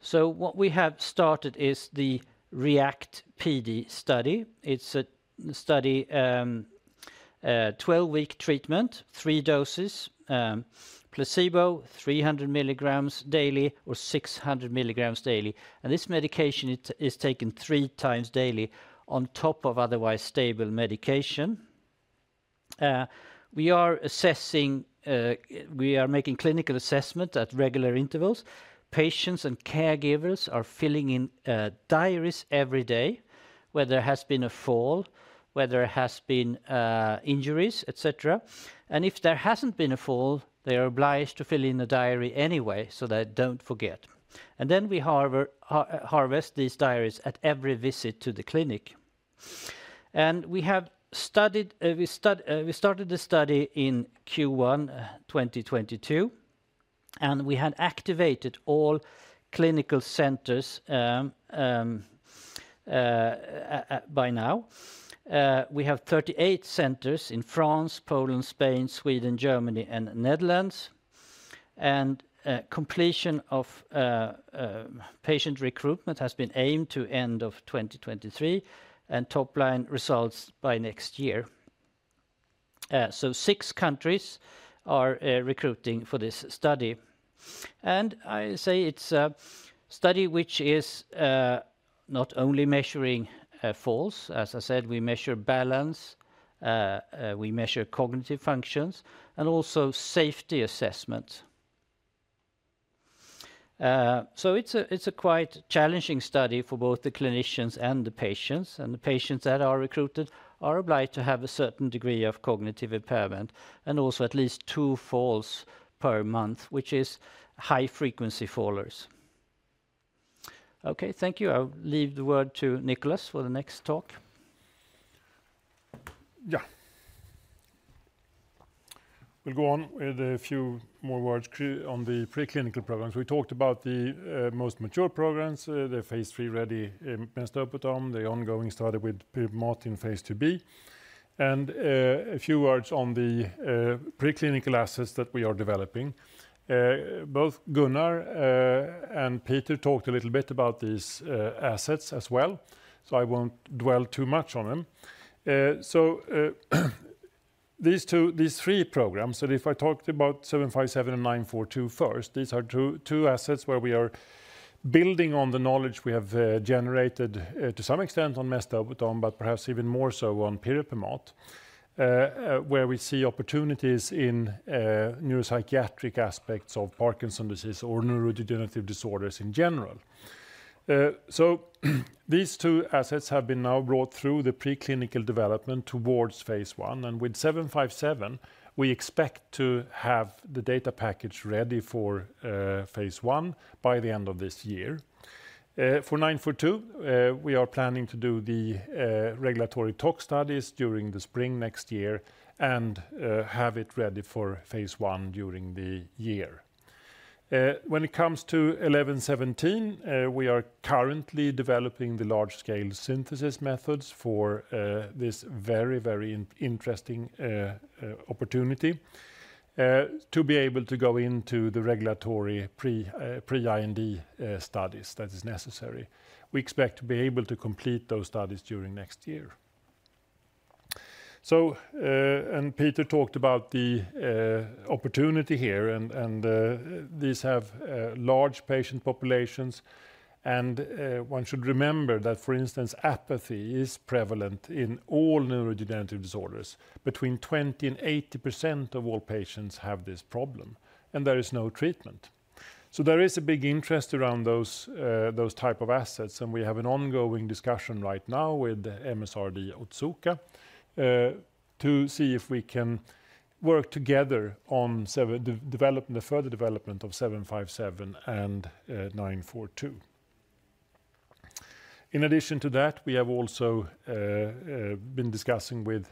So what we have started is the REACT-PD study. It's a study, 12-week treatment, three doses, placebo, 300 milligrams daily or 600 milligrams daily. And this medication is taken three times daily on top of otherwise stable medication. We are assessing, we are making clinical assessment at regular intervals. Patients and caregivers are filling in diaries every day, where there has been a fall, where there has been, injuries, et cetera. And if there hasn't been a fall, they are obliged to fill in a diary anyway, so they don't forget. And then we harvest these diaries at every visit to the clinic. We started the study in Q1 2022, and we had activated all clinical centers by now. We have 38 centers in France, Poland, Spain, Sweden, Germany, and Netherlands. Completion of patient recruitment has been aimed to end of 2023, and top-line results by next year. So 6 countries are recruiting for this study. I say it's a study which is not only measuring falls. As I said, we measure balance, we measure cognitive functions, and also safety assessment. So it's a quite challenging study for both the clinicians and the patients. The patients that are recruited are obliged to have a certain degree of cognitive impairment, and also at least 2 falls per month, which is high-frequency fallers. Okay, thank you. I'll leave the word to Nicholas for the next talk. Yeah. We'll go on with a few more words on the preclinical programs. We talked about the most mature programs, the Phase III ready mesdopetam, the ongoing study with pirepemat in Phase IIb. And a few words on the preclinical assets that we are developing. Both Gunnar and Peter talked a little bit about these assets as well, so I won't dwell too much on them. So these two... these three programs, so if I talk about 757 and 942 first, these are two assets where we are building on the knowledge we have generated to some extent on mesdopetam, but perhaps even more so on pirepemat, where we see opportunities in neuropsychiatric aspects of Parkinson's disease or neurodegenerative disorders in general. So these two assets have been now brought through the preclinical development towards Phase I. And with 757, we expect to have the data package ready for Phase I by the end of this year. For 942, we are planning to do the regulatory tox studies during the spring next year, and have it ready for Phase I during the year. When it comes to 1117, we are currently developing the large-scale synthesis methods for this very, very interesting opportunity to be able to go into the regulatory pre-IND studies that is necessary. We expect to be able to complete those studies during next year. Peter talked about the opportunity here, and these have large patient populations. One should remember that, for instance, apathy is prevalent in all neurodegenerative disorders. Between 20%-80% of all patients have this problem, and there is no treatment. So there is a big interest around those, those type of assets, and we have an ongoing discussion right now with MSD Otsuka, to see if we can work together on development, the further development of 757 and 942. In addition to that, we have also been discussing with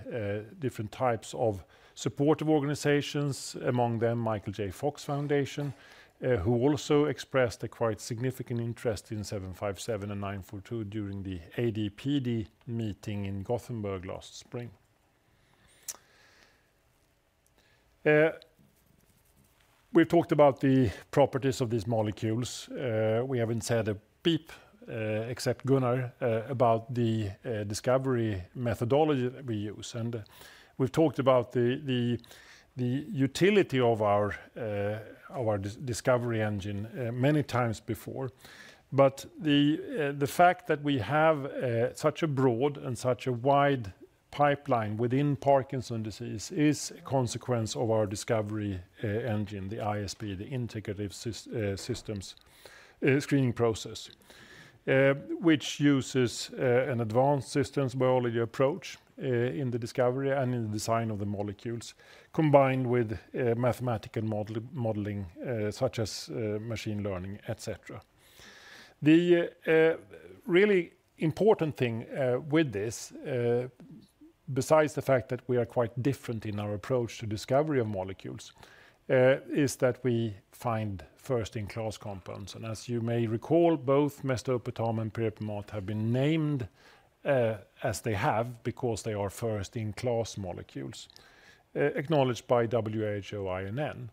different types of supportive organizations, among them Michael J. Fox Foundation, who also expressed a quite significant interest in 757 and 942 during the AD/PD meeting in Gothenburg last spring. We've talked about the properties of these molecules. We haven't said a peep, except Gunnar, about the discovery methodology that we use. And we've talked about the utility of our discovery engine many times before. But the fact that we have such a broad and such a wide pipeline within Parkinson's disease is a consequence of our discovery engine, the ISP, the Integrative Screening Process. Which uses an advanced systems biology approach in the discovery and in the design of the molecules, combined with mathematical modeling such as machine learning, et cetera. The really important thing with this, besides the fact that we are quite different in our approach to discovery of molecules, is that we find first-in-class compounds. As you may recall, both mesdopetam and pirepemat have been named as they have because they are first-in-class molecules acknowledged by WHO INN.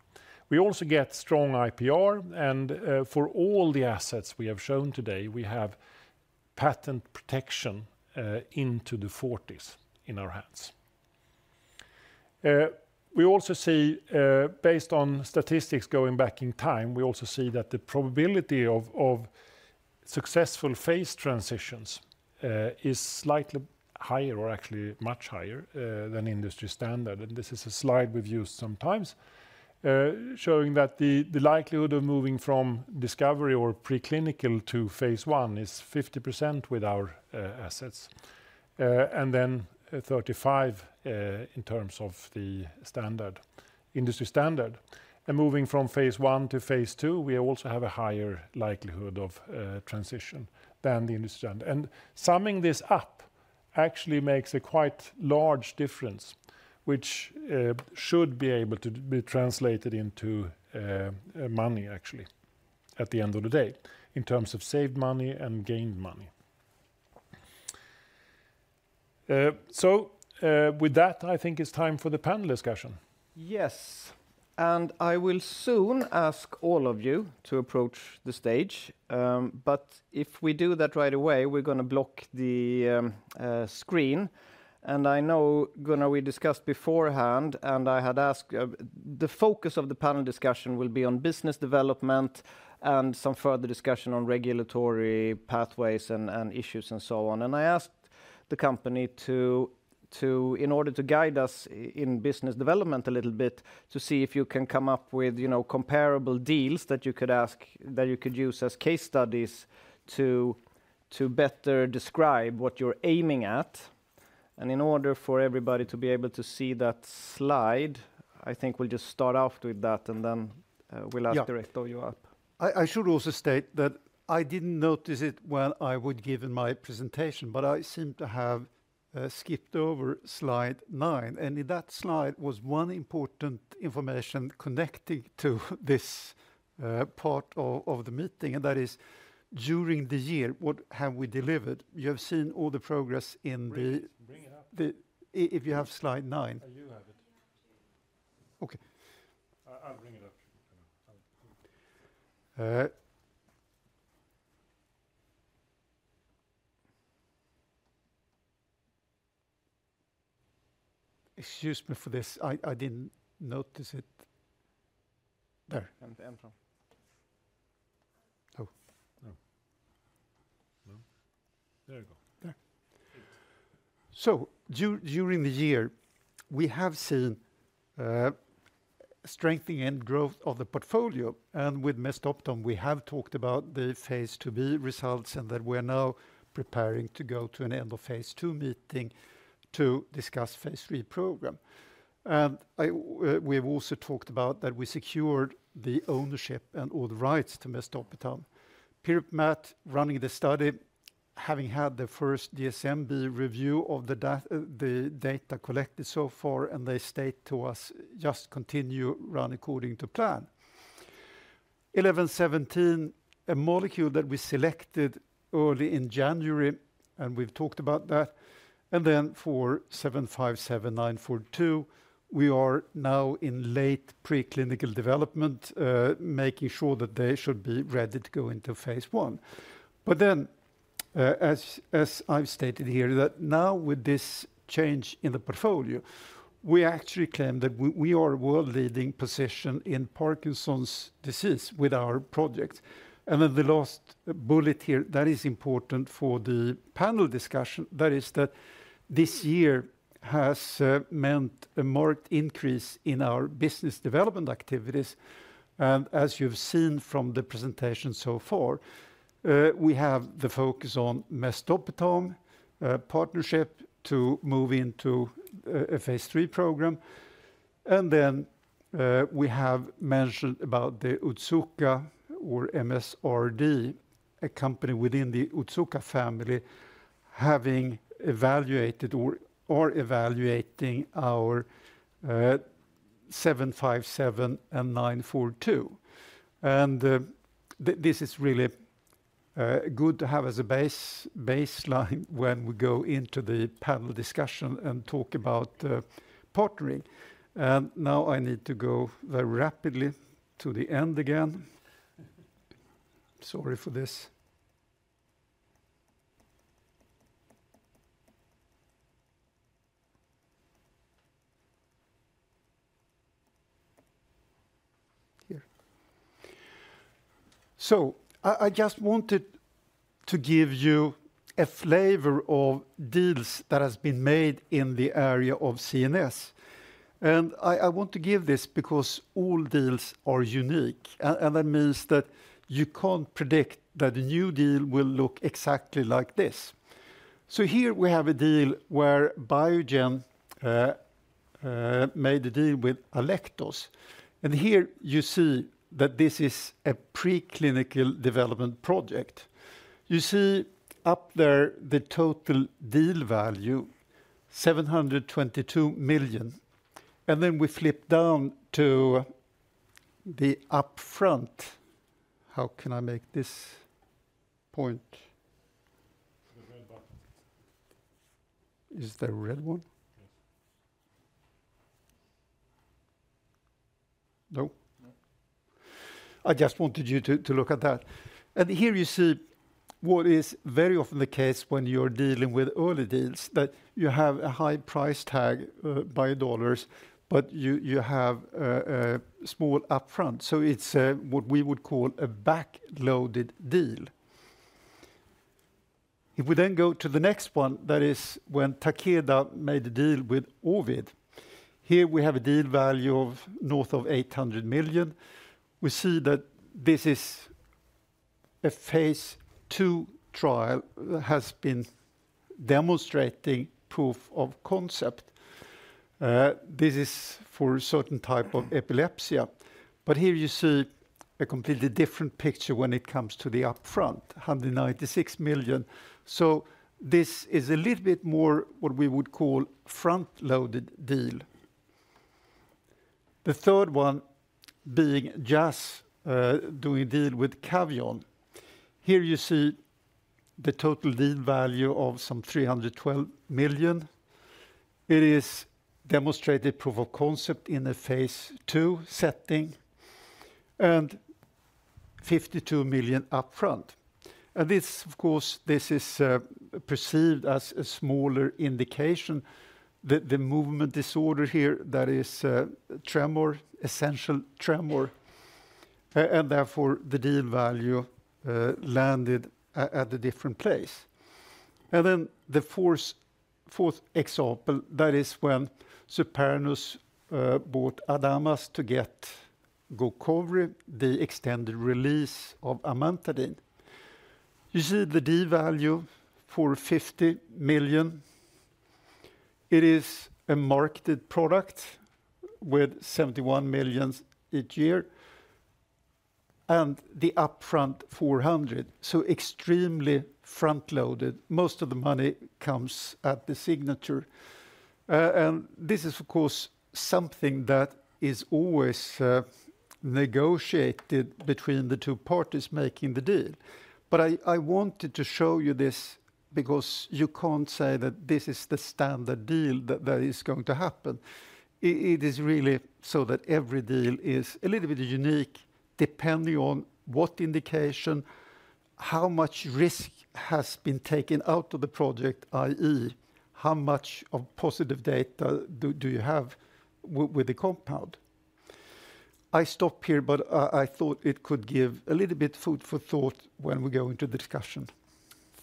We also get strong IPR, and for all the assets we have shown today, we have patent protection into the 2040s in our hands. We also see, based on statistics going back in time, we also see that the probability of successful phase transitions is slightly higher or actually much higher than industry standard. And this is a slide we've used sometimes, showing that the likelihood of moving from discovery or preclinical to Phase I is 50% with our assets, and then 35 in terms of the standard, industry standard. And moving from Phase I to Phase II, we also have a higher likelihood of transition than the industry standard. Summing this up actually makes a quite large difference, which should be able to be translated into money, actually, at the end of the day, in terms of saved money and gained money. So, with that, I think it's time for the panel discussion. Yes, and I will soon ask all of you to approach the stage. But if we do that right away, we're gonna block the screen. And I know, Gunnar, we discussed beforehand, and I had asked the focus of the panel discussion will be on business development and some further discussion on regulatory pathways and issues, and so on. And I asked the company to in order to guide us in business development a little bit, to see if you can come up with, you know, comparable deals that you could use as case studies to better describe what you're aiming at. And in order for everybody to be able to see that slide, I think we'll just start off with that, and then we'll ask you up. I, I should also state that I didn't notice it when I would given my presentation, but I seem to have skipped over slide nine. And in that slide was one important information connecting to this part of the meeting, and that is, during the year, what have we delivered? You have seen all the progress in the- Bring it, bring it up. If you have slide nine. You have it. I have to. Okay. I'll bring it up. Excuse me for this. I didn't notice it. There. The end from. Oh. Oh. Well, there you go. There. Great. During the year, we have seen strengthening and growth of the portfolio, and with mesdopetam, we have talked about the Phase IIb results, and that we're now preparing to go to an end of Phase II meeting to discuss Phase III program. We've also talked about that we secured the ownership and all the rights to mesdopetam. Pirepemat, running the study, having had the first DSMB review of the data collected so far, and they state to us, "Just continue, run according to plan." IRL1117, a molecule that we selected early in January, and we've talked about that. And then for IRL757, IRL942, we are now in late preclinical development, making sure that they should be ready to go into Phase I. But then, as I've stated here, that now with this change in the portfolio, we actually claim that we are a world leading position in Parkinson's disease with our project. And then the last bullet here, that is important for the panel discussion, that is that this year has meant a marked increase in our business development activities. And as you've seen from the presentation so far, we have the focus on mesdopetam, a partnership to move into a Phase III program. And then, we have mentioned about the Otsuka or MSRD, a company within the Otsuka family, having evaluated or evaluating our IRL757 and IRL942. And this is really- Good to have as a baseline when we go into the panel discussion and talk about partnering. Now I need to go very rapidly to the end again. Sorry for this. Here. So I just wanted to give you a flavor of deals that has been made in the area of CNS. And I want to give this because all deals are unique, and that means that you can't predict that a new deal will look exactly like this. So here we have a deal where Biogen made a deal with Alectos. And here you see that this is a preclinical development project. You see up there, the total deal value, $722 million. And then we flip down to the upfront. How can I make this point? The red button. Is there a red one? Yes. No? No. I just wanted you to look at that. Here you see what is very often the case when you're dealing with early deals, that you have a high price tag by dollars, but you have small upfront. So it's what we would call a back-loaded deal. If we then go to the next one, that is when Takeda made a deal with Ovid. Here we have a deal value of north of $800 million. We see that this is a Phase II trial that has been demonstrating proof of concept. This is for a certain type of epilepsy. But here you see a completely different picture when it comes to the upfront, $196 million. So this is a little bit more what we would call front-loaded deal. The third one being Jazz doing a deal with Cavion. Here you see the total deal value of $312 million. It is demonstrated proof of concept in a Phase II setting, and $52 million upfront. And this, of course, this is perceived as a smaller indication. The movement disorder here, that is tremor, essential tremor, and therefore, the deal value landed at a different place. And then the fourth example, that is when Supernus bought Adamas to get GOCOVRI, the extended release of amantadine. You see the deal value for $50 million. It is a marketed product with $71 million each year, and the upfront, $400. So extremely front-loaded. Most of the money comes at the signature. And this is, of course, something that is always negotiated between the two parties making the deal. But I wanted to show you this because you can't say that this is the standard deal that is going to happen. It is really so that every deal is a little bit unique, depending on what indication, how much risk has been taken out of the project, i.e., how much of positive data do you have with the compound? I stop here, but I thought it could give a little bit food for thought when we go into the discussion.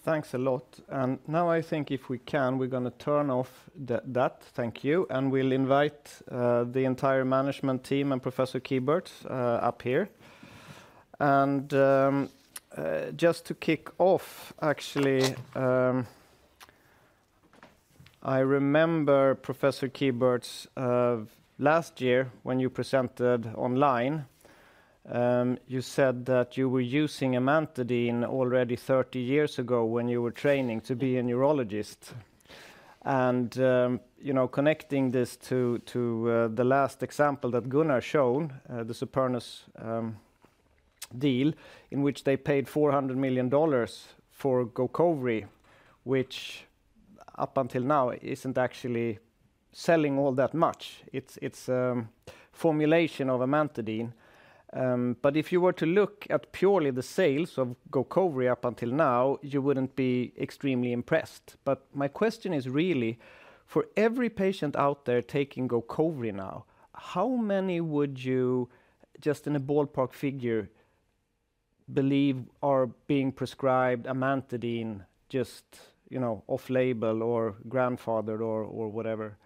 Thanks a lot. And now I think if we can, we're gonna turn off that. Thank you. And we'll invite the entire management team and Professor Kieburtz up here. And just to kick off, actually, I remember Professor Kieburtz, of last year, when you presented online, you said that you were using amantadine already 30 years ago when you were training to be a neurologist. And you know, connecting this to the last example that Gunnar shown, the Supernus deal, in which they paid $400 million for GOCOVRI, which up until now, isn't actually selling all that much. It's a formulation of amantadine. But if you were to look at purely the sales of GOCOVRI up until now, you wouldn't be extremely impressed. My question is really, for every patient out there taking GOCOVRI now, how many would you, just in a ballpark figure, believe are being prescribed amantadine just, you know, off-label or grandfathered or, or whatever,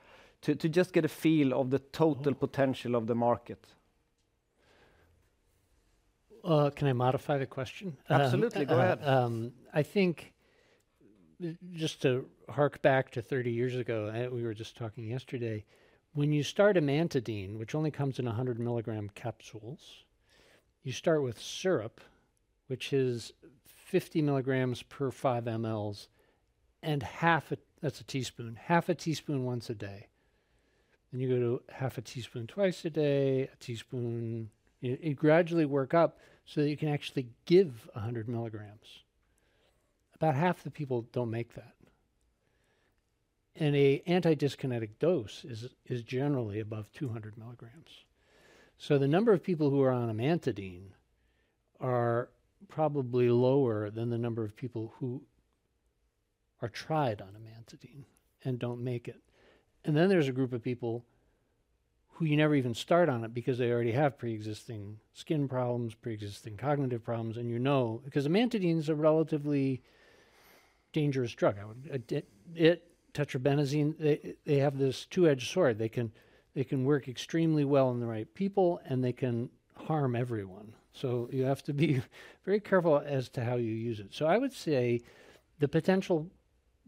to, to just get a feel of the total potential of the market? Can I modify the question? Absolutely, go ahead. I think just to hark back to 30 years ago, we were just talking yesterday. When you start amantadine, which only comes in 100 mg capsules, you start with syrup, which is 50 mg per 5 mL and half a... That's a teaspoon. Half a teaspoon once a day... and you go to half a teaspoon twice a day, a teaspoon. You gradually work up so that you can actually give 100 mg. About half the people don't make that. And an anti-dyskinetic dose is generally above 200 mg. So the number of people who are on amantadine are probably lower than the number of people who are tried on amantadine and don't make it. And then there's a group of people who you never even start on it because they already have pre-existing skin problems, pre-existing cognitive problems, and you know... Because amantadine is a relatively dangerous drug. I would tetrabenazine, they, they have this two-edged sword. They can, they can work extremely well in the right people, and they can harm everyone. So you have to be very careful as to how you use it. So I would say the potential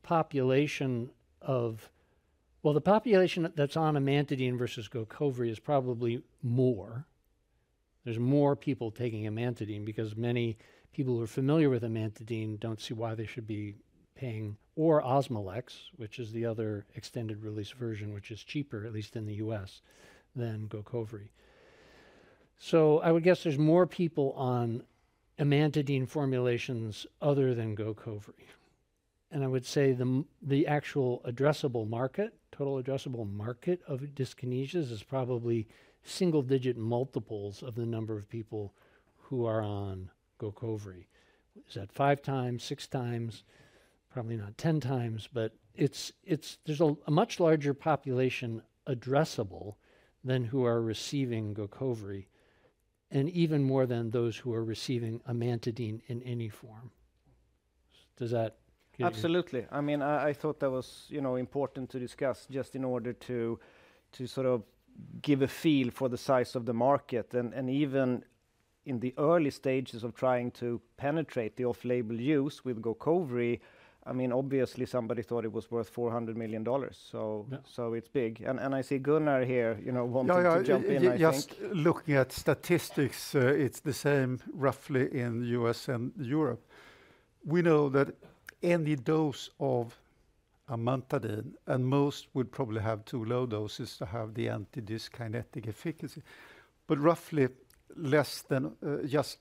population of—Well, the population that's on amantadine versus GOCOVRI is probably more. There's more people taking amantadine because many people who are familiar with amantadine don't see why they should be paying, or Osmolex, which is the other extended-release version, which is cheaper, at least in the U.S., than GOCOVRI. So I would guess there's more people on amantadine formulations other than GOCOVRI. And I would say the actual addressable market, total addressable market of dyskinesias is probably single-digit multiples of the number of people who are on GOCOVRI. Is that five times, six times? Probably not 10 times, but it's, there's a much larger population addressable than who are receiving GOCOVRI, and even more than those who are receiving amantadine in any form. Does that give you- Absolutely. I mean, I thought that was, you know, important to discuss just in order to, to sort of give a feel for the size of the market. And even in the early stages of trying to penetrate the off-label use with GOCOVRI, I mean, obviously, somebody thought it was worth $400 million. So- Yeah... so it's big. And I see Gunnar here, you know, wanting to jump in, I think. Yeah, yeah, just looking at statistics, it's the same roughly in U.S. and Europe. We know that any dose of amantadine, and most would probably have two low doses to have the antidyskinetic efficacy, but roughly less than just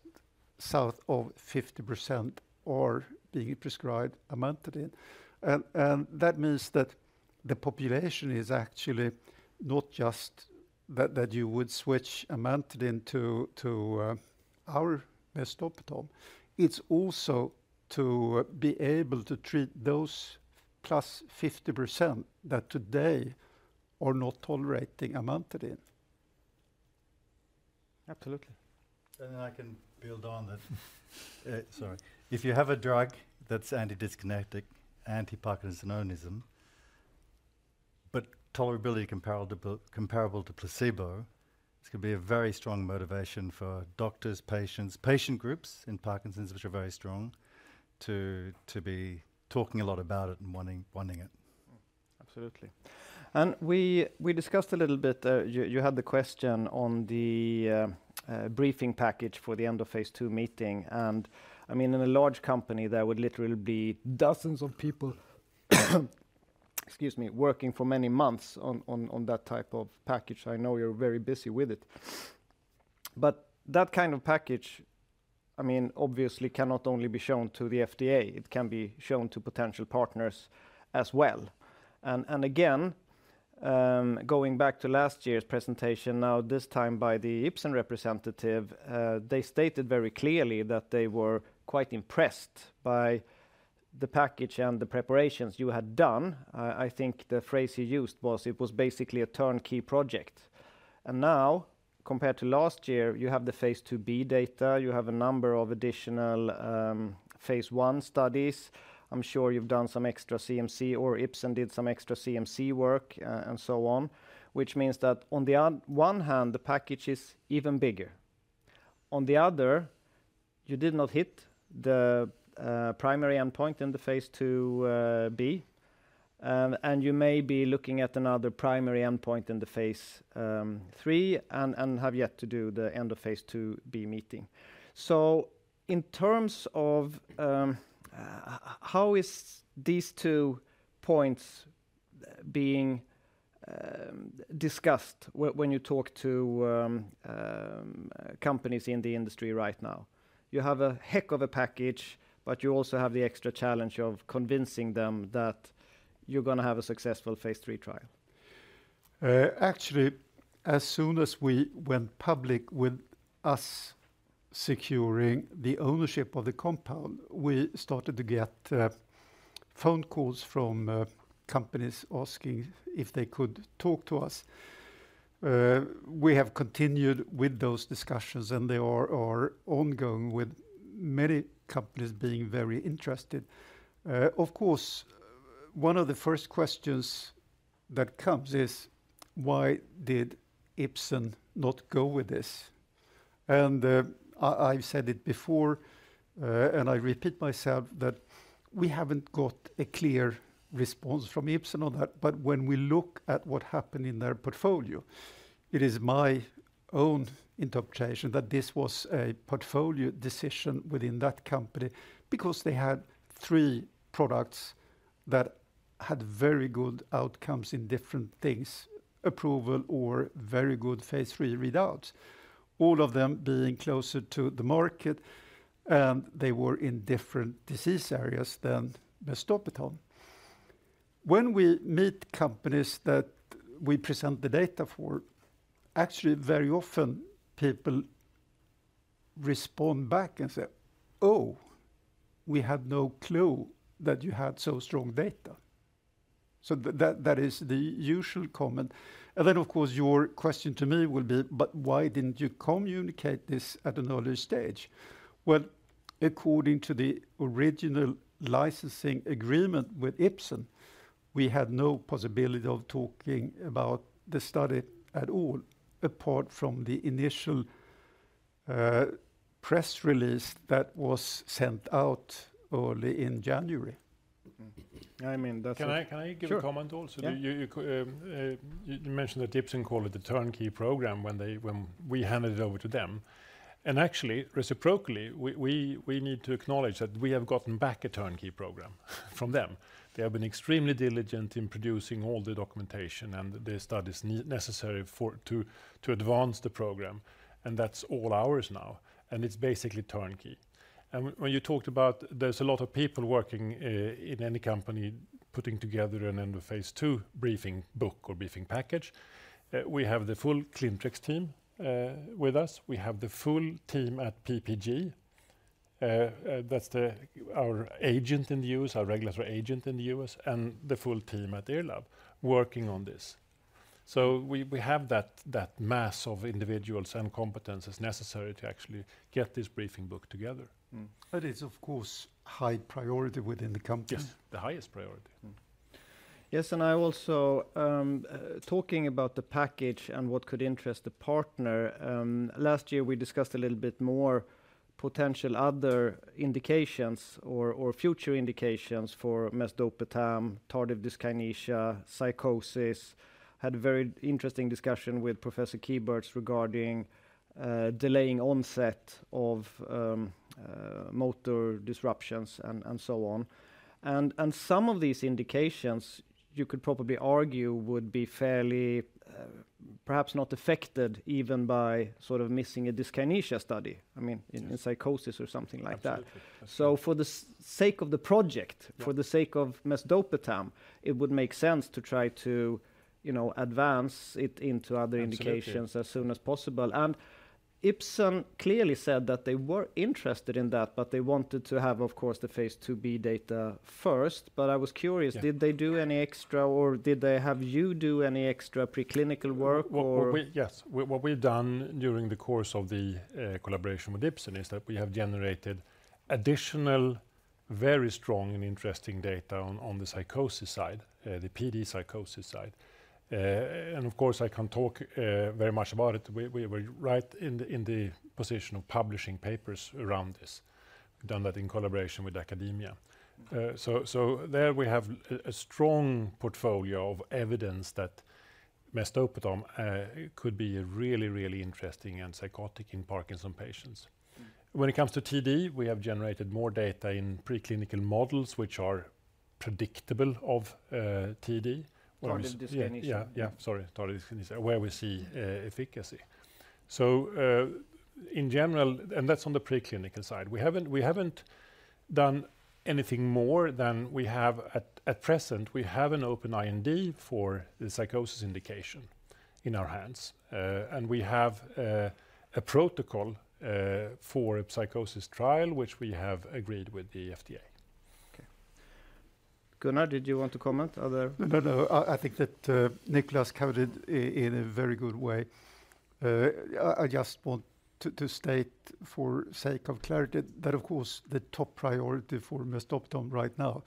south of 50% are being prescribed amantadine. And that means that the population is actually not just that you would switch amantadine to our best optimal. It's also to be able to treat those plus 50% that today are not tolerating amantadine. Absolutely. Then I can build on that. Sorry. If you have a drug that's antidyskinetic, antiparkinsonism, but tolerability comparable to placebo, this could be a very strong motivation for doctors, patients, patient groups in Parkinson's, which are very strong, to be talking a lot about it and wanting it. Mm-hmm. Absolutely. And we discussed a little bit. You had the question on the briefing package for the end of Phase II meeting. And, I mean, in a large company, there would literally be dozens of people, excuse me, working for many months on that type of package. I know you're very busy with it. But that kind of package, I mean, obviously, cannot only be shown to the FDA. It can be shown to potential partners as well. And again, going back to last year's presentation, now, this time by the Ipsen representative, they stated very clearly that they were quite impressed by the package and the preparations you had done. I think the phrase you used was, "It was basically a turnkey project." And now, compared to last year, you have the Phase IIb data. You have a number of additional Phase I studies. I'm sure you've done some extra CMC or Ipsen did some extra CMC work, and so on, which means that on one hand, the package is even bigger. On the other, you did not hit the primary endpoint in the Phase IIb. And you may be looking at another primary endpoint in the Phase III and have yet to do the end of Phase IIb meeting. So in terms of how is these two points being discussed when you talk to companies in the industry right now? You have a heck of a package, but you also have the extra challenge of convincing them that you're gonna have a successful Phase III trial. Actually, as soon as we went public with us securing the ownership of the compound, we started to get phone calls from companies asking if they could talk to us. We have continued with those discussions, and they are ongoing, with many companies being very interested. Of course, one of the first questions that comes is: Why did Ipsen not go with this? And, I've said it before, and I repeat myself, that we haven't got a clear response from Ipsen on that. But when we look at what happened in their portfolio... It is my own interpretation that this was a portfolio decision within that company because they had three products that had very good outcomes in different things, approval or very good phase three readouts. All of them being closer to the market, and they were in different disease areas than mesdopetam. When we meet companies that we present the data for, actually, very often, people respond back and say, "Oh, we had no clue that you had so strong data." So that, that is the usual comment. And then, of course, your question to me will be: But why didn't you communicate this at an earlier stage? Well, according to the original licensing agreement with Ipsen, we had no possibility of talking about the study at all, apart from the initial, press release that was sent out early in January. Mm-hmm. I mean, that's- Can I, can I give a comment also? Sure. Yeah. You mentioned that Ipsen called it the turnkey program when we handed it over to them. And actually, reciprocally, we need to acknowledge that we have gotten back a turnkey program from them. They have been extremely diligent in producing all the documentation and the studies necessary for to advance the program, and that's all ours now, and it's basically turnkey. And when you talked about there's a lot of people working in any company, putting together an End of Phase I- briefing book or briefing package, we have the full Clintrex team with us. We have the full team at PPD. That's our agent in the US, our regulatory agent in the US, and the full team at IRLAB working on this. So we have that mass of individuals and competencies necessary to actually get this briefing book together. Mm-hmm. But it's, of course, high priority within the company. Yes, the highest priority. Mm-hmm. Yes, and I also, talking about the package and what could interest the partner, last year, we discussed a little bit more potential other indications or future indications for mesdopetam, tardive dyskinesia, psychosis. Had a very interesting discussion with Professor Kieburtz regarding delaying onset of motor disruptions and so on. And some of these indications, you could probably argue, would be fairly, perhaps not affected even by sort of missing a dyskinesia study. I mean, in psychosis or something like that. Absolutely. So for the sake of the project- Yeah... for the sake of mesdopetam, it would make sense to try to, you know, advance it into other indications- Absolutely... as soon as possible. Ipsen clearly said that they were interested in that, but they wanted to have, of course, the Phase IIb data first. I was curious- Yeah... did they do any extra, or did they have you do any extra preclinical work or- Well, we—Yes. What we've done during the course of the collaboration with Ipsen is that we have generated additional, very strong and interesting data on the psychosis side, the PD psychosis side. And, of course, I can't talk very much about it. We were right in the position of publishing papers around this. We've done that in collaboration with academia. So there we have a strong portfolio of evidence that mesdopetam could be a really, really interesting antipsychotic in Parkinson's patients. Mm-hmm. When it comes to TD, we have generated more data in preclinical models, which are predictable of TD. What I was- Tardive dyskinesia. Yeah, yeah. Sorry, tardive dyskinesia, where we see efficacy. So, in general... And that's on the preclinical side. We haven't done anything more than we have at present. We have an open IND for the psychosis indication in our hands. And we have a protocol for a psychosis trial, which we have agreed with the FDA. Okay. Gunnar, did you want to comment other-? No, no, I think that Nicholas covered it in a very good way. I just want to state for the sake of clarity that, of course, the top priority for mesdopetam right now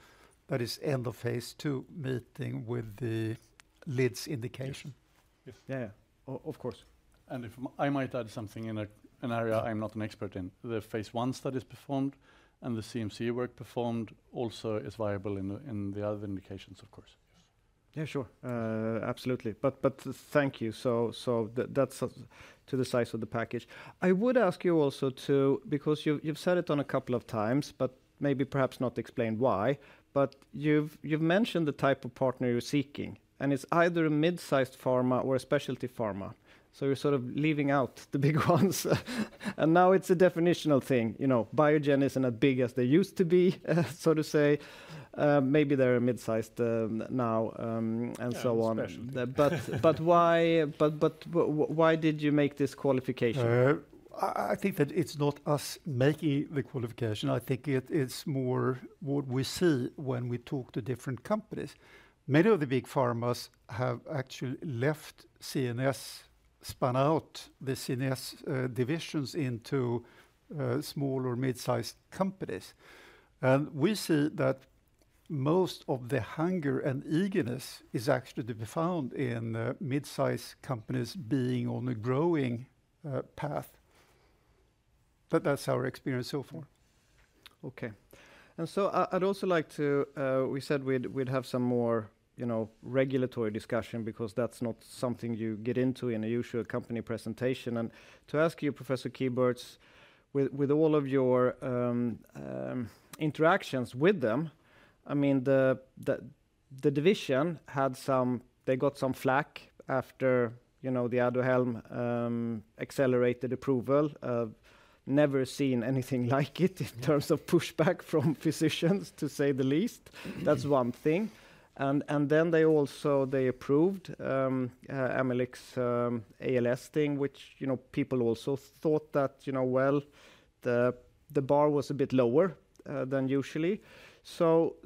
is the End-of-Phase II meeting with the lead indication. Yes. Yes. Yeah, of course. If I might add something in an area I'm not an expert in. The Phase I study is performed, and the CMC work performed also is viable in the other indications, of course.I Yeah, sure. Absolutely. But thank you. So that's to the size of the package. I would ask you also to... Because you've said it a couple of times, but maybe perhaps not explained why. But you've mentioned the type of partner you're seeking, and it's either a mid-sized pharma or a specialty pharma. So you're sort of leaving out the big ones. And now it's a definitional thing. You know, Biogen isn't as big as they used to be, so to say. Maybe they're a mid-sized now, and so on. Specialty. But why did you make this qualification? I think that it's not us making the qualification. I think it is more what we see when we talk to different companies. Many of the big pharmas have actually left CNS, spun out the CNS divisions into small or mid-sized companies. And we see that most of the hunger and eagerness is actually to be found in the mid-sized companies being on a growing path, but that's our experience so far. Okay. And so I'd also like to, we said we'd have some more, you know, regulatory discussion because that's not something you get into in a usual company presentation. And to ask you, Professor Kieburtz, with all of your interactions with them, I mean, the division had some-- they got some flak after, you know, the Aduhelm accelerated approval. Never seen anything like it in terms of pushback from physicians, to say the least. Mm-hmm. That's one thing. And then they also approved Amylyx ALS thing, which, you know, people also thought that, you know, well, the bar was a bit lower than usually. So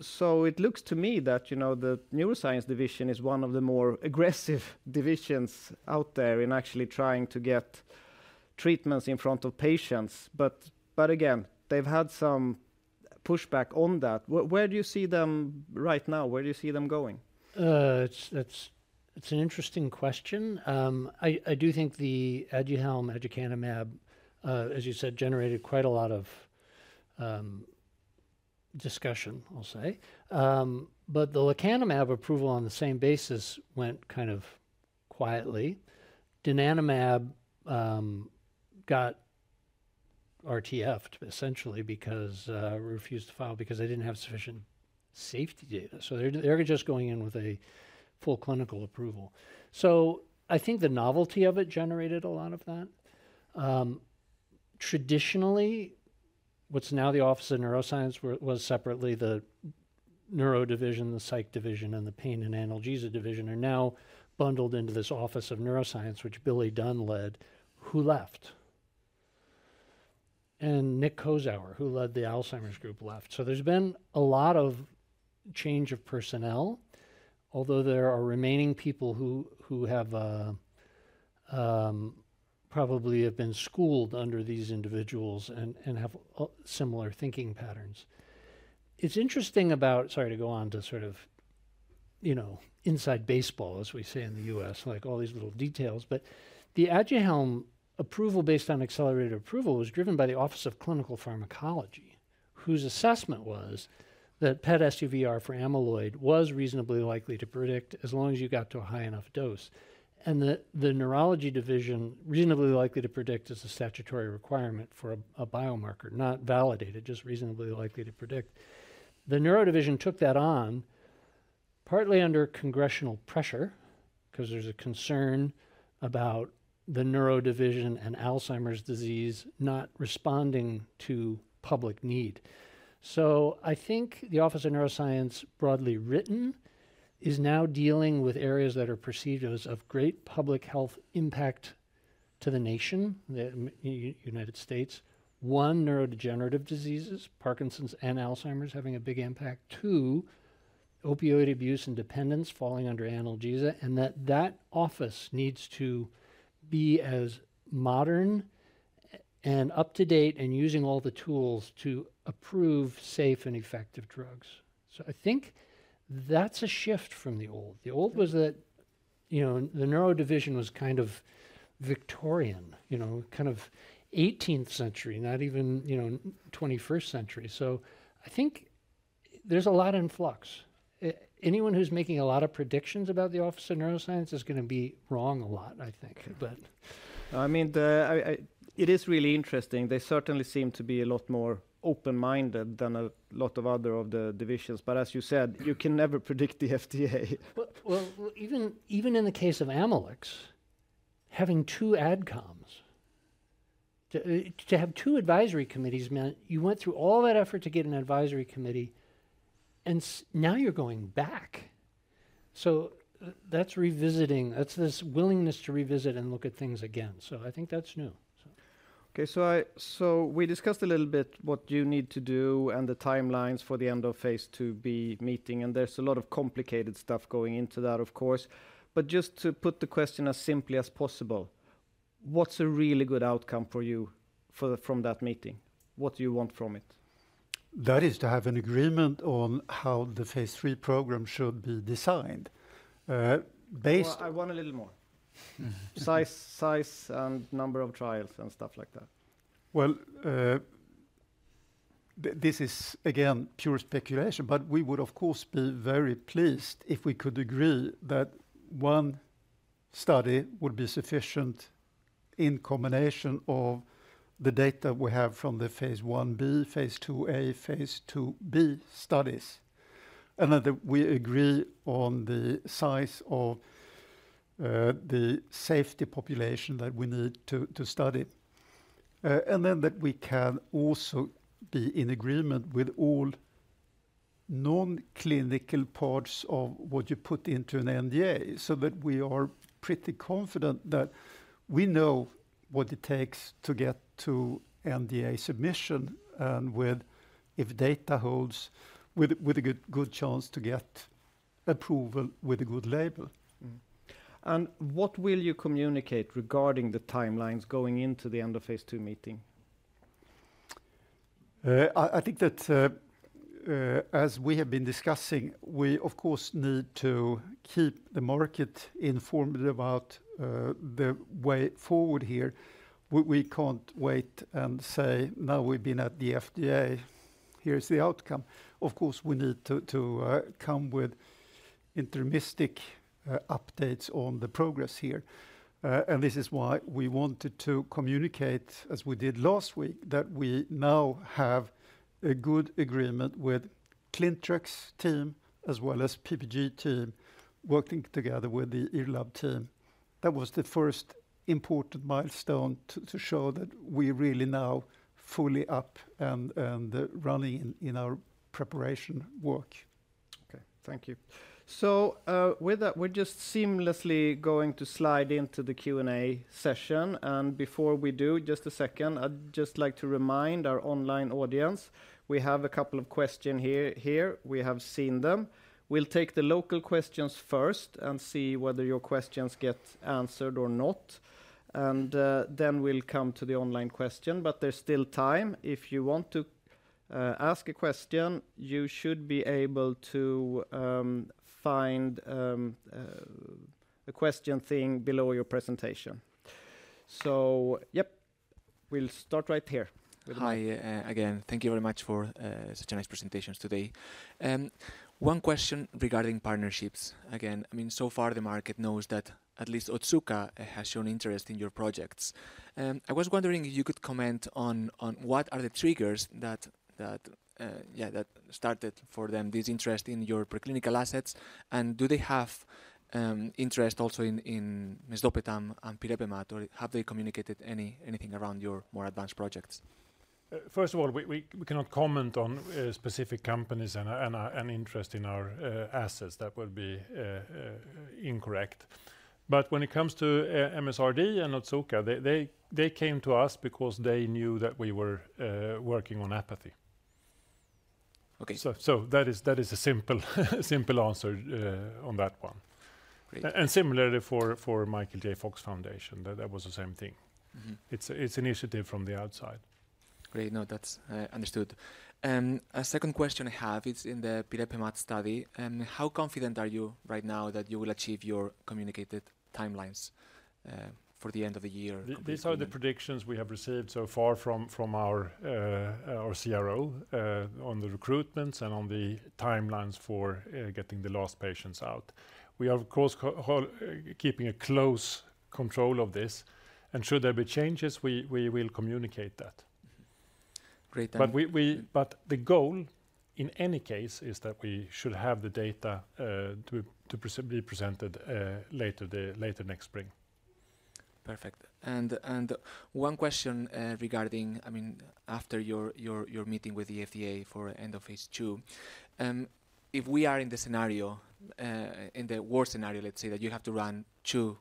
it looks to me that, you know, the Neuroscience Division is one of the more aggressive divisions out there in actually trying to get treatments in front of patients. But again, they've had some pushback on that. Where do you see them right now? Where do you see them going? It's an interesting question. I do think the Aduhelm aducanumab, as you said, generated quite a lot of discussion, I'll say. But the lecanemab approval on the same basis went kind of quietly. Donanemab got RTFed essentially because refused to file because they didn't have sufficient safety data. So they're just going in with a full clinical approval. So I think the novelty of it generated a lot of that. Traditionally, what's now the Office of Neuroscience was separately the Neuro Division, the Psych Division, and the Pain and Analgesia Division are now bundled into this Office of Neuroscience, which Billy Dunn led, who left. And Nick Kozauer, who led the Alzheimer's group, left. So there's been a lot of change of personnel, although there are remaining people who have probably have been schooled under these individuals and have similar thinking patterns. It's interesting about... Sorry, to go on to sort of, you know, inside baseball, as we say in the US, like all these little details. But the Aduhelm approval based on accelerated approval was driven by the Office of Clinical Pharmacology, whose assessment was that PET SUVR for amyloid was reasonably likely to predict as long as you got to a high enough dose, and that the Neurology Division reasonably likely to predict is a statutory requirement for a biomarker, not validated, just reasonably likely to predict. The Neuro Division took that on, partly under congressional pressure, 'cause there's a concern about the Neuro Division and Alzheimer's disease not responding to public need. So I think the Office of Neuroscience, broadly written, is now dealing with areas that are perceived as of great public health impact to the nation, the United States. One, neurodegenerative diseases, Parkinson's and Alzheimer's, having a big impact. Two, opioid abuse and dependence falling under analgesia, and that office needs to be as modern and up-to-date and using all the tools to approve safe and effective drugs. So I think that's a shift from the old. The old was that, you know, the Neuro Division was kind of Victorian, you know, kind of eighteenth century, not even, you know, twenty-first century. So I think there's a lot in flux. Anyone who's making a lot of predictions about the Office of Neuroscience is gonna be wrong a lot, I think, but... I mean, it is really interesting. They certainly seem to be a lot more open-minded than a lot of other of the divisions. But as you said, you can never predict the FDA. Well, well, well, even, even in the case of Amylyx, having two AdComs, to have two advisory committees meant you went through all that effort to get an advisory committee, and now you're going back. So that's revisiting... That's this willingness to revisit and look at things again. So I think that's new, so. Okay, so we discussed a little bit what you need to do and the timelines for the end of Phase IIb meeting, and there's a lot of complicated stuff going into that, of course. But just to put the question as simply as possible, what's a really good outcome for you, from that meeting? What do you want from it? That is to have an agreement on how the Phase III program should be designed, based- Well, I want a little more. Mm-hmm. Size, size, and number of trials and stuff like that. Well, this is again, pure speculation, but we would, of course, be very pleased if we could agree that one study would be sufficient in combination of the data we have from the Phase Ib, Phase IIa, Phase IIb studies. And that we agree on the size of the safety population that we need to study. And then that we can also be in agreement with all non-clinical parts of what you put into an NDA, so that we are pretty confident that we know what it takes to get to NDA submission, and if data holds, with a good chance to get approval with a good label. Mm-hmm. And what will you communicate regarding the timelines going into the end of Phase II meeting? I think that, as we have been discussing, we, of course, need to keep the market informed about the way forward here. We can't wait and say: "Now we've been at the FDA, here's the outcome." Of course, we need to come with interim updates on the progress here. And this is why we wanted to communicate, as we did last week, that we now have a good agreement with Clintrex team, as well as PPD team, working together with the IRLAB team. That was the first important milestone to show that we really now fully up and running in our preparation work. Okay, thank you. So, with that, we're just seamlessly going to slide into the Q&A session. And before we do, just a second, I'd just like to remind our online audience, we have a couple of question here, here. We have seen them. We'll take the local questions first and see whether your questions get answered or not, and, then we'll come to the online question. But there's still time. If you want to, ask a question, you should be able to, find, a question thing below your presentation. So yep, we'll start right here. Hi, again, thank you very much for such a nice presentations today. One question regarding partnerships. Again, I mean, so far, the market knows that at least Otsuka has shown interest in your projects. I was wondering if you could comment on, on what are the triggers that, that, yeah, that started for them, this interest in your preclinical assets, and do they have, interest also in, in mesdopetam and pirepemat, or have they communicated anything around your more advanced projects? First of all, we cannot comment on specific companies and interest in our assets. That would be incorrect. But when it comes to MSRD and Otsuka, they came to us because they knew that we were working on apathy. Okay. So that is a simple answer on that one. Great. And similarly, for Michael J. Fox Foundation, that was the same thing. Mm-hmm. It's initiative from the outside. Great. No, that's understood. A second question I have is in the pirepemat study. How confident are you right now that you will achieve your communicated timelines for the end of the year? These are the predictions we have received so far from our CRO on the recruitments and on the timelines for getting the last patients out. We are, of course, keeping a close control of this, and should there be changes, we will communicate that. Mm-hmm. Great, thank you. But the goal, in any case, is that we should have the data to be presented later next spring. Perfect. And one question regarding—I mean, after your meeting with the FDA for end of Phase II, if we are in the scenario, in the worst scenario, let's say, that you have to run two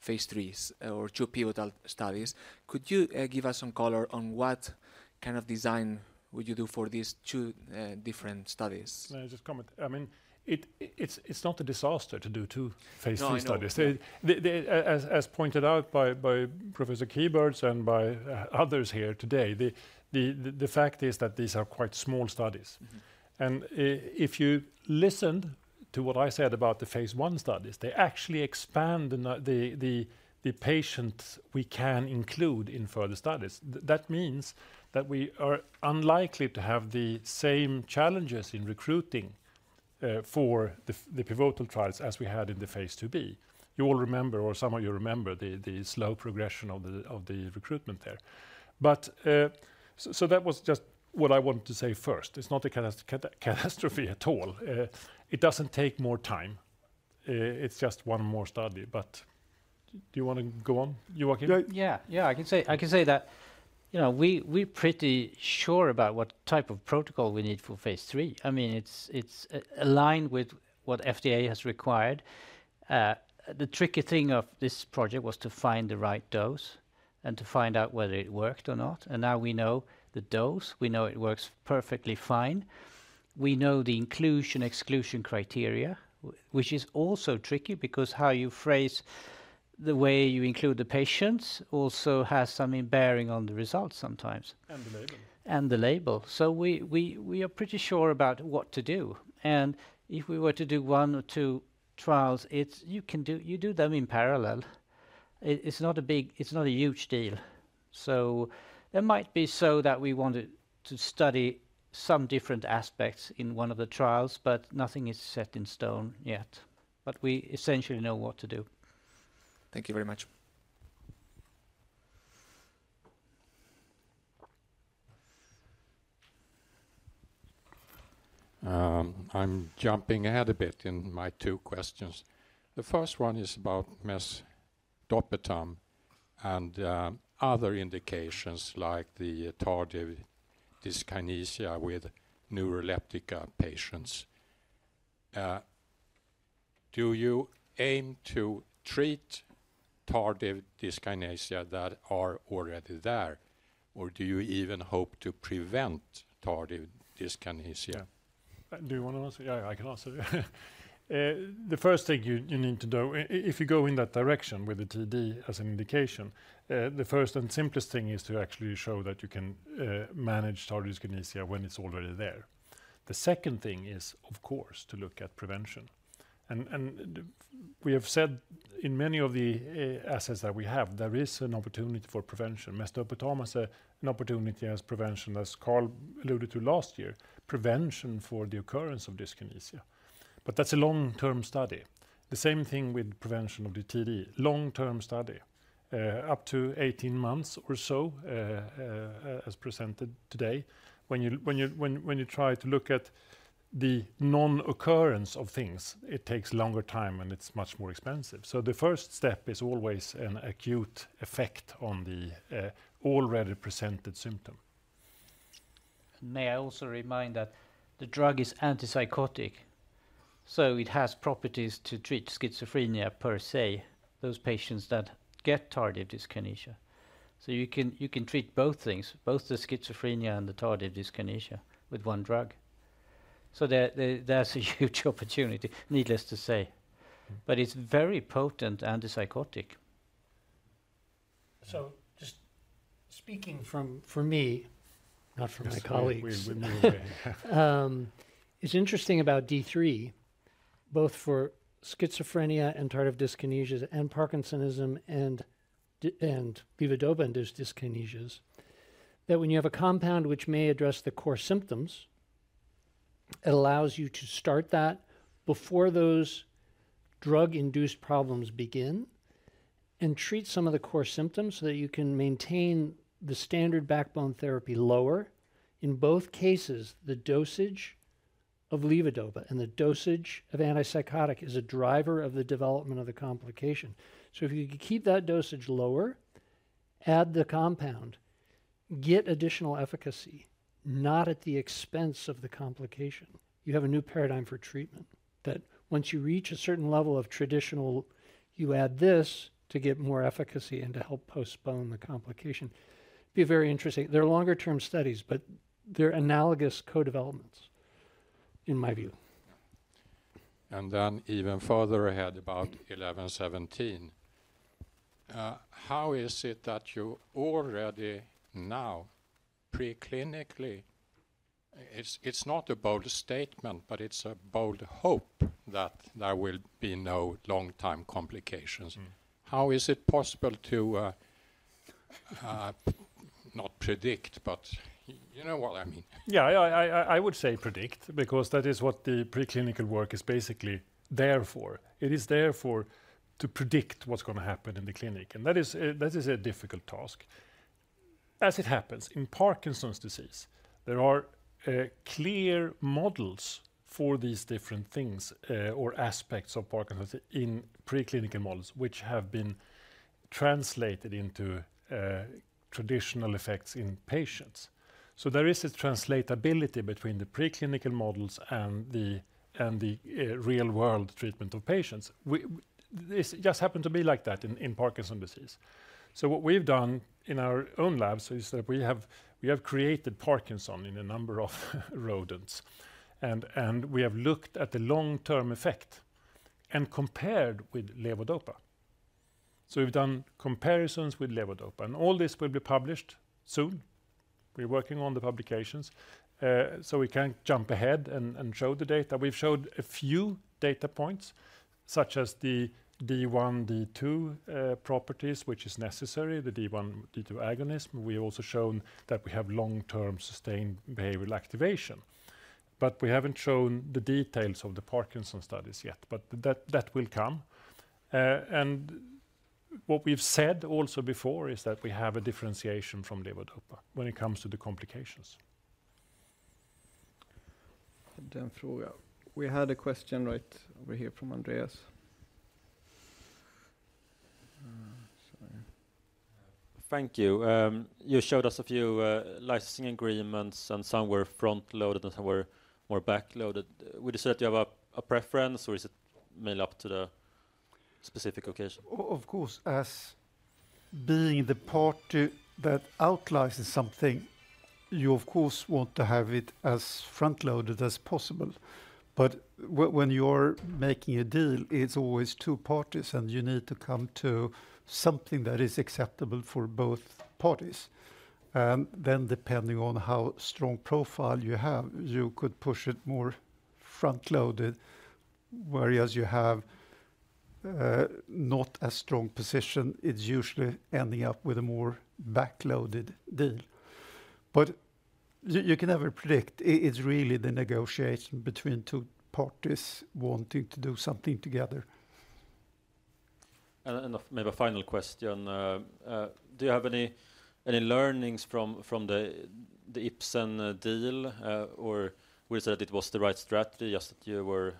Phase IIIs or two pivotal studies, could you give us some color on what kind of design would you do for these two different studies? May I just comment? I mean, it's not a disaster to do two Phase III studies. No, I know. As pointed out by Professor Kieburtz and by others here today, the fact is that these are quite small studies. Mm-hmm. If you listened to what I said about the Phase I studies, they actually expand the patients we can include in further studies. That means that we are unlikely to have the same challenges in recruiting for the pivotal trials as we had in the Phase IIb. You all remember, or some of you remember, the slow progression of the recruitment there. But, so that was just what I wanted to say first. It's not a catastrophe at all. It doesn't take more time. It's just one more study. But do you want to go on, Joakim? Yeah. Yeah, I can say, I can say that, you know, we pretty sure about what type of protocol we need for Phase III. I mean, it's aligned with what FDA has required. The tricky thing of this project was to find the right dose and to find out whether it worked or not, and now we know the dose. We know it works perfectly fine. We know the inclusion/exclusion criteria, which is also tricky because how you phrase the way you include the patients also has some bearing on the results sometimes. The label. And the label. So we are pretty sure about what to do, and if we were to do one or two trials, it's... You can do them in parallel. It's not a big... It's not a huge deal. So it might be so that we wanted to study some different aspects in one of the trials, but nothing is set in stone yet. But we essentially know what to do. Thank you very much. I'm jumping ahead a bit in my two questions. The first one is about mesdopetam and other indications like the tardive dyskinesia with neuroleptic patients. Do you aim to treat tardive dyskinesia that are already there, or do you even hope to prevent tardive dyskinesia?... Do you wanna answer? Yeah, I can answer. The first thing you need to do, if you go in that direction with the TD as an indication, the first and simplest thing is to actually show that you can manage tardive dyskinesia when it's already there. The second thing is, of course, to look at prevention. And we have said in many of the assets that we have, there is an opportunity for prevention. Mestinon pyridostigmine bromide an opportunity as prevention, as Karl alluded to last year, prevention for the occurrence of dyskinesia. But that's a long-term study. The same thing with prevention of the TD. Long-term study, up to 18 months or so, as presented today. When you try to look at the non-occurrence of things, it takes longer time, and it's much more expensive. So the first step is always an acute effect on the already presented symptom. May I also remind that the drug is antipsychotic, so it has properties to treat schizophrenia per se, those patients that get tardive dyskinesia. So you can, you can treat both things, both the schizophrenia and the tardive dyskinesia with one drug. So there, there, there's a huge opportunity, needless to say, but it's very potent antipsychotic. So just speaking for me, not for my colleagues. We, we, we- It's interesting about D3, both for schizophrenia and tardive dyskinesia and parkinsonism and and levodopa-induced dyskinesias, that when you have a compound which may address the core symptoms, it allows you to start that before those drug-induced problems begin and treat some of the core symptoms so that you can maintain the standard backbone therapy lower. In both cases, the dosage of levodopa and the dosage of antipsychotic is a driver of the development of the complication. So if you could keep that dosage lower, add the compound, get additional efficacy, not at the expense of the complication, you have a new paradigm for treatment, that once you reach a certain level of traditional, you add this to get more efficacy and to help postpone the complication. Be very interesting. They're longer term studies, but they're analogous co-developments, in my view. And then even further ahead, about IRL1117. How is it that you already now, preclinically... It's, it's not a bold statement, but it's a bold hope that there will be no long-term complications. Mm. How is it possible to not predict, but you know what I mean? Yeah, I would say predict, because that is what the preclinical work is basically there for. It is there for to predict what's gonna happen in the clinic, and that is a difficult task. As it happens, in Parkinson's disease, there are clear models for these different things or aspects of Parkinson's in preclinical models, which have been translated into traditional effects in patients. So there is a translatability between the preclinical models and the real-world treatment of patients. This just happened to be like that in Parkinson's disease. So what we've done in our own labs is that we have created Parkinson's in a number of rodents, and we have looked at the long-term effect and compared with levodopa. So we've done comparisons with levodopa, and all this will be published soon. We're working on the publications, so we can jump ahead and show the data. We've showed a few data points, such as the D1, D2 properties, which is necessary, the D1, D2 agonist. We also shown that we have long-term, sustained behavioral activation. But we haven't shown the details of the Parkinson's studies yet, but that will come. And what we've said also before is that we have a differentiation from levodopa when it comes to the complications. We had a question right over here from Andreas. Sorry. Thank you. You showed us a few licensing agreements, and some were front-loaded, and some were more back-loaded. Would you say that you have a preference, or is it mainly up to the specific occasion? Of course, as being the party that outlines something, you, of course, want to have it as front-loaded as possible. But when you're making a deal, it's always two parties, and you need to come to something that is acceptable for both parties. Then, depending on how strong profile you have, you could push it more front-loaded, whereas you have not a strong position, it's usually ending up with a more back-loaded deal. But you can never predict. It's really the negotiation between two parties wanting to do something together. Maybe a final question. Do you have any learnings from the Ipsen deal, or was that the right strategy, just you were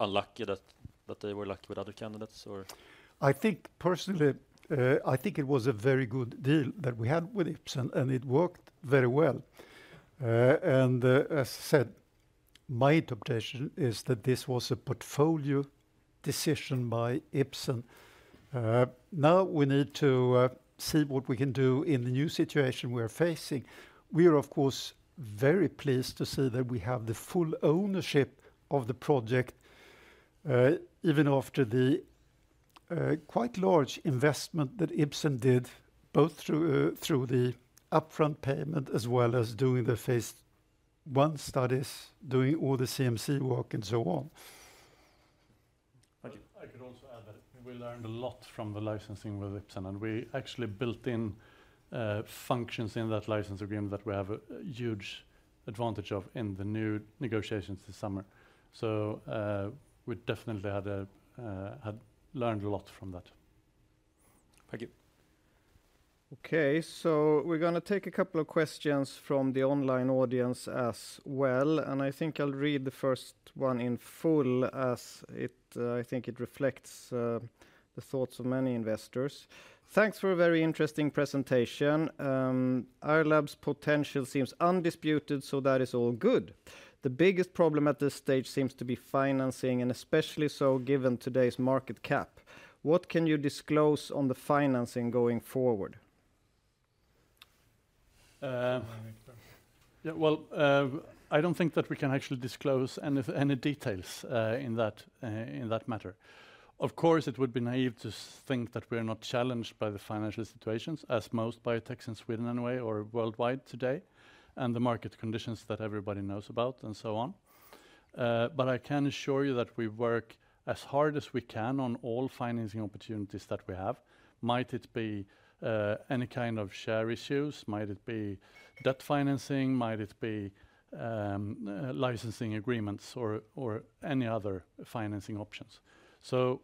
unlucky that they were lucky with other candidates, or? I think personally, I think it was a very good deal that we had with Ipsen, and it worked very well. And, as I said, my interpretation is that this was a portfolio-... decision by Ipsen. Now we need to see what we can do in the new situation we are facing. We are, of course, very pleased to see that we have the full ownership of the project, even after the quite large investment that Ipsen did, both through the upfront payment as well as doing the Phase I studies, doing all the CMC work, and so on. Thank you. I could also add that we learned a lot from the licensing with Ipsen, and we actually built in functions in that license agreement that we have a huge advantage of in the new negotiations this summer. So, we definitely had learned a lot from that. Thank you. Okay, so we're gonna take a couple of questions from the online audience as well, and I think I'll read the first one in full, as it, I think it reflects, the thoughts of many investors. "Thanks for a very interesting presentation. IRLAB's potential seems undisputed, so that is all good. The biggest problem at this stage seems to be financing, and especially so given today's market cap. What can you disclose on the financing going forward? Uh- You want me to start? Yeah, well, I don't think that we can actually disclose any, any details in that matter. Of course, it would be naive to think that we're not challenged by the financial situations, as most biotechs in Sweden anyway, or worldwide today, and the market conditions that everybody knows about, and so on. But I can assure you that we work as hard as we can on all financing opportunities that we have, might it be any kind of share issues, might it be debt financing, might it be licensing agreements or any other financing options. So,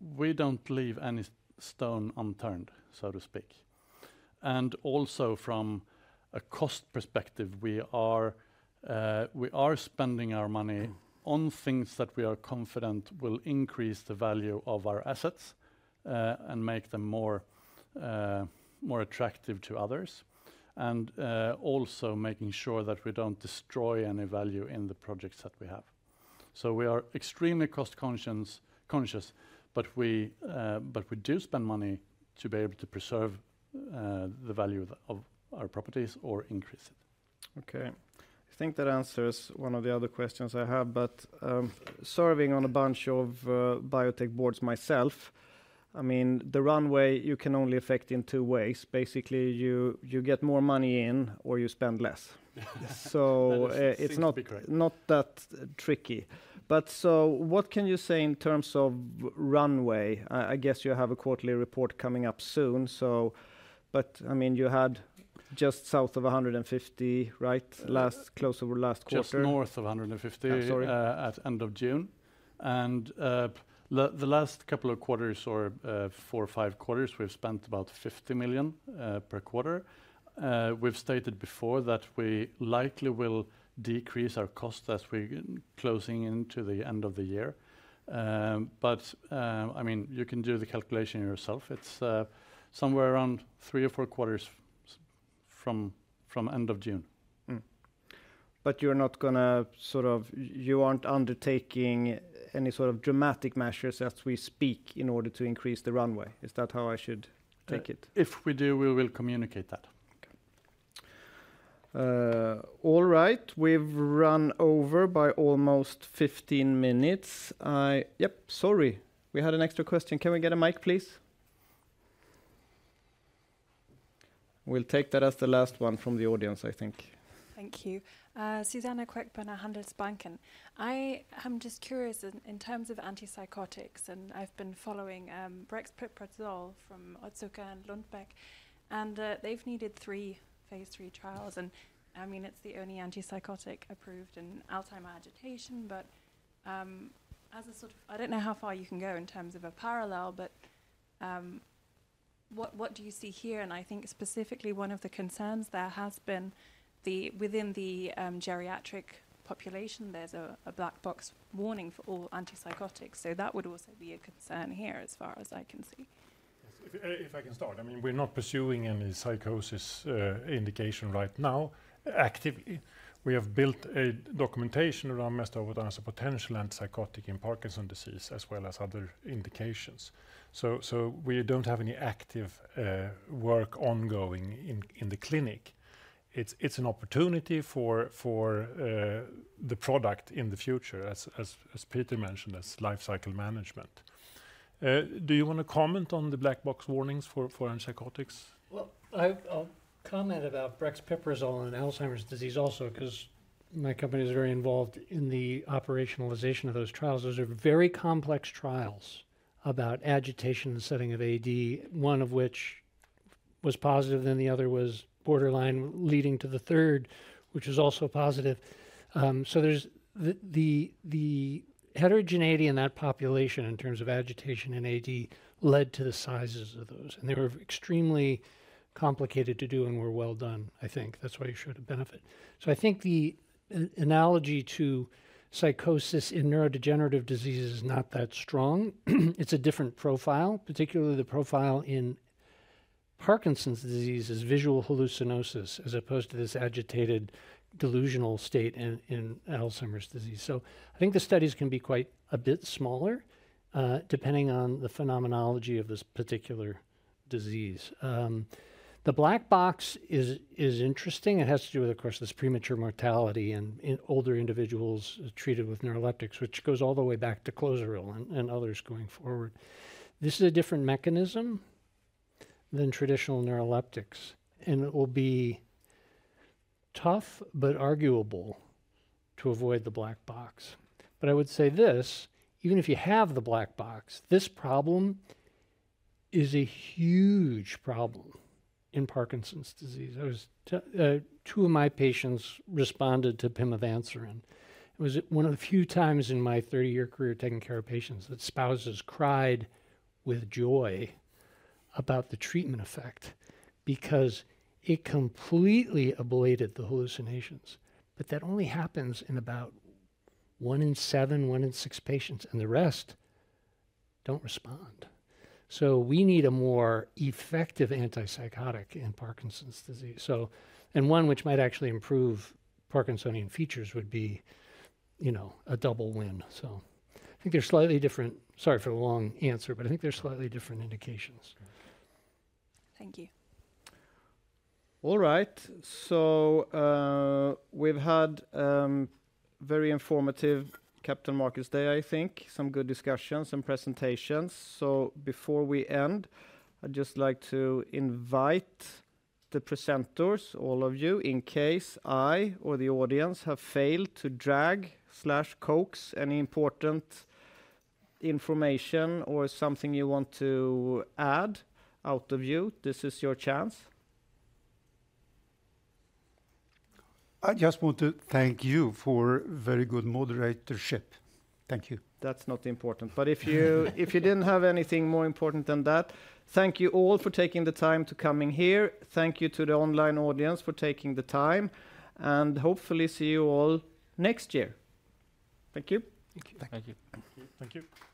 we don't leave any stone unturned, so to speak. And also from a cost perspective, we are spending our money on things that we are confident will increase the value of our assets, and make them more attractive to others. And also making sure that we don't destroy any value in the projects that we have. So we are extremely cost conscious, but we do spend money to be able to preserve the value of our properties or increase it. Okay. I think that answers one of the other questions I have, but serving on a bunch of biotech boards myself, I mean, the runway, you can only affect in two ways. Basically, you get more money in, or you spend less. That is simply correct. It's not that tricky. What can you say in terms of runway? I guess you have a quarterly report coming up soon, so... But, I mean, you had just south of 150, right? Last close over last quarter. Just north of 150- I'm sorry... at end of June. And, the last couple of quarters or 4 or 5 quarters, we've spent about 50 million per quarter. We've stated before that we likely will decrease our cost as we're closing into the end of the year. But, I mean, you can do the calculation yourself. It's somewhere around 3 or 4 quarters from end of June. But you're not gonna, sort of... You aren't undertaking any sort of dramatic measures as we speak in order to increase the runway. Is that how I should take it? If we do, we will communicate that. Okay. All right. We've run over by almost 15 minutes. Yep, sorry, we had an extra question. Can we get a mic, please? We'll take that as the last one from the audience, I think. Thank you. Suzanna Queck from Handelsbanken. I am just curious in, in terms of antipsychotics, and I've been following, brexpiprazole from Otsuka and Lundbeck, and, they've needed three Phase III trials, and, I mean, it's the only antipsychotic approved in Alzheimer's agitation. But, as a sort of... I don't know how far you can go in terms of a parallel, but, what, what do you see here? And I think specifically one of the concerns there has been the, within the, geriatric population, there's a, a black box warning for all antipsychotics, so that would also be a concern here as far as I can see. If, if I can start. I mean, we're not pursuing any psychosis, indication right now, actively. We have built a documentation around mesdopetam as a potential antipsychotic in Parkinson's disease, as well as other indications. So, so we don't have any active, work ongoing in, in the clinic. It's, it's an opportunity for, for, the product in the future, as, as, as Peter mentioned, as lifecycle management. Do you want to comment on the black box warnings for, for antipsychotics? Well, I'll comment about brexpiprazole in Alzheimer's disease also, 'cause my company is very involved in the operationalization of those trials. Those are very complex trials about agitation in the setting of AD, one of which was positive, then the other was borderline, leading to the third, which was also positive. So there's the heterogeneity in that population, in terms of agitation in AD, led to the sizes of those, and they were extremely complicated to do and were well done, I think. That's why you showed a benefit. So I think the analogy to psychosis in neurodegenerative disease is not that strong. It's a different profile, particularly the profile in Parkinson's disease is visual hallucinosis, as opposed to this agitated, delusional state in Alzheimer's disease. So I think the studies can be quite a bit smaller, depending on the phenomenology of this particular disease. The black box is interesting. It has to do with, of course, this premature mortality in older individuals treated with neuroleptics, which goes all the way back to Clozaril and others going forward. This is a different mechanism than traditional neuroleptics, and it will be tough but arguable to avoid the black box. But I would say this: even if you have the black box, this problem is a huge problem in Parkinson's disease. Two of my patients responded to pimavanserin. It was one of the few times in my 30-year career of taking care of patients that spouses cried with joy about the treatment effect because it completely ablated the hallucinations. But that only happens in about 1 in 7, 1 in 6 patients, and the rest don't respond. So we need a more effective antipsychotic in Parkinson's disease. And one which might actually improve Parkinsonian features would be, you know, a double win. So I think they're slightly different... Sorry for the long answer, but I think they're slightly different indications. Thank you. All right, so, we've had very informative Capital Markets Day, I think. Some good discussions, some presentations. So before we end, I'd just like to invite the presenters, all of you, in case I or the audience have failed to drag or coax any important information or something you want to add out of you, this is your chance. I just want to thank you for very good moderatorship. Thank you. That's not important. But if you, if you didn't have anything more important than that, thank you all for taking the time to coming here. Thank you to the online audience for taking the time, and hopefully see you all next year. Thank you. Thank you. Thank you. Thank you.